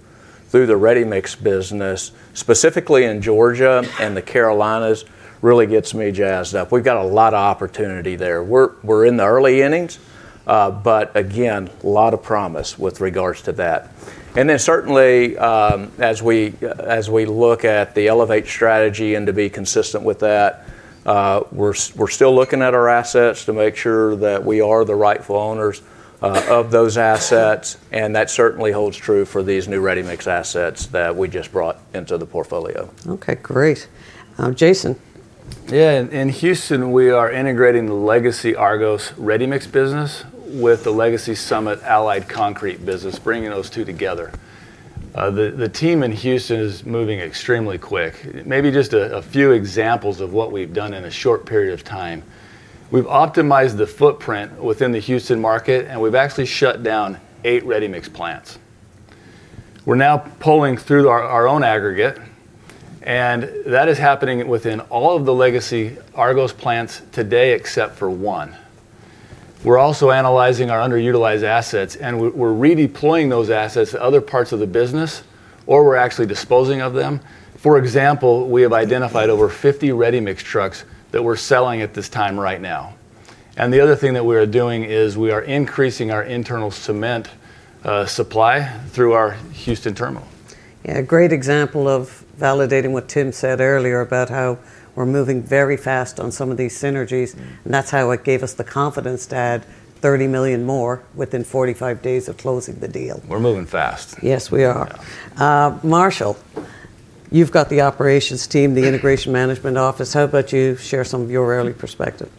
Speaker 12: the ready-mix business, specifically in Georgia and the Carolinas, really gets me jazzed up. We've got a lot of opportunity there. We're in the early innings. But again, a lot of promise with regards to that. And then certainly, as we look at the Elevate strategy and to be consistent with that, we're still looking at our assets to make sure that we are the rightful owners of those assets. And that certainly holds true for these new ready-mix assets that we just brought into the portfolio. OK. Great. Jason. Yeah. In Houston, we are integrating the legacy Argos ready-mix business with the legacy Summit Alleyton business, bringing those two together. The team in Houston is moving extremely quick. Maybe just a few examples of what we've done in a short period of time. We've optimized the footprint within the Houston market. And we've actually shut down eight Ready Mix plants. We're now pulling through our own aggregate. And that is happening within all of the legacy Argos plants today except for one. We're also analyzing our underutilized assets. We're redeploying those assets to other parts of the business. We're actually disposing of them. For example, we have identified over 50 Ready Mix trucks that we're selling at this time right now. The other thing that we are doing is we are increasing our internal cement supply through our Houston terminal.
Speaker 4: Yeah. Great example of validating what Tim said earlier about how we're moving very fast on some of these synergies. That's how it gave us the confidence to add $30 million more within 45 days of closing the deal. We're moving fast. Yes, we are. Marshall, you've got the operations team, the integration management office. How about you share some of your early perspective?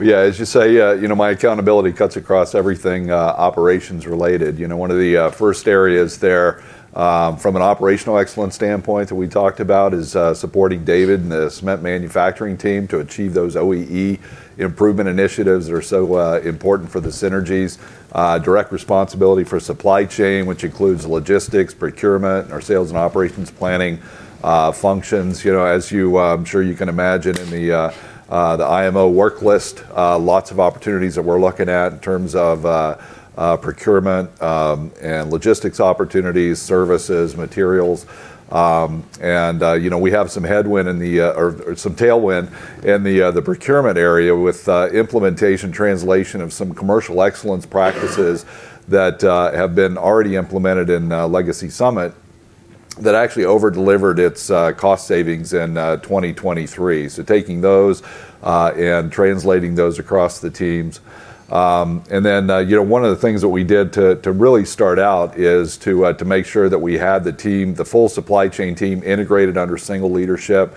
Speaker 8: Yeah. As you say, my accountability cuts across everything operations related. One of the first areas there from an operational excellence standpoint that we talked about is supporting David and the cement manufacturing team to achieve those OEE improvement initiatives that are so important for the synergies. Direct responsibility for supply chain, which includes logistics, procurement, our sales and operations planning functions. As you're sure you can imagine in the IMO work list, lots of opportunities that we're looking at in terms of procurement and logistics opportunities, services, materials. And we have some headwind in the or some tailwind in the procurement area with implementation, translation of some commercial excellence practices that have been already implemented in legacy Summit that actually overdelivered its cost savings in 2023. So taking those and translating those across the teams. And then one of the things that we did to really start out is to make sure that we had the full supply chain team integrated under single leadership,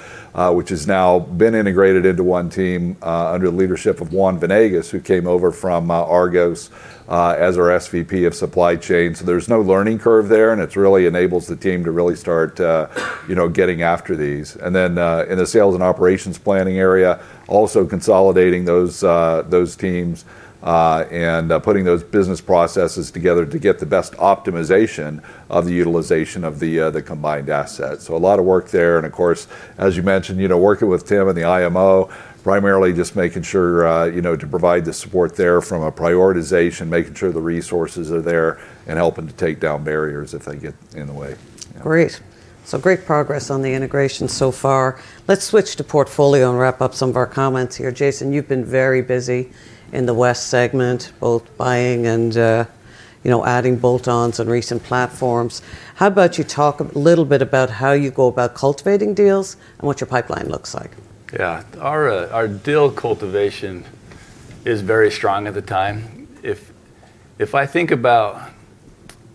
Speaker 8: which has now been integrated into one team under the leadership of Juan Venegas, who came over from Argos as our SVP of supply chain. So there's no learning curve there. And it really enables the team to really start getting after these. And then in the sales and operations planning area, also consolidating those teams and putting those business processes together to get the best optimization of the utilization of the combined assets. So a lot of work there. And of course, as you mentioned, working with Tim and the IMO, primarily just making sure to provide the support there from a prioritization, making sure the resources are there, and helping to take down barriers if they get in the way.
Speaker 4: Great. So great progress on the integration so far. Let's switch to portfolio and wrap up some of our comments here. Jason, you've been very busy in the West Segment, both buying and adding bolt-ons and recent platforms. How about you talk a little bit about how you go about cultivating deals and what your pipeline looks like?
Speaker 12: Yeah. Our deal cultivation is very strong at the time. If I think about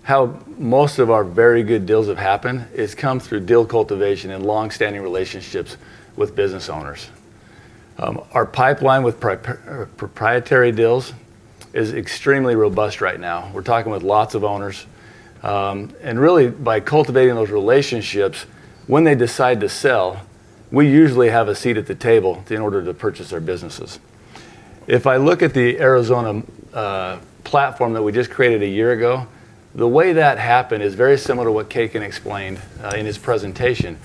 Speaker 12: how most of our very good deals have happened, it's come through deal cultivation and long-standing relationships with business owners. Our pipeline with proprietary deals is extremely robust right now. We're talking with lots of owners. Really, by cultivating those relationships, when they decide to sell, we usually have a seat at the table in order to purchase our businesses. If I look at the Arizona platform that we just created a year ago, the way that happened is very similar to what Kekin explained in his presentation.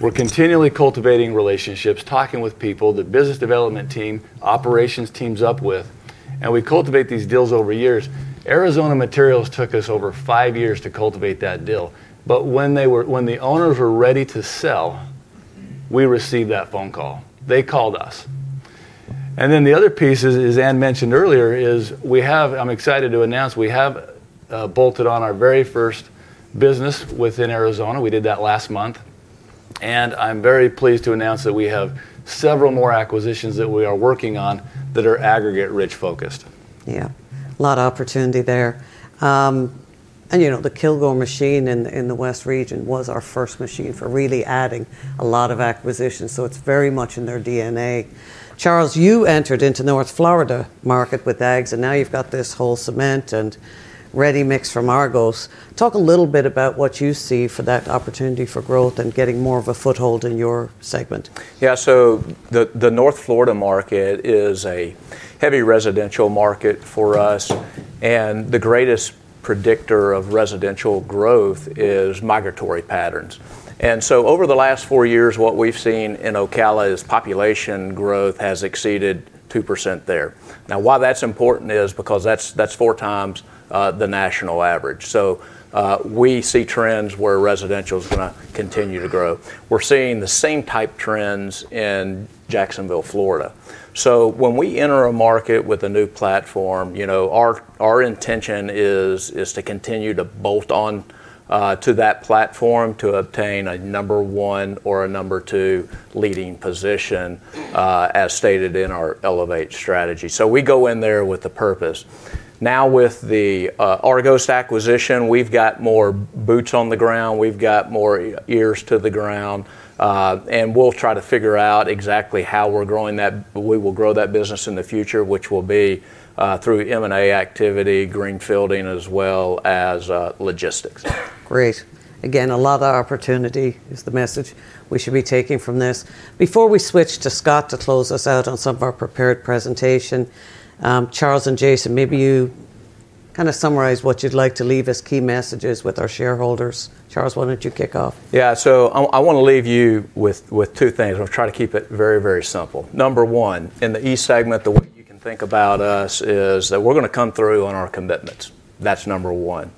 Speaker 12: We're continually cultivating relationships, talking with people, the business development team, operations teams up with. We cultivate these deals over years. Arizona Materials took us over five years to cultivate that deal. But when the owners were ready to sell, we received that phone call. They called us. Then the other piece, as Ann mentioned earlier, is we have. I'm excited to announce we have bolted on our very first business within Arizona. We did that last month. I'm very pleased to announce that we have several more acquisitions that we are working on that are aggregate-rich focused.
Speaker 4: Yeah. A lot of opportunity there. The Kilgore machine in the West Region was our first machine for really adding a lot of acquisitions. So it's very much in their DNA. Charles, you entered into North Florida market with Aggs. And now you've got this whole cement and ReadyMix from Argos. Talk a little bit about what you see for that opportunity for growth and getting more of a foothold in your segment.
Speaker 11: Yeah. So the North Florida market is a heavy residential market for us. And the greatest predictor of residential growth is migratory patterns. And so over the last four years, what we've seen in Ocala is population growth has exceeded 2% there. Now, why that's important is because that's four times the national average. So we see trends where residential is going to continue to grow. We're seeing the same type trends in Jacksonville, Florida. So when we enter a market with a new platform, our intention is to continue to bolt on to that platform to obtain a number one or a number two leading position, as stated in our Elevate strategy. So we go in there with a purpose. Now, with the Argos acquisition, we've got more boots on the ground. We've got more ears to the ground. And we'll try to figure out exactly how we're growing that. We will grow that business in the future, which will be through M&A activity, greenfielding, as well as logistics.
Speaker 4: Great. Again, a lot of opportunity is the message we should be taking from this. Before we switch to Scott to close us out on some of our prepared presentation, Charles and Jason, maybe you kind of summarize what you'd like to leave as key messages with our shareholders. Charles, why don't you kick off?
Speaker 12: Yeah. So I want to leave you with two things. I'll try to keep it very, very simple. Number one, in the East Segment, the way you can think about us is that we're going to come through on our commitments. That's number one.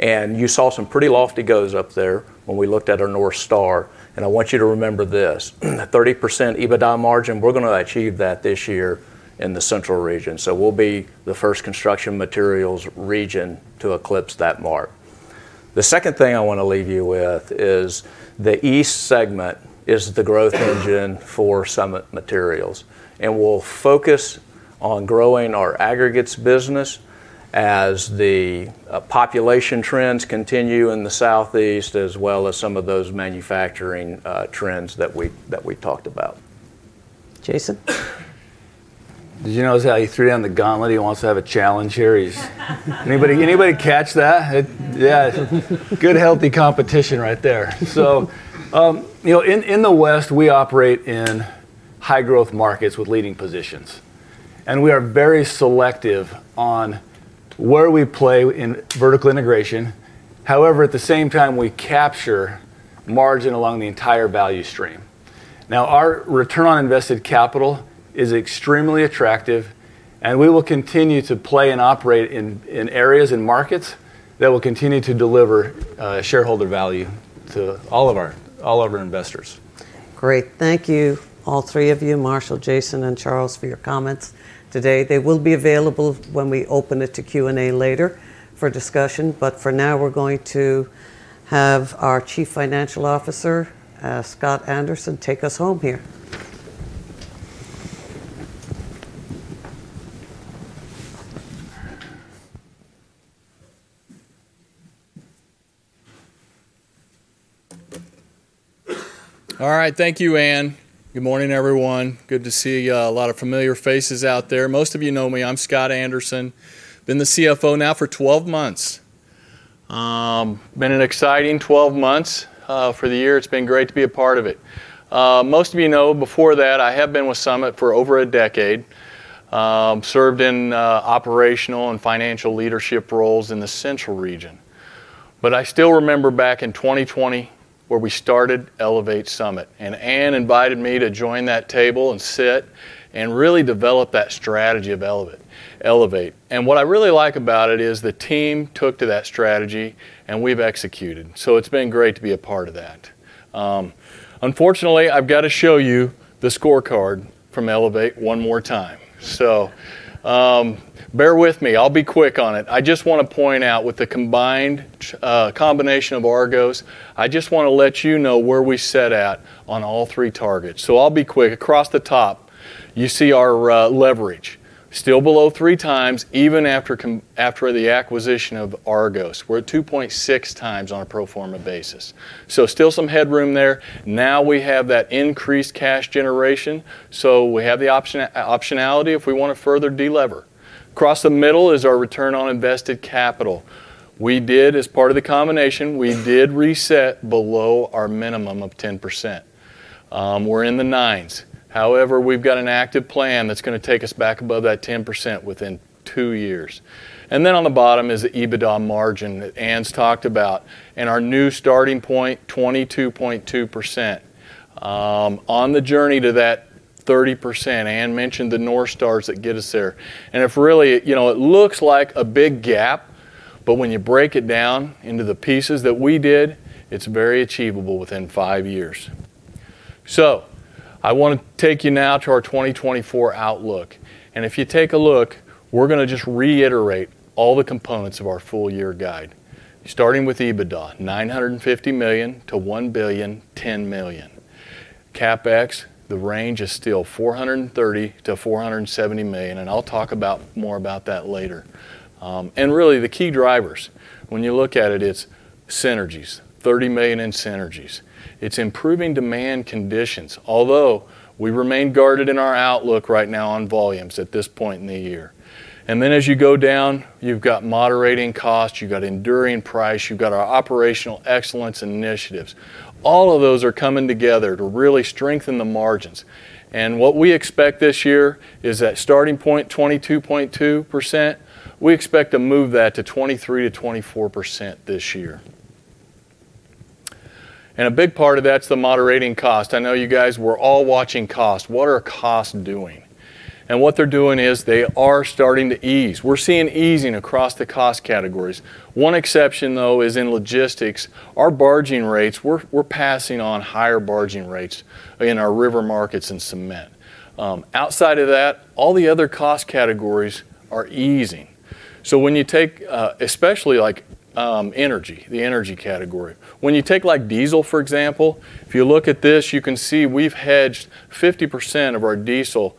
Speaker 12: And you saw some pretty lofty goals up there when we looked at our North Star. And I want you to remember this: the 30% EBITDA margin, we're going to achieve that this year in the Central Region. So we'll be the first Construction Materials region to eclipse that mark. The second thing I want to leave you with is the East Segment is the growth engine for Summit Materials. And we'll focus on growing our aggregates business as the population trends continue in the Southeast, as well as some of those manufacturing trends that w
Speaker 11: e talked about. Jason. Did you notice how he threw down the gauntlet? He wants to have a challenge here. Anybody catch that? Yeah. Good, healthy competition right there. So in the West, we operate in high-growth markets with leading positions. And we are very selective on where we play in vertical integration. However, at the same time, we capture margin along the entire value stream. Now, our return on invested capital is extremely attractive. And we will continue to play and operate in areas and markets that will continue to deliver shareholder value to all of our investors. Great.
Speaker 4: Thank you, all three of you, Marshall, Jason, and Charles, for your comments today. They will be available when we open it to Q&A later for discussion. But for now, we're going to have our Chief Financial Officer, Scott Anderson, take us home here. All right.
Speaker 13: Thank you, Anne. Good morning, everyone. Good to see a lot of familiar faces out there. Most of you know me. I'm Scott Anderson. Been the CFO now for 12 months. Been an exciting 12 months. For the year, it's been great to be a part of it. Most of you know, before that, I have been with Summit for over a decade, served in operational and financial leadership roles in the Central Region. But I still remember back in 2020 where we started Elevate Summit. And Anne invited me to join that table and sit and really develop that strategy of Elevate. What I really like about it is the team took to that strategy. We've executed. So it's been great to be a part of that. Unfortunately, I've got to show you the scorecard from Elevate one more time. So bear with me. I'll be quick on it. I just want to point out with the combination of Argos, I just want to let you know where we set out on all three targets. So I'll be quick. Across the top, you see our leverage. Still below 3x even after the acquisition of Argos. We're at 2.6x on a pro forma basis. So still some headroom there. Now we have that increased cash generation. So we have the optionality if we want to further delever. Across the middle is our return on invested capital. As part of the combination, we did reset below our minimum of 10%. We're in the 9s. However, we've got an active plan that's going to take us back above that 10% within two years. And then on the bottom is the EBITDA margin that Anne's talked about and our new starting point, 22.2%. On the journey to that 30%, Ann mentioned the North Stars that get us there. And it really looks like a big gap. But when you break it down into the pieces that we did, it's very achievable within five years. So I want to take you now to our 2024 outlook. And if you take a look, we're going to just reiterate all the components of our full year guide, starting with EBITDA, $950 million-$1.01 billion. CapEx, the range is still $430 million-$470 million. And I'll talk more about that later. And really, the key drivers, when you look at it, it's synergies, $30 million in synergies. It's improving demand conditions, although we remain guarded in our outlook right now on volumes at this point in the year. And then as you go down, you've got moderating costs. You've got enduring price. You've got our Operational Excellence initiatives. All of those are coming together to really strengthen the margins. And what we expect this year is that starting point, 22.2%, we expect to move that to 23%-24% this year. And a big part of that's the moderating cost. I know you guys were all watching costs. What are costs doing? And what they're doing is they are starting to ease. We're seeing easing across the cost categories. One exception, though, is in logistics. Our barging rates, we're passing on higher barging rates in our river markets and cement. Outside of that, all the other cost categories are easing. So when you take especially energy, the energy category, when you take diesel, for example, if you look at this, you can see we've hedged 50% of our diesel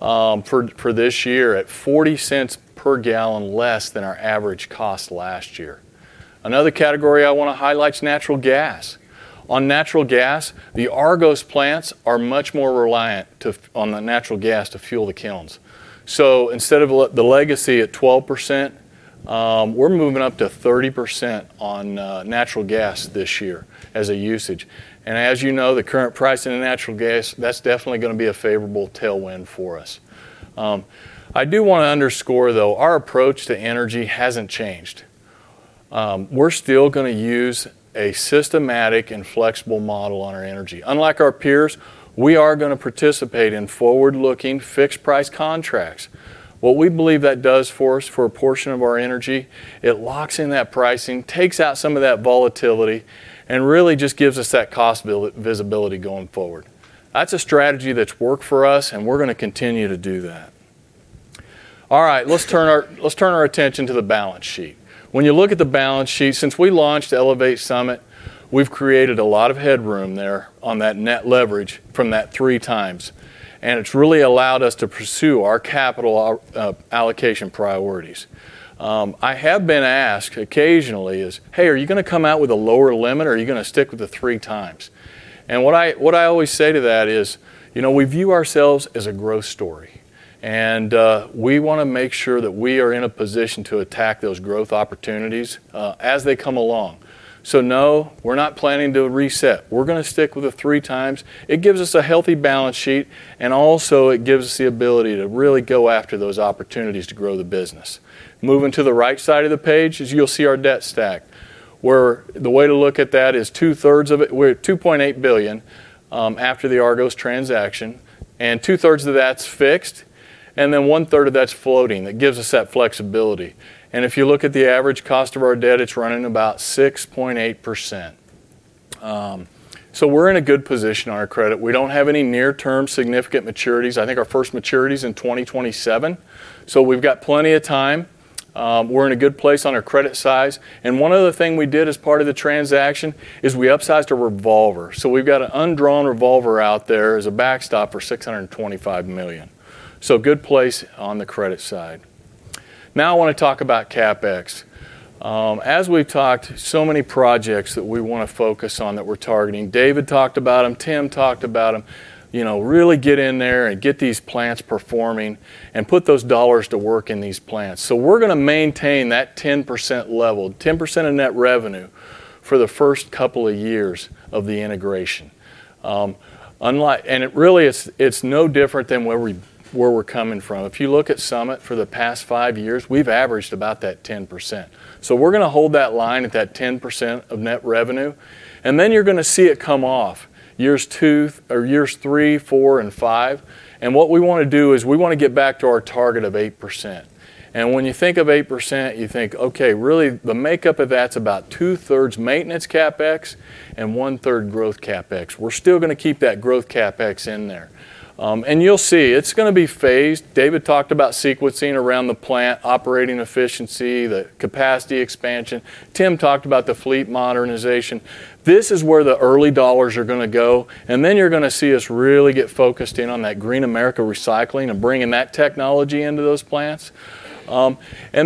Speaker 13: for this year at $0.40 per gallon less than our average cost last year. Another category I want to highlight is natural gas. On natural gas, the Argos plants are much more reliant on the natural gas to fuel the kilns. So instead of the legacy at 12%, we're moving up to 30% on natural gas this year as a usage. And as you know, the current price in natural gas, that's definitely going to be a favorable tailwind for us. I do want to underscore, though, our approach to energy hasn't changed. We're still going to use a systematic and flexible model on our energy. Unlike our peers, we are going to participate in forward-looking fixed-price contracts. What we believe that does for us for a portion of our energy, it locks in that pricing, takes out some of that volatility, and really just gives us that cost visibility going forward. That's a strategy that's worked for us. We're going to continue to do that. All right. Let's turn our attention to the balance sheet. When you look at the balance sheet, since we launched Elevate Summit, we've created a lot of headroom there on that net leverage from that 3x. It's really allowed us to pursue our capital allocation priorities. I have been asked occasionally is, "Hey, are you going to come out with a lower limit? Are you going to stick with the 3x?" What I always say to that is we view ourselves as a growth story. We want to make sure that we are in a position to attack those growth opportunities as they come along. So no, we're not planning to reset. We're going to stick with the 3x. It gives us a healthy balance sheet. And also, it gives us the ability to really go after those opportunities to grow the business. Moving to the right side of the page, as you'll see, our debt stack, where the way to look at that is 2/3 of it. We're at $2.8 billion after the Argos transaction. And 2/3 of that's fixed. And then 1/3 of that's floating. That gives us that flexibility. And if you look at the average cost of our debt, it's running about 6.8%. So we're in a good position on our credit. We don't have any near-term significant maturities. I think our first maturity is in 2027. So we've got plenty of time. We're in a good place on our credit size. And one other thing we did as part of the transaction is we upsized our revolver. So we've got an undrawn revolver out there as a backstop for $625 million. So good place on the credit side. Now, I want to talk about CapEx. As we've talked, so many projects that we want to focus on that we're targeting. David talked about them. Tim talked about them. Really get in there and get these plants performing and put those dollars to work in these plants. So we're going to maintain that 10% level, 10% of net revenue for the first couple of years of the integration. And really, it's no different than where we're coming from. If you look at Summit for the past five years, we've averaged about that 10%. So we're going to hold that line at that 10% of net revenue. And then you're going to see it come off years 2 or years 3, 4, and 5. And what we want to do is we want to get back to our target of 8%. And when you think of 8%, you think, "Okay. Really, the makeup of that's about 2/3 maintenance CapEx and 1/3 growth CapEx." We're still going to keep that growth CapEx in there. And you'll see it's going to be phased. David talked about sequencing around the plant, operating efficiency, the capacity expansion. Tim talked about the fleet modernization. This is where the early dollars are going to go. And then you're going to see us really get focused in on that Green America Recycling and bringing that technology into those plants. And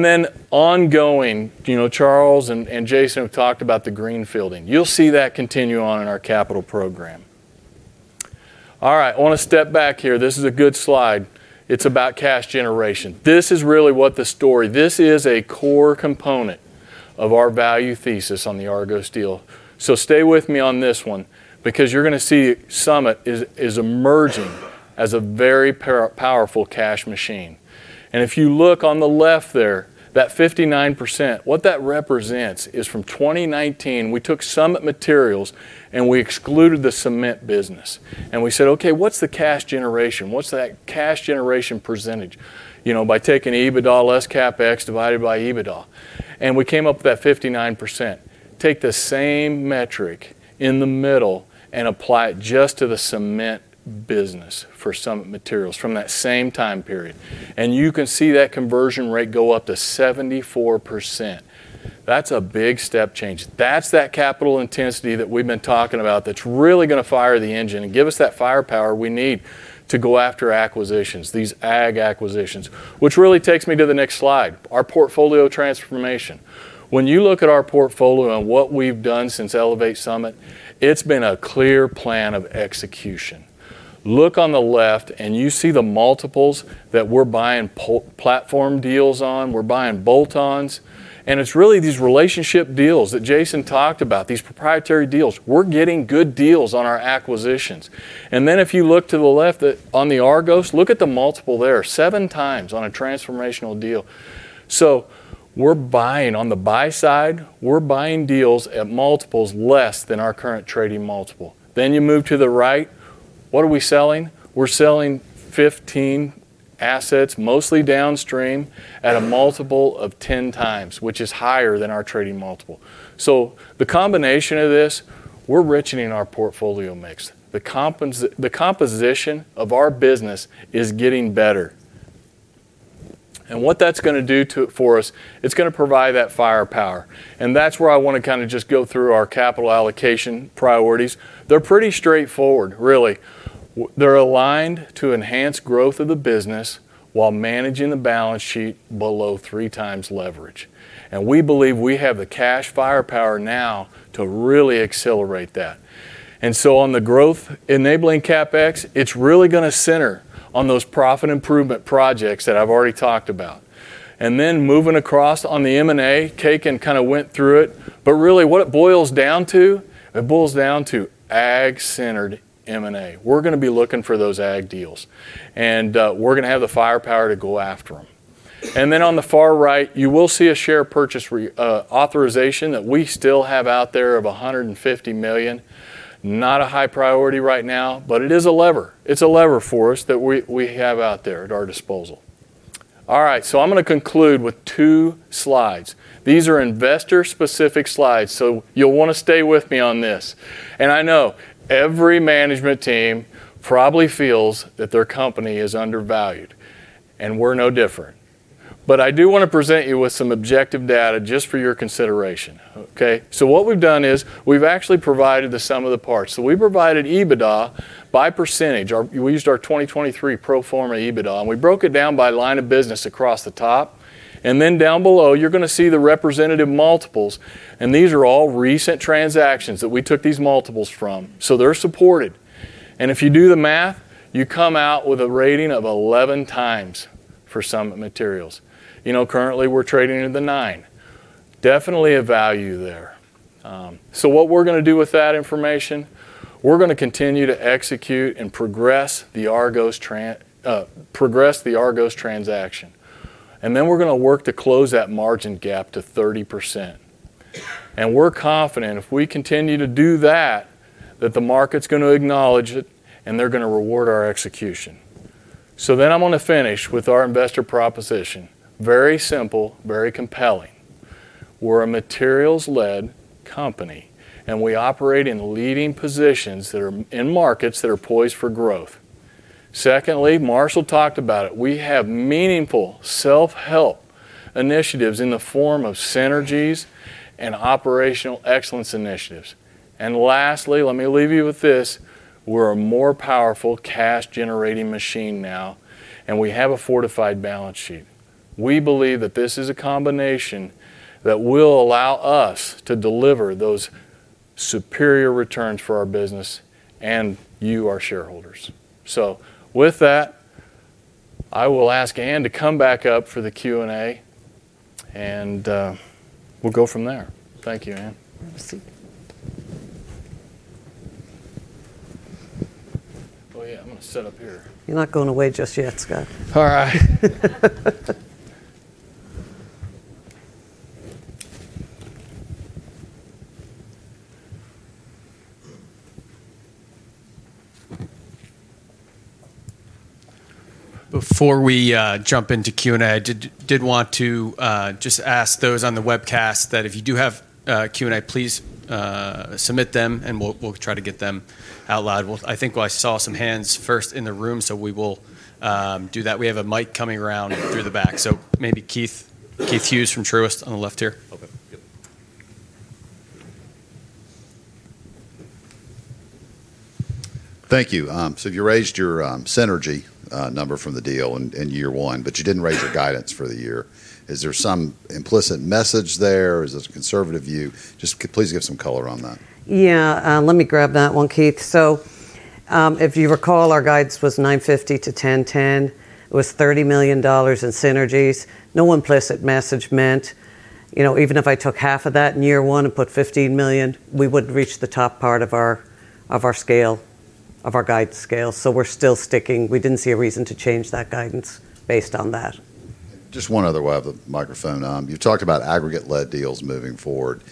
Speaker 13: then ongoing, Charles and Jason have talked about the greenfielding. You'll see that continue on in our capital program. All right. I want to step back here. This is a good slide. It's about cash generation. This is really what the story this is a core component of our value thesis on the Argos deal. So stay with me on this one because you're going to see Summit is emerging as a very powerful cash machine. And if you look on the left there, that 59%, what that represents is from 2019, we took Summit Materials and we excluded the cement business. And we said, "Okay. What's the cash generation? What's that cash generation percentage by taking EBITDA less CapEx divided by EBITDA?" And we came up with that 59%. Take the same metric in the middle and apply it just to the cement business for Summit Materials from that same time period. You can see that conversion rate go up to 74%. That's a big step change. That's that capital intensity that we've been talking about that's really going to fire the engine and give us that firepower we need to go after acquisitions, these ag acquisitions, which really takes me to the next slide, our portfolio transformation. When you look at our portfolio and what we've done since Elevate Summit, it's been a clear plan of execution. Look on the left. You see the multiples that we're buying platform deals on. We're buying bolt-ons. It's really these relationship deals that Jason talked about, these proprietary deals. We're getting good deals on our acquisitions. Then if you look to the left on the Argos, look at the multiple there, 7x on a transformational deal. So on the buy side, we're buying deals at multiples less than our current trading multiple. Then you move to the right. What are we selling? We're selling 15 assets, mostly downstream, at a multiple of 10x, which is higher than our trading multiple. So the combination of this, we're richening our portfolio mix. The composition of our business is getting better. And what that's going to do for us, it's going to provide that firepower. And that's where I want to kind of just go through our capital allocation priorities. They're pretty straightforward, really. They're aligned to enhance growth of the business while managing the balance sheet below 3x leverage. And we believe we have the cash firepower now to really accelerate that. And so on the growth-enabling CapEx, it's really going to center on those profit improvement projects that I've already talked about. Moving across on the M&A, Kekin kind of went through it. But really, what it boils down to, it boils down to ag-centered M&A. We're going to be looking for those ag deals. And we're going to have the firepower to go after them. And then on the far right, you will see a share purchase authorization that we still have out there of 150 million. Not a high priority right now. But it is a lever. It's a lever for us that we have out there at our disposal. All right. So I'm going to conclude with two slides. These are investor-specific slides. So you'll want to stay with me on this. And I know every management team probably feels that their company is undervalued. And we're no different. But I do want to present you with some objective data just for your consideration. Okay. So what we've done is we've actually provided the sum of the parts. So we provided EBITDA by percentage. We used our 2023 pro forma EBITDA. And we broke it down by line of business across the top. And then down below, you're going to see the representative multiples. And these are all recent transactions that we took these multiples from. So they're supported. And if you do the math, you come out with a rating of 11x for Summit Materials. Currently, we're trading at the 9x, definitely a value there. So what we're going to do with that information, we're going to continue to execute and progress the Argos transaction. And then we're going to work to close that margin gap to 30%. And we're confident if we continue to do that, that the market's going to acknowledge it. And they're going to reward our execution. So then I'm going to finish with our investor proposition, very simple, very compelling. We're a materials-led company. We operate in leading positions in markets that are poised for growth. Secondly, Marshall talked about it. We have meaningful self-help initiatives in the form of synergies and operational excellence initiatives. Lastly, let me leave you with this. We're a more powerful cash-generating machine now. We have a fortified balance sheet. We believe that this is a combination that will allow us to deliver those superior returns for our business and you, our shareholders. So with that, I will ask Anne to come back up for the Q&A. We'll go from there. Thank you, Anne. Oh, yeah. I'm going to set up here. You're not going away just yet, Scott. All right.
Speaker 4: Before we jump into Q&A, I did want to just ask those on the webcast that if you do have Q&A, please submit them. We'll try to get them out loud. I think I saw some hands first in the room. We will do that. We have a mic coming around through the back. Maybe Keith Hughes from Truist on the left here.
Speaker 14: Okay. Yep. Thank you. So you raised your synergy number from the deal in year one. But you didn't raise your guidance for the year. Is there some implicit message there? Is this a conservative view? Just please give some color on that.
Speaker 7: Yeah. Let me grab that one, Keith. So if you recall, our guidance was $950-$1,010 million. It was $30 million in synergies. No implicit message meant even if I took half of that in year one and put $15 million, we wouldn't reach the top part of our guidance scale. So we're still sticking. We didn't see a reason to change that guidance based on that.
Speaker 14: Just one other while I have the microphone. You've talked about aggregates-led deals moving forward.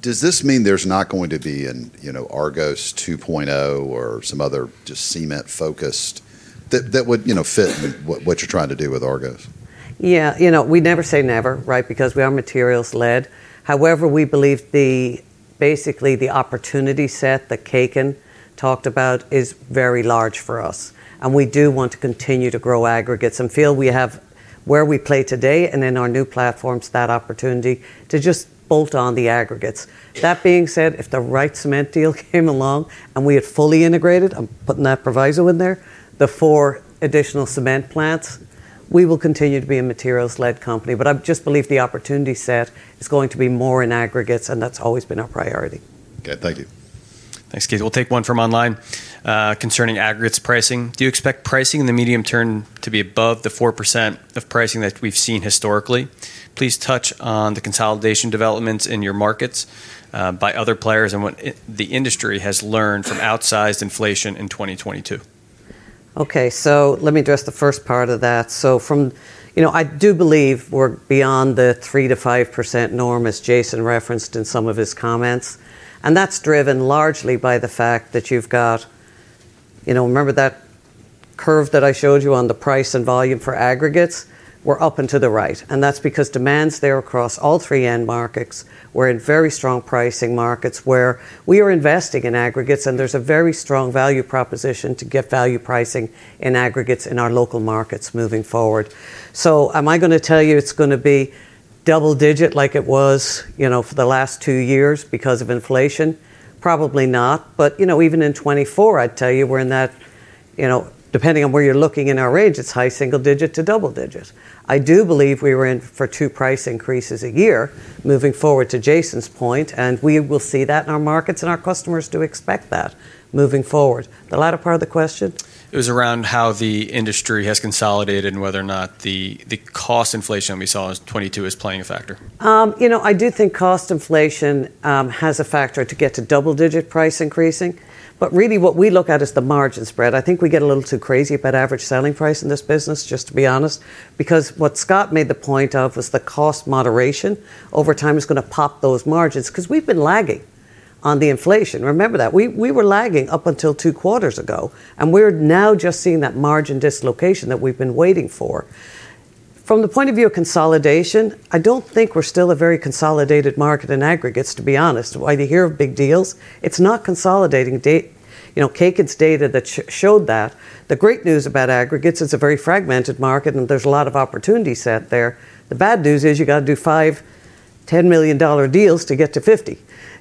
Speaker 14: Does this mean there's not going to be an Argos 2.0 or some other just cement-focused that would fit what you're trying to do with Argos?
Speaker 4: Yeah. We never say never, right, because we are materials-led. However, we believe basically the opportunity set that Kekin talked about is very large for us. And we do want to continue to grow aggregates and feel we have where we play today and in our new platforms, that opportunity to just bolt on the aggregates. That being said, if the right cement deal came along and we had fully integrated - I'm putting that proviso in there - the four additional cement plants, we will continue to be a materials-led company. But I just believe the opportunity set is going to be more in aggregates. And that's always been our priority. Okay. Thank you. Thanks, Keith. We'll take one from online concerning aggregates pricing. Do you expect pricing in the medium term to be above the 4% of pricing that we've seen historically? Please touch on the consolidation developments in your markets by other players and what the industry has learned from outsized inflation in 2022. Okay. So let me address the first part of that. So I do believe we're beyond the 3%-5% norm as Jason referenced in some of his comments. And that's driven largely by the fact that you've got remember that curve that I showed you on the price and volume for aggregates? We're up and to the right. And that's because demands there across all three end markets, we're in very strong pricing markets where we are investing in aggregates. And there's a very strong value proposition to get value pricing in aggregates in our local markets moving forward. So am I going to tell you it's going to be double-digit like it was for the last 2 years because of inflation? Probably not. But even in 2024, I'd tell you we're in that depending on where you're looking in our range, it's high single-digit to double-digit. I do believe we were in for 2 price increases a year moving forward to Jason's point. And we will see that in our markets. And our customers do expect that moving forward. The latter part of the question? It was around how the industry has consolidated and whether or not the cost inflation we saw in 2022 is playing a factor. I do think cost inflation has a factor to get to double-digit price increasing. But really, what we look at is the margin spread. I think we get a little too crazy about average selling price in this business, just to be honest, because what Scott made the point of was the cost moderation over time is going to pop those margins because we've been lagging on the inflation. Remember that. We were lagging up until two quarters ago. And we're now just seeing that margin dislocation that we've been waiting for. From the point of view of consolidation, I don't think we're still a very consolidated market in aggregates, to be honest. Why do you hear of big deals? It's not consolidating. Kekin’s data that showed that. The great news about aggregates is it's a very fragmented market. And there's a lot of opportunity set there. The bad news is you've got to do $5-$10 million deals to get to $50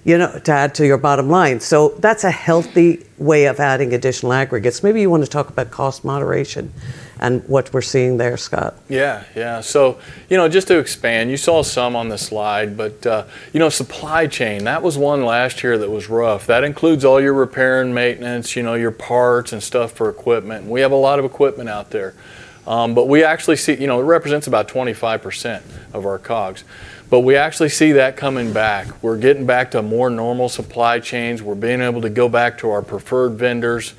Speaker 4: million to add to your bottom line. So that's a healthy way of adding additional aggregates. Maybe you want to talk about cost moderation and what we're seeing there, Scott.
Speaker 13: Yeah. Yeah. So just to expand, you saw some on the slide. But supply chain, that was one last year that was rough. That includes all your repair and maintenance, your parts, and stuff for equipment. And we have a lot of equipment out there. But we actually see it represents about 25% of our COGS. But we actually see that coming back. We're getting back to more normal supply chains. We're being able to go back to our preferred vendors.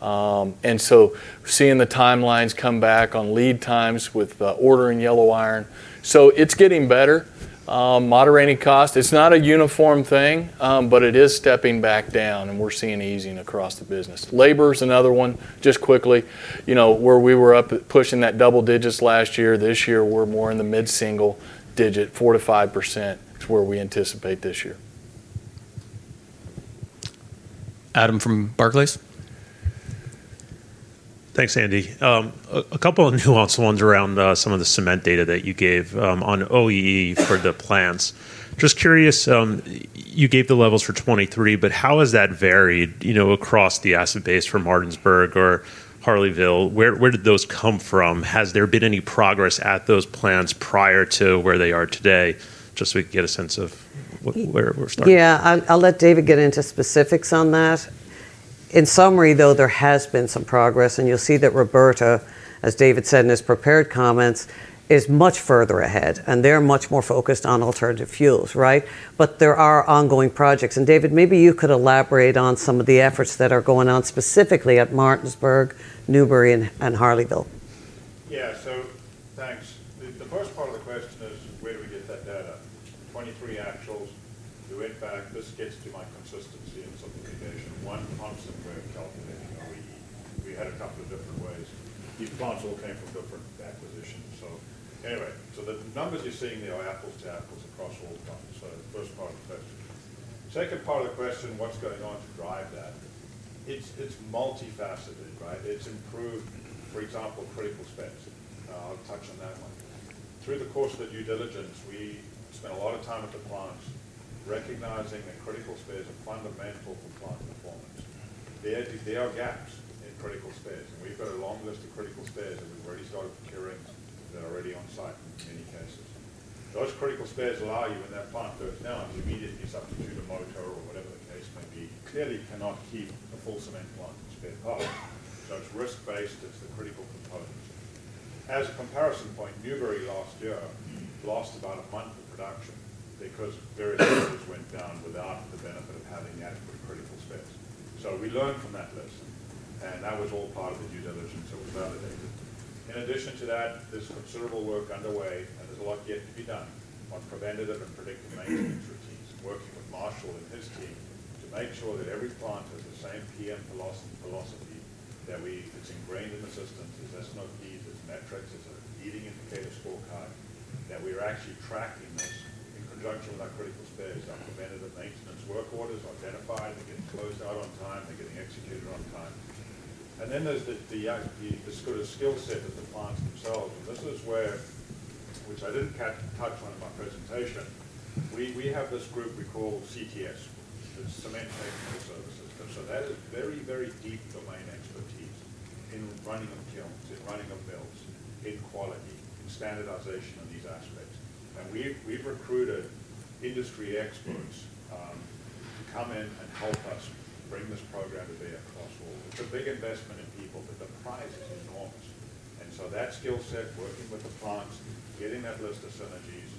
Speaker 13: And so seeing the timelines come back on lead times with ordering yellow iron. So it's getting better, moderating cost. It's not a uniform thing. But it is stepping back down. And we're seeing easing across the business. Labor is another one, just quickly, where we were up pushing that double-digit last year. This year, we're more in the mid-single-digit, 4%-5% is where we anticipate this year. Adam from Barclays.
Speaker 15: Thanks, Andy. A couple of nuanced ones around some of the cement data that you gave on OEE for the plants. Just curious, you gave the levels for 2023. But how has that varied across the asset base for Martinsburg or Harleyville? Where did those come from? Has there been any progress at those plants prior to where they are today? Just so we can get a sense of where we're starting. Yeah. I'll let David get into specifics on that. In summary, though, there has been some progress. And you'll see that Roberta, as David said in his prepared comments, is much further ahead. And they're much more focused on alternative fuels, right? But there are ongoing projects. And David, maybe you could elaborate on some of the efforts that are going on specifically at Martinsburg, Newberry, and Harleyville. Yeah. So thanks. The first part of the question is, where do we get that data? 2023 actuals, which, in fact, this gets to my consistency and simplification, one Hanson way of calculating OEE. We had a couple of different ways. These plants all came from different acquisitions. So anyway, so the numbers you're seeing there are apples to apples across all the companies. First part of the question. Second part of the question, what's going on to drive that? It's multifaceted, right? It's improved, for example, critical spares. I'll touch on that one. Through the course of the due diligence, we spent a lot of time at the plants recognizing that critical spares are fundamental for plant performance. There are gaps in critical spares. We've got a long list of critical spares. We've already started procuring that are already on site in many cases. Those critical spares allow you, in that plant, though it's now an immediate new substitute of motor or whatever the case may be, you clearly cannot keep a full cement plant in spare parts. So it's risk-based. It's the critical component. As a comparison point, Newberry last year lost about a month of production because various companies went down without the benefit of having adequate critical spares. So we learned from that lesson. That was all part of the due diligence that was validated. In addition to that, there's considerable work underway. There's a lot yet to be done on preventative and predictive maintenance routines, working with Marshall and his team to make sure that every plant has the same PM philosophy that's ingrained in the systems, as S&OPs, as metrics, as a leading indicator scorecard, that we are actually tracking this in conjunction with our critical spares. Our preventative maintenance work orders are identified. They're getting closed out on time. They're getting executed on time. And then there's the sort of skill set of the plants themselves.
Speaker 4: And this is where, which I didn't touch on in my presentation. We have this group we call CTS, the Cement Technical Services. So that is very, very deep domain expertise in running of kilns, in running of mills, in quality, in standardization of these aspects. And we've recruited industry experts to come in and help us bring this program to bear across all. It's a big investment in people. But the price is enormous. And so that skill set, working with the plants, getting that list of synergies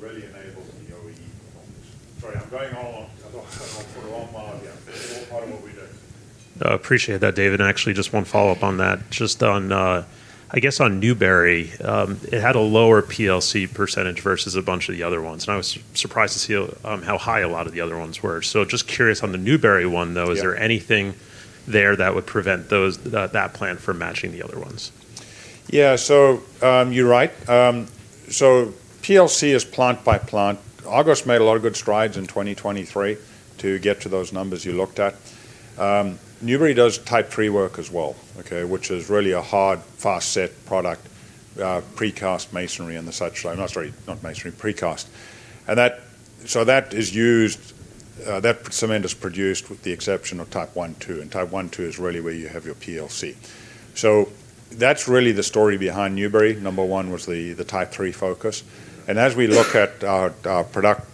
Speaker 4: really enables the OEE performance. Sorry. I'm going all along. I thought I'd put it on while I've got it's all part of what we do. I appreciate that, David. And actually, just one follow-up on that. I guess on Newberry, it had a lower PLC percentage versus a bunch of the other ones. I was surprised to see how high a lot of the other ones were. So just curious on the Newberry one, though, is there anything there that would prevent that plant from matching the other ones? Yeah. So you're right. So PLC is plant by plant. Argos made a lot of good strides in 2023 to get to those numbers you looked at. Newberry does type 3 work as well, okay, which is really a hard, fast-set product, precast masonry and the such like. No, sorry. Not masonry. Precast. And so that is used that cement is produced with the exception of type 1, 2. And type 1, 2 is really where you have your PLC. So that's really the story behind Newberry. Number one was the type 3 focus. As we look at our product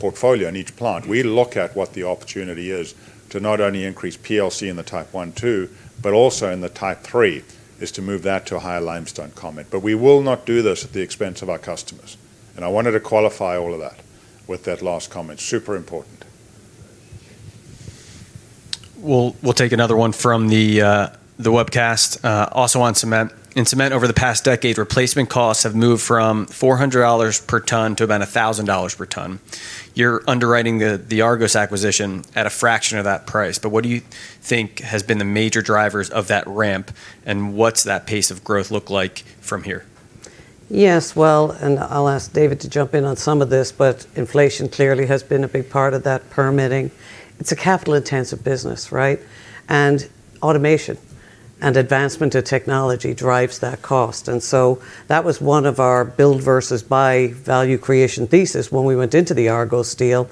Speaker 4: portfolio in each plant, we look at what the opportunity is to not only increase PLC in the type 1, 2 but also in the type 3 is to move that to a higher limestone content. But we will not do this at the expense of our customers. And I wanted to qualify all of that with that last comment. Super important. Well, we'll take another one from the webcast. Also on cement, in cement, over the past decade, replacement costs have moved from $400 per ton to about $1,000 per ton. You're underwriting the Argos acquisition at a fraction of that price. But what do you think has been the major drivers of that ramp? And what's that pace of growth look like from here? Yes. Well, and I'll ask David to jump in on some of this. But inflation clearly has been a big part of that permitting. It's a capital-intensive business, right? And automation and advancement of technology drives that cost. And so that was one of our build versus buy value creation thesis when we went into the Argos deal.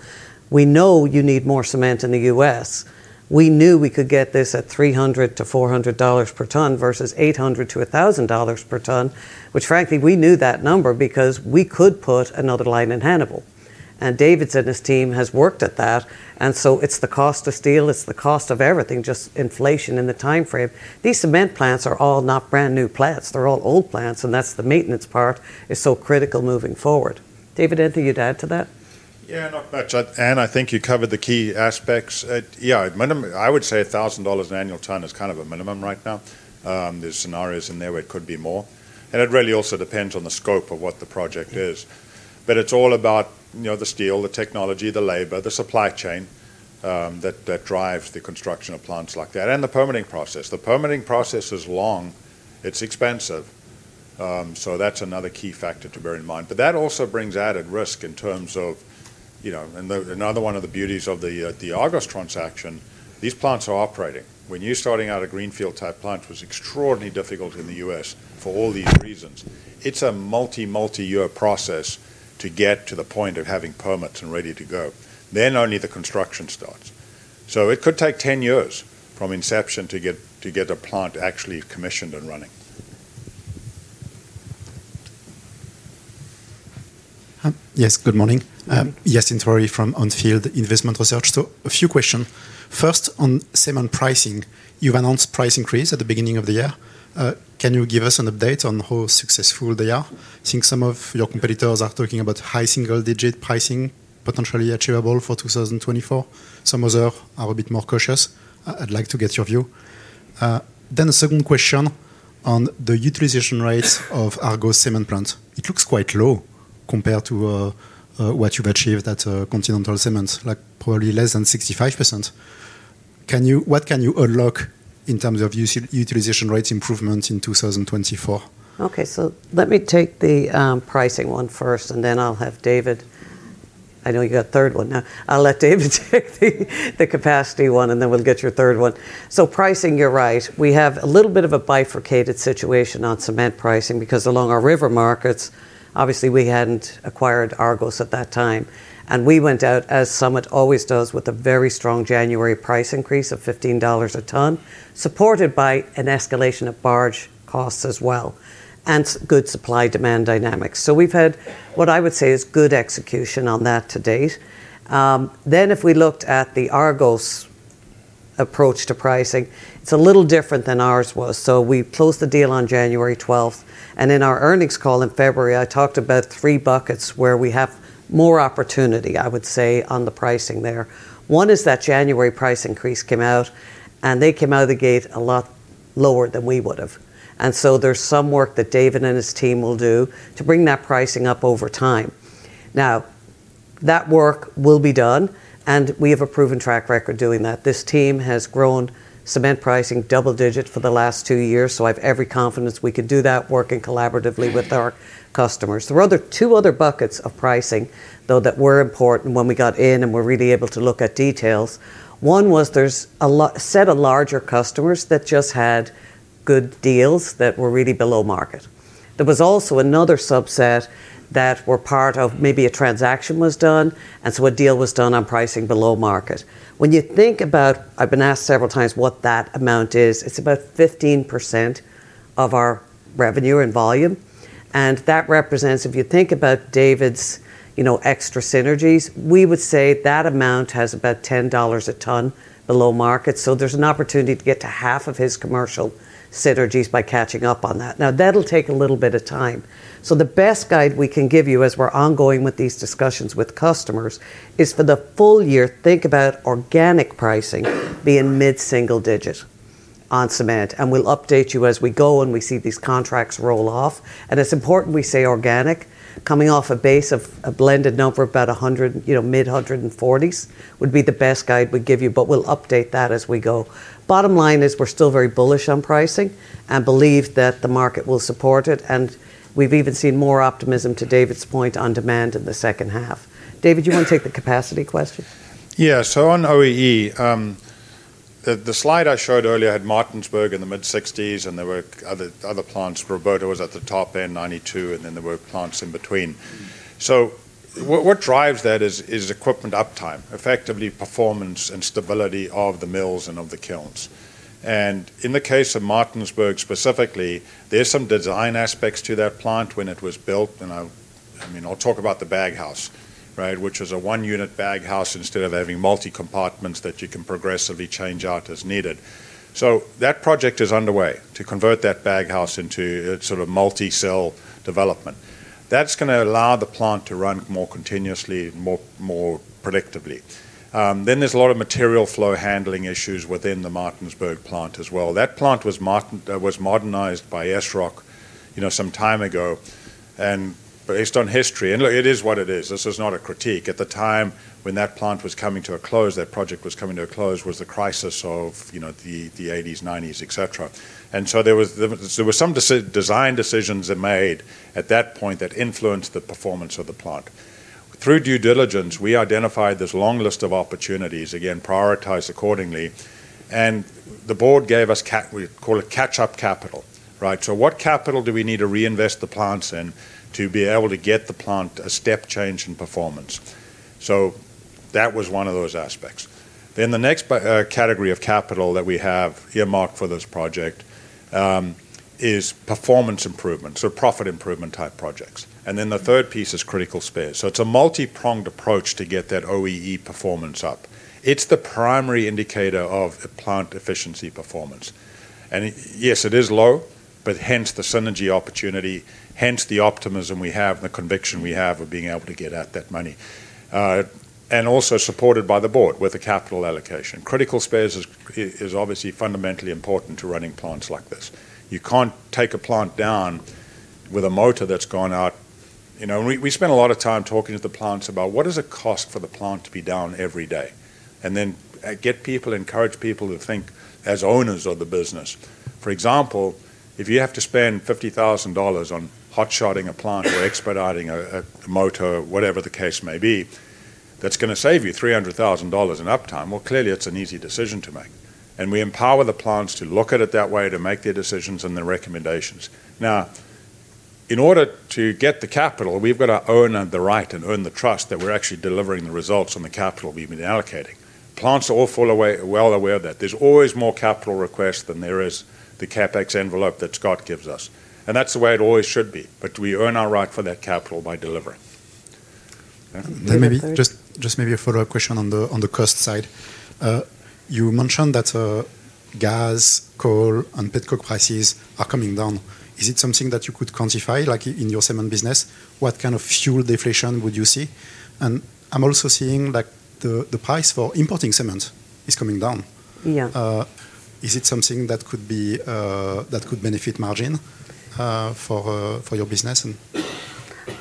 Speaker 4: We know you need more cement in the US. We knew we could get this at $300-$400 per ton versus $800-$1,000 per ton, which frankly, we knew that number because we could put another line in Hannibal. And David's and his team have worked at that. And so it's the cost of steel. It's the cost of everything, just inflation in the time frame. These cement plants are all not brand new plants. They're all old plants. And that's the maintenance part is so critical moving forward. David, Anthony, you'd add to that? Yeah. Not much. Anne, I think you covered the key aspects. Yeah. I would say $1,000 an annual ton is kind of a minimum right now. There's scenarios in there where it could be more. And it really also depends on the scope of what the project is. But it's all about the steel, the technology, the labor, the supply chain that drives the construction of plants like that and the permitting process. The permitting process is long. It's expensive. So that's another key factor to bear in mind. But that also brings added risk in terms of and another one of the beauties of the Argos transaction, these plants are operating. When you're starting out, a greenfield type plant was extraordinarily difficult in the U.S. for all these reasons. It's a multi, multi-year process to get to the point of having permits and ready to go. Then only the construction starts.
Speaker 8: So it could take 10 years from inception to get a plant actually commissioned and running. Yes. Good morning. Yassine Touahri from OnField Investment Research. So a few questions. First, on cement pricing, you've announced price increase at the beginning of the year. Can you give us an update on how successful they are? I think some of your competitors are talking about high single-digit pricing potentially achievable for 2024. Some others are a bit more cautious. I'd like to get your view. Then a second question on the utilization rates of Argos cement plant. It looks quite low compared to what you've achieved at Continental Cement, probably less than 65%. What can you unlock in terms of utilization rates improvement in 2024?
Speaker 7: Okay. So let me take the pricing one first. Then I'll have David. I know you got a third one now. I'll let David take the capacity one. Then we'll get your third one. So pricing, you're right. We have a little bit of a bifurcated situation on cement pricing because along our river markets, obviously, we hadn't acquired Argos at that time. And we went out, as Summit always does, with a very strong January price increase of $15 a ton supported by an escalation of barge costs as well and good supply-demand dynamics. So we've had what I would say is good execution on that to date. Then if we looked at the Argos approach to pricing, it's a little different than ours was. So we closed the deal on January 12th. And in our earnings call in February, I talked about three buckets where we have more opportunity, I would say, on the pricing there. One is that January price increase came out. They came out of the gate a lot lower than we would have. So there's some work that David and his team will do to bring that pricing up over time. Now, that work will be done. And we have a proven track record doing that. This team has grown cement pricing double-digit for the last two years. So I have every confidence we could do that working collaboratively with our customers. There were two other buckets of pricing, though, that were important when we got in and were really able to look at details. One was there's a set of larger customers that just had good deals that were really below market. There was also another subset that were part of maybe a transaction was done. And so a deal was done on pricing below market. When you think about, I've been asked several times what that amount is. It's about 15% of our revenue and volume. And that represents if you think about David's extra synergies, we would say that amount has about $10 a ton below market. So there's an opportunity to get to half of his commercial synergies by catching up on that. Now, that'll take a little bit of time. So the best guide we can give you as we're ongoing with these discussions with customers is for the full year, think about organic pricing being mid-single-digit on cement. And we'll update you as we go and we see these contracts roll off. And it's important we say organic. Coming off a base of a blended number of about mid-140s would be the best guide we'd give you. But we'll update that as we go. Bottom line is we're still very bullish on pricing and believe that the market will support it. We've even seen more optimism to David's point on demand in the second half. David, you want to take the capacity question? Yeah. On OEE, the slide I showed earlier had Martinsburg in the mid-60s%. There were other plants. Roberta was at the top end, 92%.
Speaker 5: Then there were plants in between. What drives that is equipment uptime, effectively performance and stability of the mills and of the kilns. In the case of Martinsburg specifically, there's some design aspects to that plant when it was built. I mean, I'll talk about the baghouse, right, which was a one-unit baghouse instead of having multi-compartments that you can progressively change out as needed. So that project is underway to convert that baghouse into sort of multi-cell development. That's going to allow the plant to run more continuously and more productively. Then there's a lot of material flow handling issues within the Martinsburg plant as well. That plant was modernized b some Essroc time ago based on history. And look, it is what it is. This is not a critique. At the time when that plant was coming to a close, that project was coming to a close, was the crisis of the '80s, '90s, etc. And so there were some design decisions that made at that point that influenced the performance of the plant. Through due diligence, we identified this long list of opportunities, again, prioritized accordingly. And the board gave us we call it catch-up capital, right? So what capital do we need to reinvest the plants in to be able to get the plant a step change in performance? So that was one of those aspects. Then the next category of capital that we have earmarked for this project is performance improvement, so profit improvement type projects. And then the third piece is critical spares. So it's a multi-pronged approach to get that OEE performance up. It's the primary indicator of plant efficiency performance. And yes, it is low. But hence the synergy opportunity, hence the optimism we have and the conviction we have of being able to get at that money and also supported by the board with the capital allocation. Critical spares is obviously fundamentally important to running plants like this. You can't take a plant down with a motor that's gone out. We spend a lot of time talking to the plants about what is the cost for the plant to be down every day and then get people, encourage people to think as owners of the business. For example, if you have to spend $50,000 on hotshotting a plant or expediting a motor, whatever the case may be, that's going to save you $300,000 in uptime. Well, clearly, it's an easy decision to make. We empower the plants to look at it that way, to make their decisions and their recommendations. Now, in order to get the capital, we've got to own the right and earn the trust that we're actually delivering the results on the capital we've been allocating. Plants are all well aware of that. There's always more capital requests than there is the CapEx envelope that Scott gives us.
Speaker 13: That's the way it always should be. We earn our right for that capital by delivering. Maybe just maybe a follow-up question on the cost side. You mentioned that gas, coal, and petcoke prices are coming down. Is it something that you could quantify in your cement business? What kind of fuel deflation would you see? I'm also seeing the price for importing cement is coming down. Is it something that could benefit margin for your business?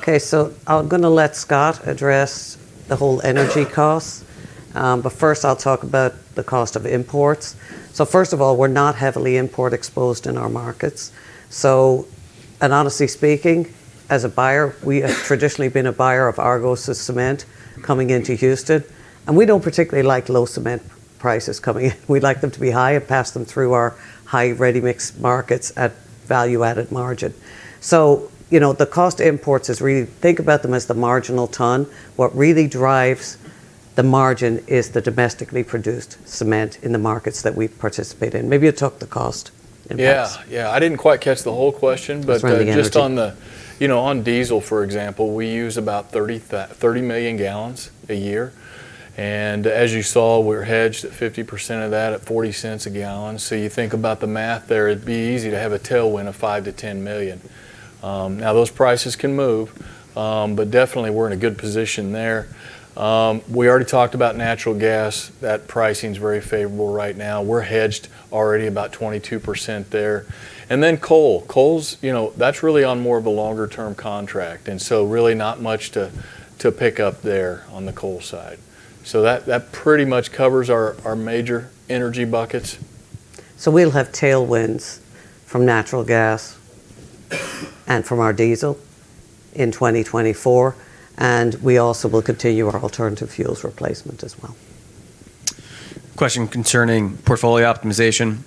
Speaker 13: Okay. I'm going to let Scott address the whole energy cost. First, I'll talk about the cost of imports. First of all, we're not heavily import exposed in our markets. Honestly speaking, as a buyer, we have traditionally been a buyer of Argos's cement coming into Houston. We don't particularly like low cement prices coming in. We like them to be high and pass them through our high ready-mix markets at value-added margin. So the cost of imports is really—think about them as the marginal ton. What really drives the margin is the domestically produced cement in the markets that we participate in. Maybe you'll talk the cost of imports. Yeah. Yeah. I didn't quite catch the whole question. But just on diesel, for example, we use about 30 million gallons a year. And as you saw, we're hedged at 50% of that at $0.40 a gallon. So you think about the math there, it'd be easy to have a tailwind of $5 million-$10 million. Now, those prices can move. But definitely, we're in a good position there. We already talked about natural gas. That pricing's very favorable right now. We're hedged already about 22% there. And then coal. Coal, that's really on more of a longer-term contract. Really not much to pick up there on the coal side. That pretty much covers our major energy buckets. We'll have tailwinds from natural gas and from our diesel in 2024. We also will continue our alternative fuels replacement as well. Question concerning portfolio optimization.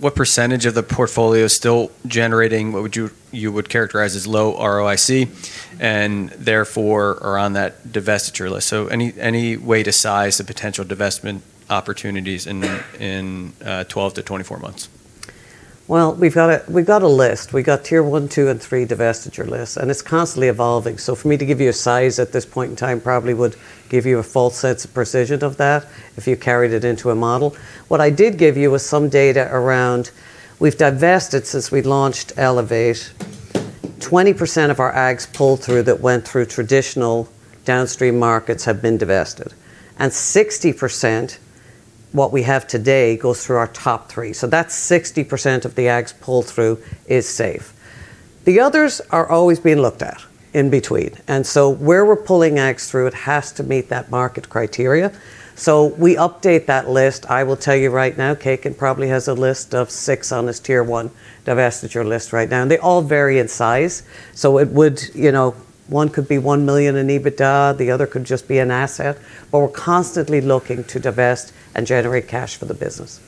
Speaker 13: What percentage of the portfolio is still generating what you would characterize as low ROIC and therefore are on that divestiture list? Any way to size the potential divestment opportunities in 12-24 months? Well, we've got a list. We've got tier one, two, and three divestiture lists. It's constantly evolving. For me to give you a size at this point in time probably would give you a false sense of precision of that if you carried it into a model.
Speaker 4: What I did give you was some data around we've divested since we launched Elevate. 20% of our ags pull through that went through traditional downstream markets have been divested. And 60%, what we have today, goes through our top 3. So that's 60% of the ags pull through is safe. The others are always being looked at in between. And so where we're pulling ags through, it has to meet that market criteria. So we update that list. I will tell you right now, Kekin probably has a list of 6 on his tier one divestiture list right now. And they all vary in size. So one could be $1 million in EBITDA. The other could just be an asset. But we're constantly looking to divest and generate cash for the business.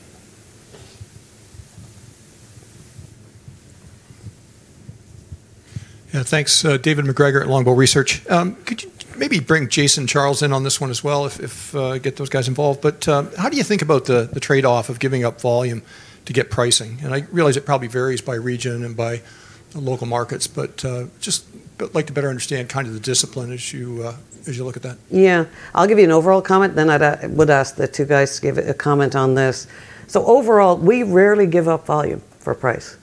Speaker 4: Yeah. Thanks, David McGregor at Longbow Research.
Speaker 11: Could you maybe bring Jason, Charles in on this one as well if we get those guys involved? But how do you think about the trade-off of giving up volume to get pricing? And I realize it probably varies by region and by local markets. But I'd like to better understand kind of the discipline as you look at that. Yeah. I'll give you an overall comment. Then I would ask the two guys to give a comment on this. So overall, we rarely give up volume for price.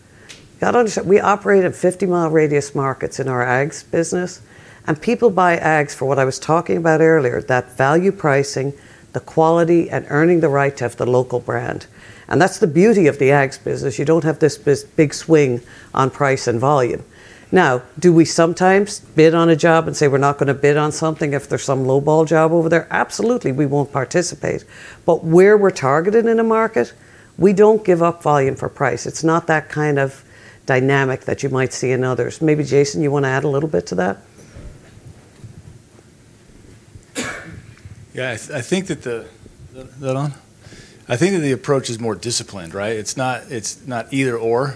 Speaker 11: We operate in 50-mile radius markets in our ags business. And people buy ags for what I was talking about earlier, that value pricing, the quality, and earning the right to have the local brand. And that's the beauty of the ags business. You don't have this big swing on price and volume.
Speaker 4: Now, do we sometimes bid on a job and say we're not going to bid on something if there's some low-ball job over there? Absolutely. We won't participate. But where we're targeted in a market, we don't give up volume for price. It's not that kind of dynamic that you might see in others. Maybe, Jason, you want to add a little bit to that? Yeah. I think that the approach is more disciplined, right? It's not either/or.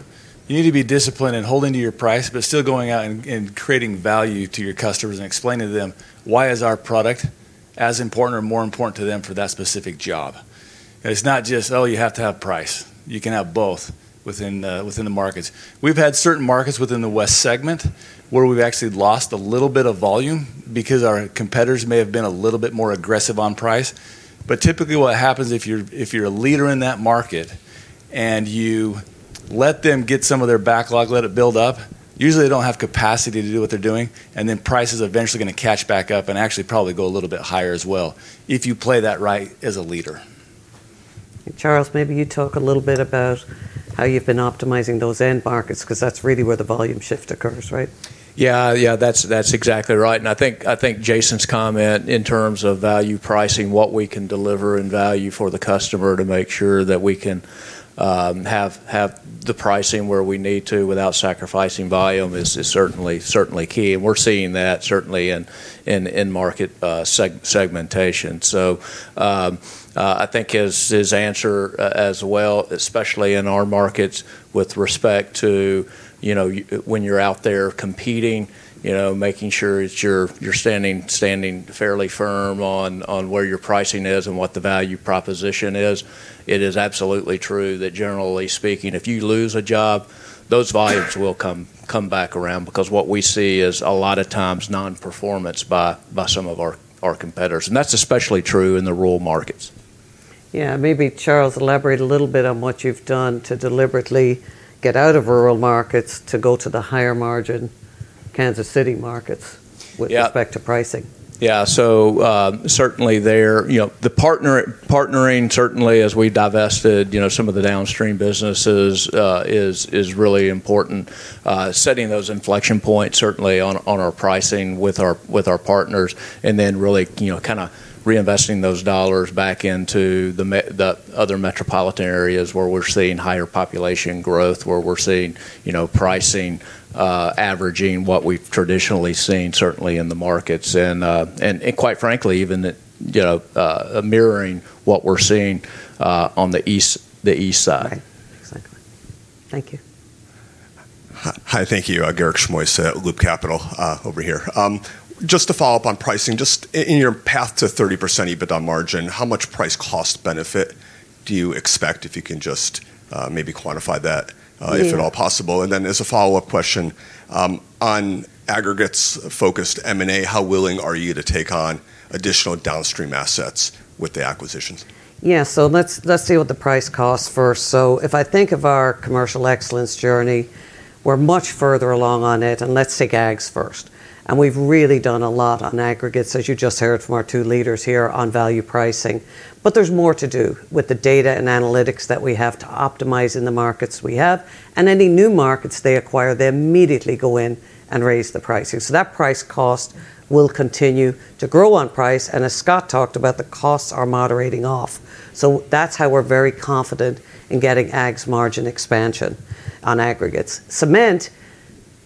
Speaker 4: You need to be disciplined in holding to your price but still going out and creating value to your customers and explaining to them why is our product as important or more important to them for that specific job. And it's not just, "Oh, you have to have price." You can have both within the markets. We've had certain markets within the West Segment where we've actually lost a little bit of volume because our competitors may have been a little bit more aggressive on price. But typically, what happens if you're a leader in that market and you let them get some of their backlog, let it build up? Usually, they don't have capacity to do what they're doing. And then price is eventually going to catch back up and actually probably go a little bit higher as well if you play that right as a leader. Charles, maybe you talk a little bit about how you've been optimizing those end markets because that's really where the volume shift occurs, right? Yeah. Yeah. That's exactly right. I think Jason's comment in terms of value pricing, what we can deliver in value for the customer to make sure that we can have the pricing where we need to without sacrificing volume is certainly key. We're seeing that certainly in market segmentation. So I think his answer as well, especially in our markets with respect to when you're out there competing, making sure you're standing fairly firm on where your pricing is and what the value proposition is, it is absolutely true that generally speaking, if you lose a job, those volumes will come back around because what we see is a lot of times non-performance by some of our competitors. That's especially true in the rural markets. Yeah.
Speaker 7: Maybe Charles, elaborate a little bit on what you've done to deliberately get out of rural markets to go to the higher margin, Kansas City markets with respect to pricing.
Speaker 12: Yeah. So certainly, the partnering certainly as we divested some of the downstream businesses is really important, setting those inflection points certainly on our pricing with our partners and then really kind of reinvesting those dollars back into the other metropolitan areas where we're seeing higher population growth, where we're seeing pricing averaging what we've traditionally seen certainly in the markets and quite frankly, even mirroring what we're seeing on the east side. Right. Exactly.
Speaker 16: Thank you. Hi. Thank you. Garik Shmois at Loop Capital over here. Just to follow up on pricing, just in your path to 30% EBITDA margin, how much price-cost benefit do you expect if you can just maybe quantify that if at all possible? And then, as a follow-up question, on aggregates-focused M&A, how willing are you to take on additional downstream assets with the acquisitions? Yeah. So let's see
Speaker 4: what the price costs first. So if I think of our Commercial Excellence journey, we're much further along on it. And let's take ags first. And we've really done a lot on aggregates, as you just heard from our two leaders here on value pricing. But there's more to do with the data and analytics that we have to optimize in the markets we have. And any new markets they acquire, they immediately go in and raise the pricing. So that price cost will continue to grow on price. And as Scott talked about, the costs are moderating off. So that's how we're very confident in getting ags margin expansion on aggregates. Cement.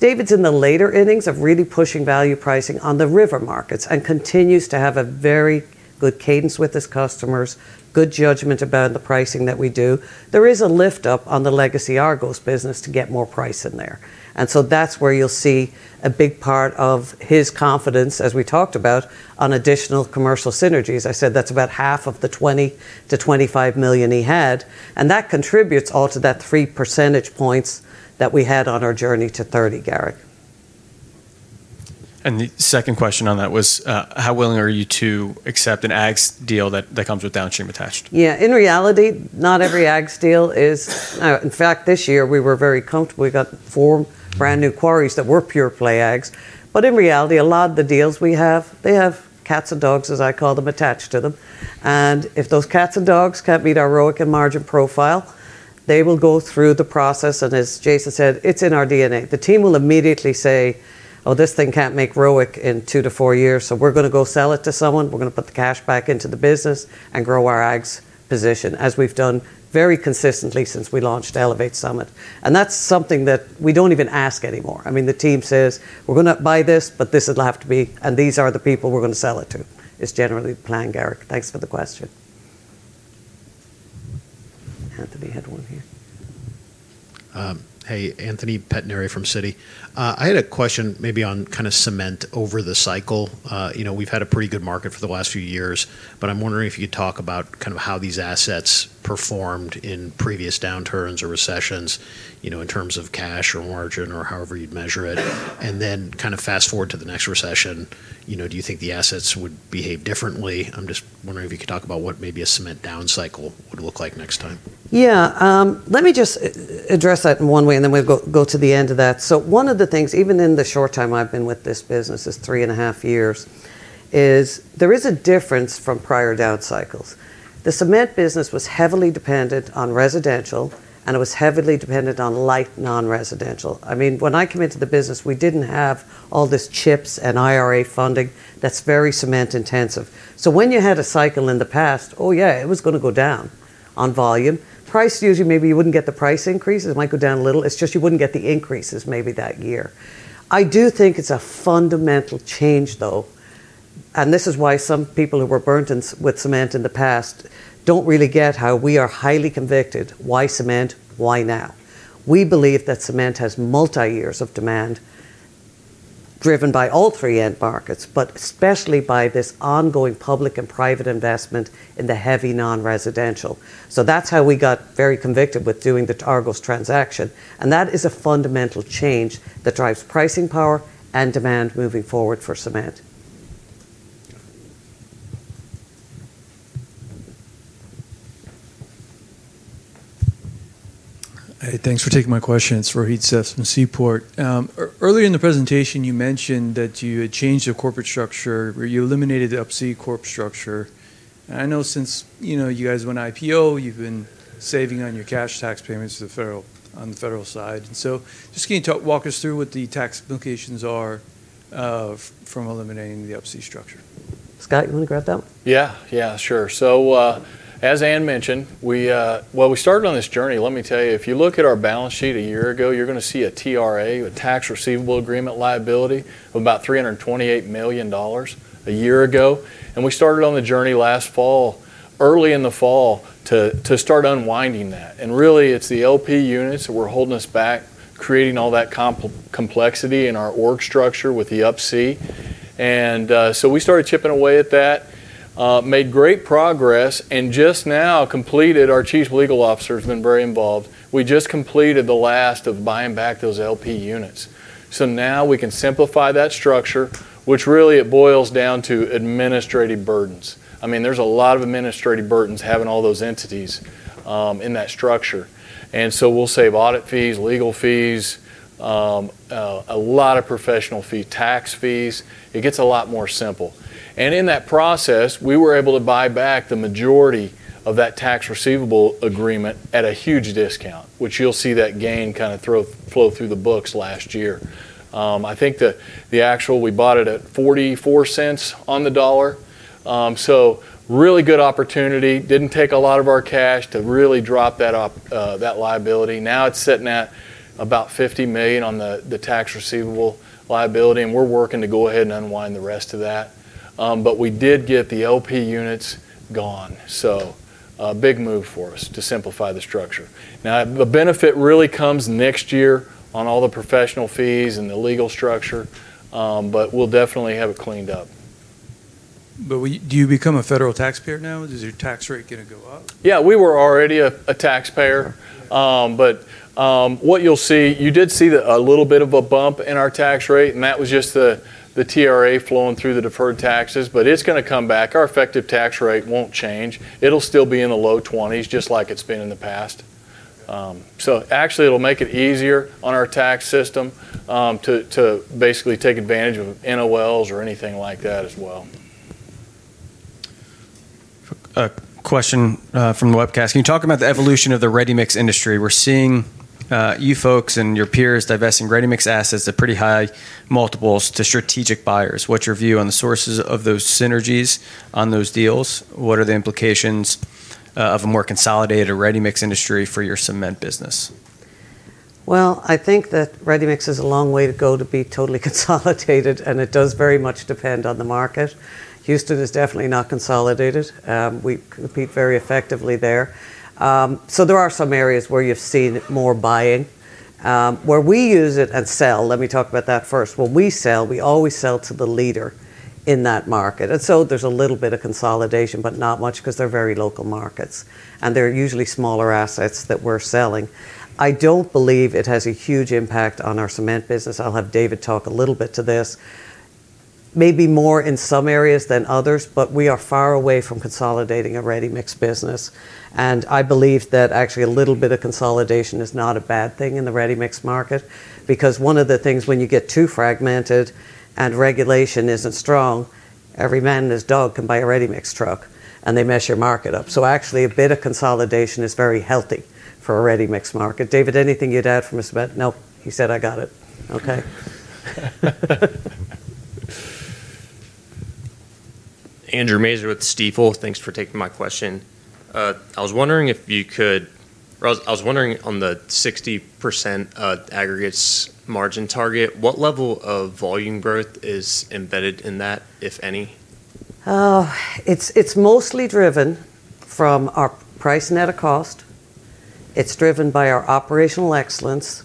Speaker 4: David's in the later innings of really pushing value pricing on the river markets and continues to have a very good cadence with his customers, good judgment about the pricing that we do. There is a lift-up on the legacy Argos business to get more price in there. So that's where you'll see a big part of his confidence, as we talked about, on additional commercial synergies. I said that's about half of the $20-$25 million he had. That contributes all to that 3 percentage points that we had on our journey to 30, Gary. The second question on that was how willing are you to accept an ags deal that comes with downstream attached? Yeah. In reality, not every ags deal is in fact, this year, we were very comfortable. We got four brand new quarries that were pure-play ags. But in reality, a lot of the deals we have, they have cats and dogs, as I call them, attached to them. And if those cats and dogs can't meet our ROIC and margin profile, they will go through the process. And as Jason said, it's in our DNA. The team will immediately say, "Oh, this thing can't make ROIC in 2-4 years. So we're going to go sell it to someone. We're going to put the cash back into the business and grow our ags position," as we've done very consistently since we launched Elevate Summit. And that's something that we don't even ask anymore. I mean, the team says, "We're going to buy this. But this will have to be and these are the people we're going to sell it to," is generally the plan, Gary. Thanks for the question. Anthony had one here. Hey.
Speaker 17: Anthony Pettinari from Citi. I had a question maybe on kind of cement over the cycle. We've had a pretty good market for the last few years. But I'm wondering if you could talk about kind of how these assets performed in previous downturns or recessions in terms of cash or margin or however you'd measure it. And then kind of fast-forward to the next recession, do you think the assets would behave differently? I'm just wondering if you could talk about what maybe a cement downcycle would look like next time. Yeah. Let me just address that in one way. And then we'll go to the end of that. So one of the things, even in the short time I've been with this business, it's three and a half years, is there is a difference from prior downcycles. The cement business was heavily dependent on residential.
Speaker 4: It was heavily dependent on light non-residential. I mean, when I came into the business, we didn't have all this CHIPS and IRA funding that's very cement-intensive. So when you had a cycle in the past, "Oh, yeah. It was going to go down on volume," price usually maybe you wouldn't get the price increases. It might go down a little. It's just you wouldn't get the increases maybe that year. I do think it's a fundamental change, though. And this is why some people who were burnt with cement in the past don't really get how we are highly convicted why cement, why now. We believe that cement has multi-years of demand driven by all three end markets but especially by this ongoing public and private investment in the heavy non-residential. So that's how we got very convicted with doing the Argos transaction. And that is a fundamental change that drives pricing power and demand moving forward for cement. Hey. Thanks for taking my question. It's Rohit Seth from Seaport. Earlier in the presentation, you mentioned that you had changed the corporate structure where you eliminated the upstream corp structure. And I know since you guys went IPO, you've been saving on your cash tax payments on the federal side. And so just can you walk us through what the tax implications are from eliminating the upstream structure? Scott, you want to grab that one? Yeah. Yeah. Sure. So as Anne mentioned, well, we started on this journey. Let me tell you, if you look at our balance sheet a year ago, you're going to see a TRA, a tax receivable agreement liability of about $328 million a year ago.
Speaker 17: We started on the journey early in the fall to start unwinding that. And really, it's the LP units that were holding us back, creating all that complexity in our org structure with the upstream. And so we started chipping away at that, made great progress, and just now completed. Our Chief Legal Officer has been very involved. We just completed the last of buying back those LP units. So now, we can simplify that structure, which really, it boils down to administrative burdens. I mean, there's a lot of administrative burdens having all those entities in that structure. And so we'll save audit fees, legal fees, a lot of professional fees, tax fees. It gets a lot more simple.
Speaker 4: In that process, we were able to buy back the majority of that tax receivable agreement at a huge discount, which you'll see that gain kind of flow through the books last year. I think the actual we bought it at $0.44 on the dollar. So really good opportunity. Didn't take a lot of our cash to really drop that liability. Now, it's sitting at about $50 million on the tax receivable liability. And we're working to go ahead and unwind the rest of that. But we did get the LP units gone. So big move for us to simplify the structure. Now, the benefit really comes next year on all the professional fees and the legal structure. But we'll definitely have it cleaned up. But do you become a federal taxpayer now? Is your tax rate going to go up? Yeah. We were already a taxpayer. But what you'll see, you did see a little bit of a bump in our tax rate. And that was just the TRA flowing through the deferred taxes. But it's going to come back. Our effective tax rate won't change. It'll still be in the low 20s just like it's been in the past. So actually, it'll make it easier on our tax system to basically take advantage of NOLs or anything like that as well. A question from the webcast. Can you talk about the evolution of the ready-mix industry? We're seeing you folks and your peers divesting ready-mix assets at pretty high multiples to strategic buyers. What's your view on the sources of those synergies on those deals? What are the implications of a more consolidated ready-mix industry for your cement business? Well, I think that ready-mix is a long way to go to be totally consolidated. It does very much depend on the market. Houston is definitely not consolidated. We compete very effectively there. There are some areas where you've seen more buying. Where we use it and sell, let me talk about that first. When we sell, we always sell to the leader in that market. So there's a little bit of consolidation but not much because they're very local markets. And they're usually smaller assets that we're selling. I don't believe it has a huge impact on our cement business. I'll have David talk a little bit to this, maybe more in some areas than others. We are far away from consolidating a ready-mix business. I believe that actually a little bit of consolidation is not a bad thing in the ready-mix market because one of the things, when you get too fragmented and regulation isn't strong, every man and his dog can buy a ready-mix truck. They mess your market up. So actually, a bit of consolidation is very healthy for a ready-mix market. David, anything you'd add from a cement? Nope. He said, "I got it." Okay. Andrew Mazer with Seaport. Thanks for taking my question. I was wondering on the 60% aggregates margin target, what level of volume growth is embedded in that, if any? It's mostly driven from our price net at cost. It's driven by our operational excellence.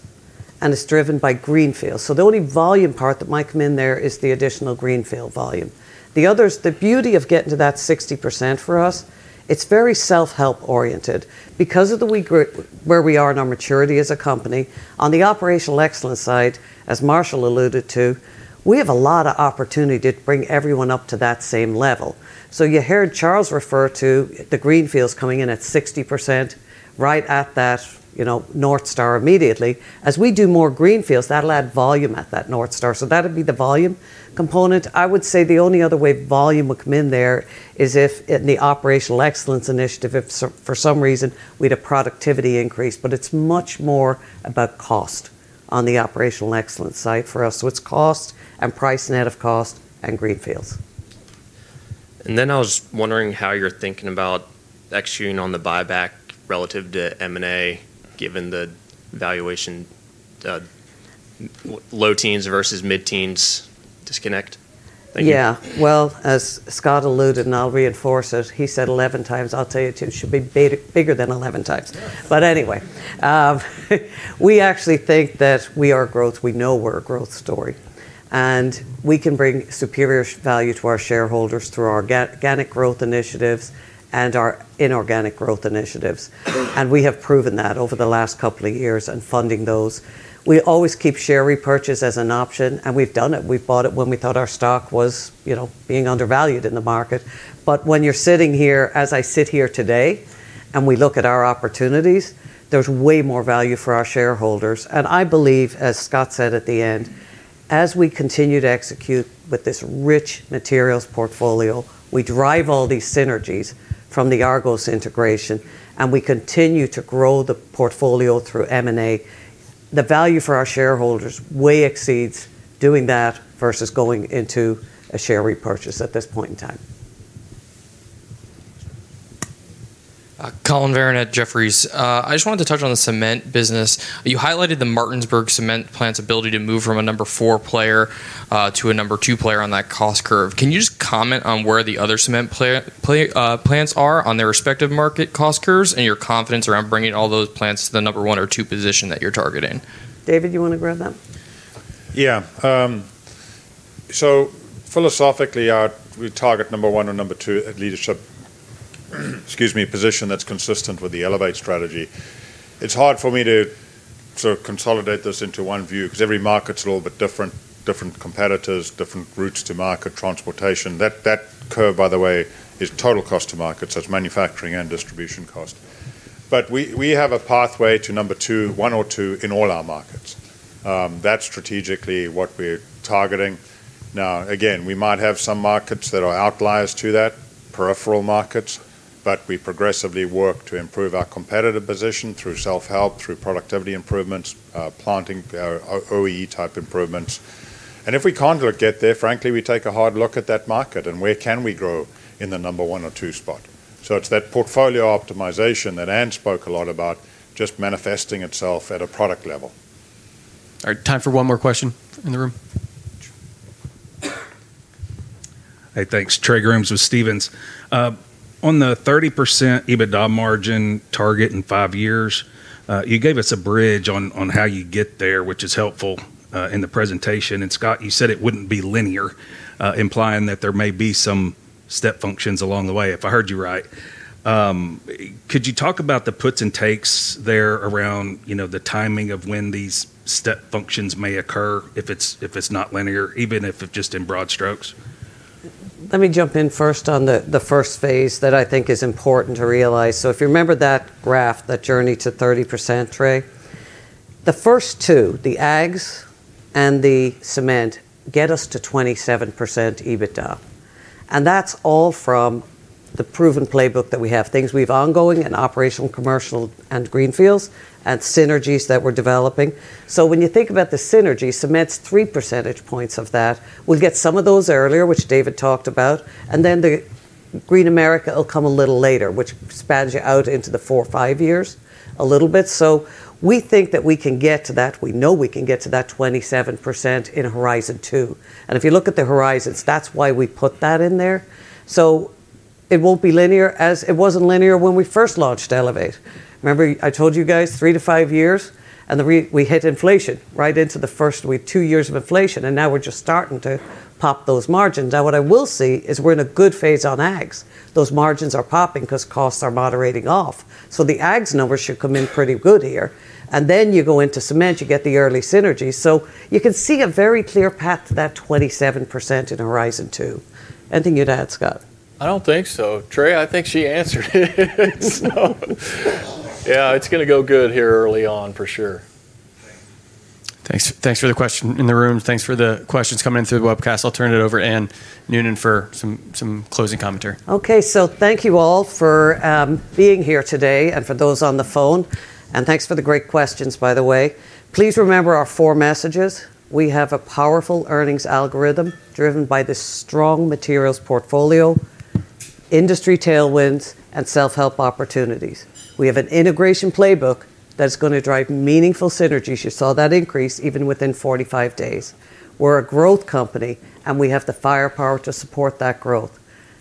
Speaker 4: And it's driven by greenfield. So the only volume part that might come in there is the additional greenfield volume.
Speaker 7: The beauty of getting to that 60% for us, it's very self-help oriented because of where we are in our maturity as a company. On the operational excellence side, as Marshall alluded to, we have a lot of opportunity to bring everyone up to that same level. So you heard Charles refer to the greenfields coming in at 60% right at that north star immediately. As we do more greenfields, that'll add volume at that north star. So that'll be the volume component. I would say the only other way volume would come in there is in the operational excellence initiative if for some reason we had a productivity increase. But it's much more about cost on the operational excellence side for us. So it's cost and price net of cost and greenfields. Then I was wondering how you're thinking about executing on the buyback relative to M&A given the valuation low teens versus mid-teens disconnect. Thank you. Yeah. Well, as Scott alluded, and I'll reinforce it, he said 11x. I'll tell you too. It should be bigger than 11x. But anyway, we actually think that we are a growth we know we're a growth story. And we can bring superior value to our shareholders through our organic growth initiatives and our inorganic growth initiatives. And we have proven that over the last couple of years and funding those. We always keep share repurchase as an option. And we've done it.
Speaker 13: We've bought it when we thought our stock was being undervalued in the market. But when you're sitting here as I sit here today and we look at our opportunities, there's way more value for our shareholders.
Speaker 7: I believe, as Scott said at the end, as we continue to execute with this rich materials portfolio, we drive all these synergies from the Argos integration. We continue to grow the portfolio through M&A. The value for our shareholders way exceeds doing that versus going into a share repurchase at this point in time.
Speaker 18: Collin Verron at Jefferies. I just wanted to touch on the cement business. You highlighted the Martinsburg cement plant's ability to move from a number 4 player to a number 2 player on that cost curve. Can you just comment on where the other cement plants are on their respective market cost curves and your confidence around bringing all those plants to the number 1 or 2 position that you're targeting? David, you want to grab that one? Yeah.
Speaker 8: So, philosophically, we target number one or number two at leadership, excuse me, position that's consistent with the Elevate strategy. It's hard for me to sort of consolidate this into one view because every market's a little bit different, different competitors, different routes to market, transportation. That curve, by the way, is total cost to market. So it's manufacturing and distribution cost. But we have a pathway to number two, one or two, in all our markets. That's strategically what we're targeting. Now, again, we might have some markets that are outliers to that, peripheral markets. But we progressively work to improve our competitive position through self-help, through productivity improvements, planting OEE-type improvements. And if we can't get there, frankly, we take a hard look at that market and where can we grow in the number one or two spot. So it's that portfolio optimization that Anne spoke a lot about, just manifesting itself at a product level. All right. Time for one more question in the room. Hey. Thanks. Trey Grooms with Stephens. On the 30% EBITDA margin target in five years, you gave us a bridge on how you get there, which is helpful in the presentation. And Scott, you said it wouldn't be linear, implying that there may be some step functions along the way, if I heard you right. Could you talk about the puts and takes there around the timing of when these step functions may occur if it's not linear, even if it's just in broad strokes? Letme jump in first on the first phase that I think is important to realize.
Speaker 4: So if you remember that graph, that journey to 30%, Trey, the first two, the ags and the cement, get us to 27% EBITDA. And that's all from the proven playbook that we have, things we have ongoing in operational, commercial, and greenfields and synergies that we're developing. So when you think about the synergy, cement's three percentage points of that. We'll get some of those earlier, which David talked about. And then the Green America will come a little later, which spans you out into the 4-5 years a little bit. So we think that we can get to that. We know we can get to that 27% in horizon two. And if you look at the horizons, that's why we put that in there. So it won't be linear as it wasn't linear when we first launched Elevate. Remember, I told you guys 3-5 years?
Speaker 7: And we hit inflation right into the first two years of inflation. And now, we're just starting to pop those margins. Now, what I will see is we're in a good phase on ags. Those margins are popping because costs are moderating off. So the ags numbers should come in pretty good here. And then you go into cement. You get the early synergies. So you can see a very clear path to that 27% in horizon two. Anything you'd add, Scott? I don't think so. Trey, I think she answered it. So yeah, it's going to go good here early on for sure. Thanks for the question in the room. Thanks for the questions coming in through the webcast. I'll turn it over to Anne Noonan for some closing commentary.
Speaker 1: Okay. So thank you all for being here today and for those on the phone. And thanks for the great questions, by the way. Please remember our four messages. We have a powerful earnings algorithm driven by this strong materials portfolio, industry tailwinds, and self-help opportunities. We have an integration playbook that's going to drive meaningful synergies. You saw that increase even within 45 days. We're a growth company. And we have the firepower to support that growth.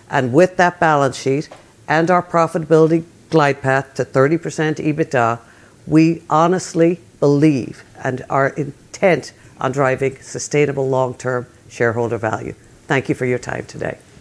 Speaker 1: And with that balance sheet and our profitability glide path to 30% EBITDA, we honestly believe and are intent on driving sustainable long-term shareholder value. Thank you for your time today.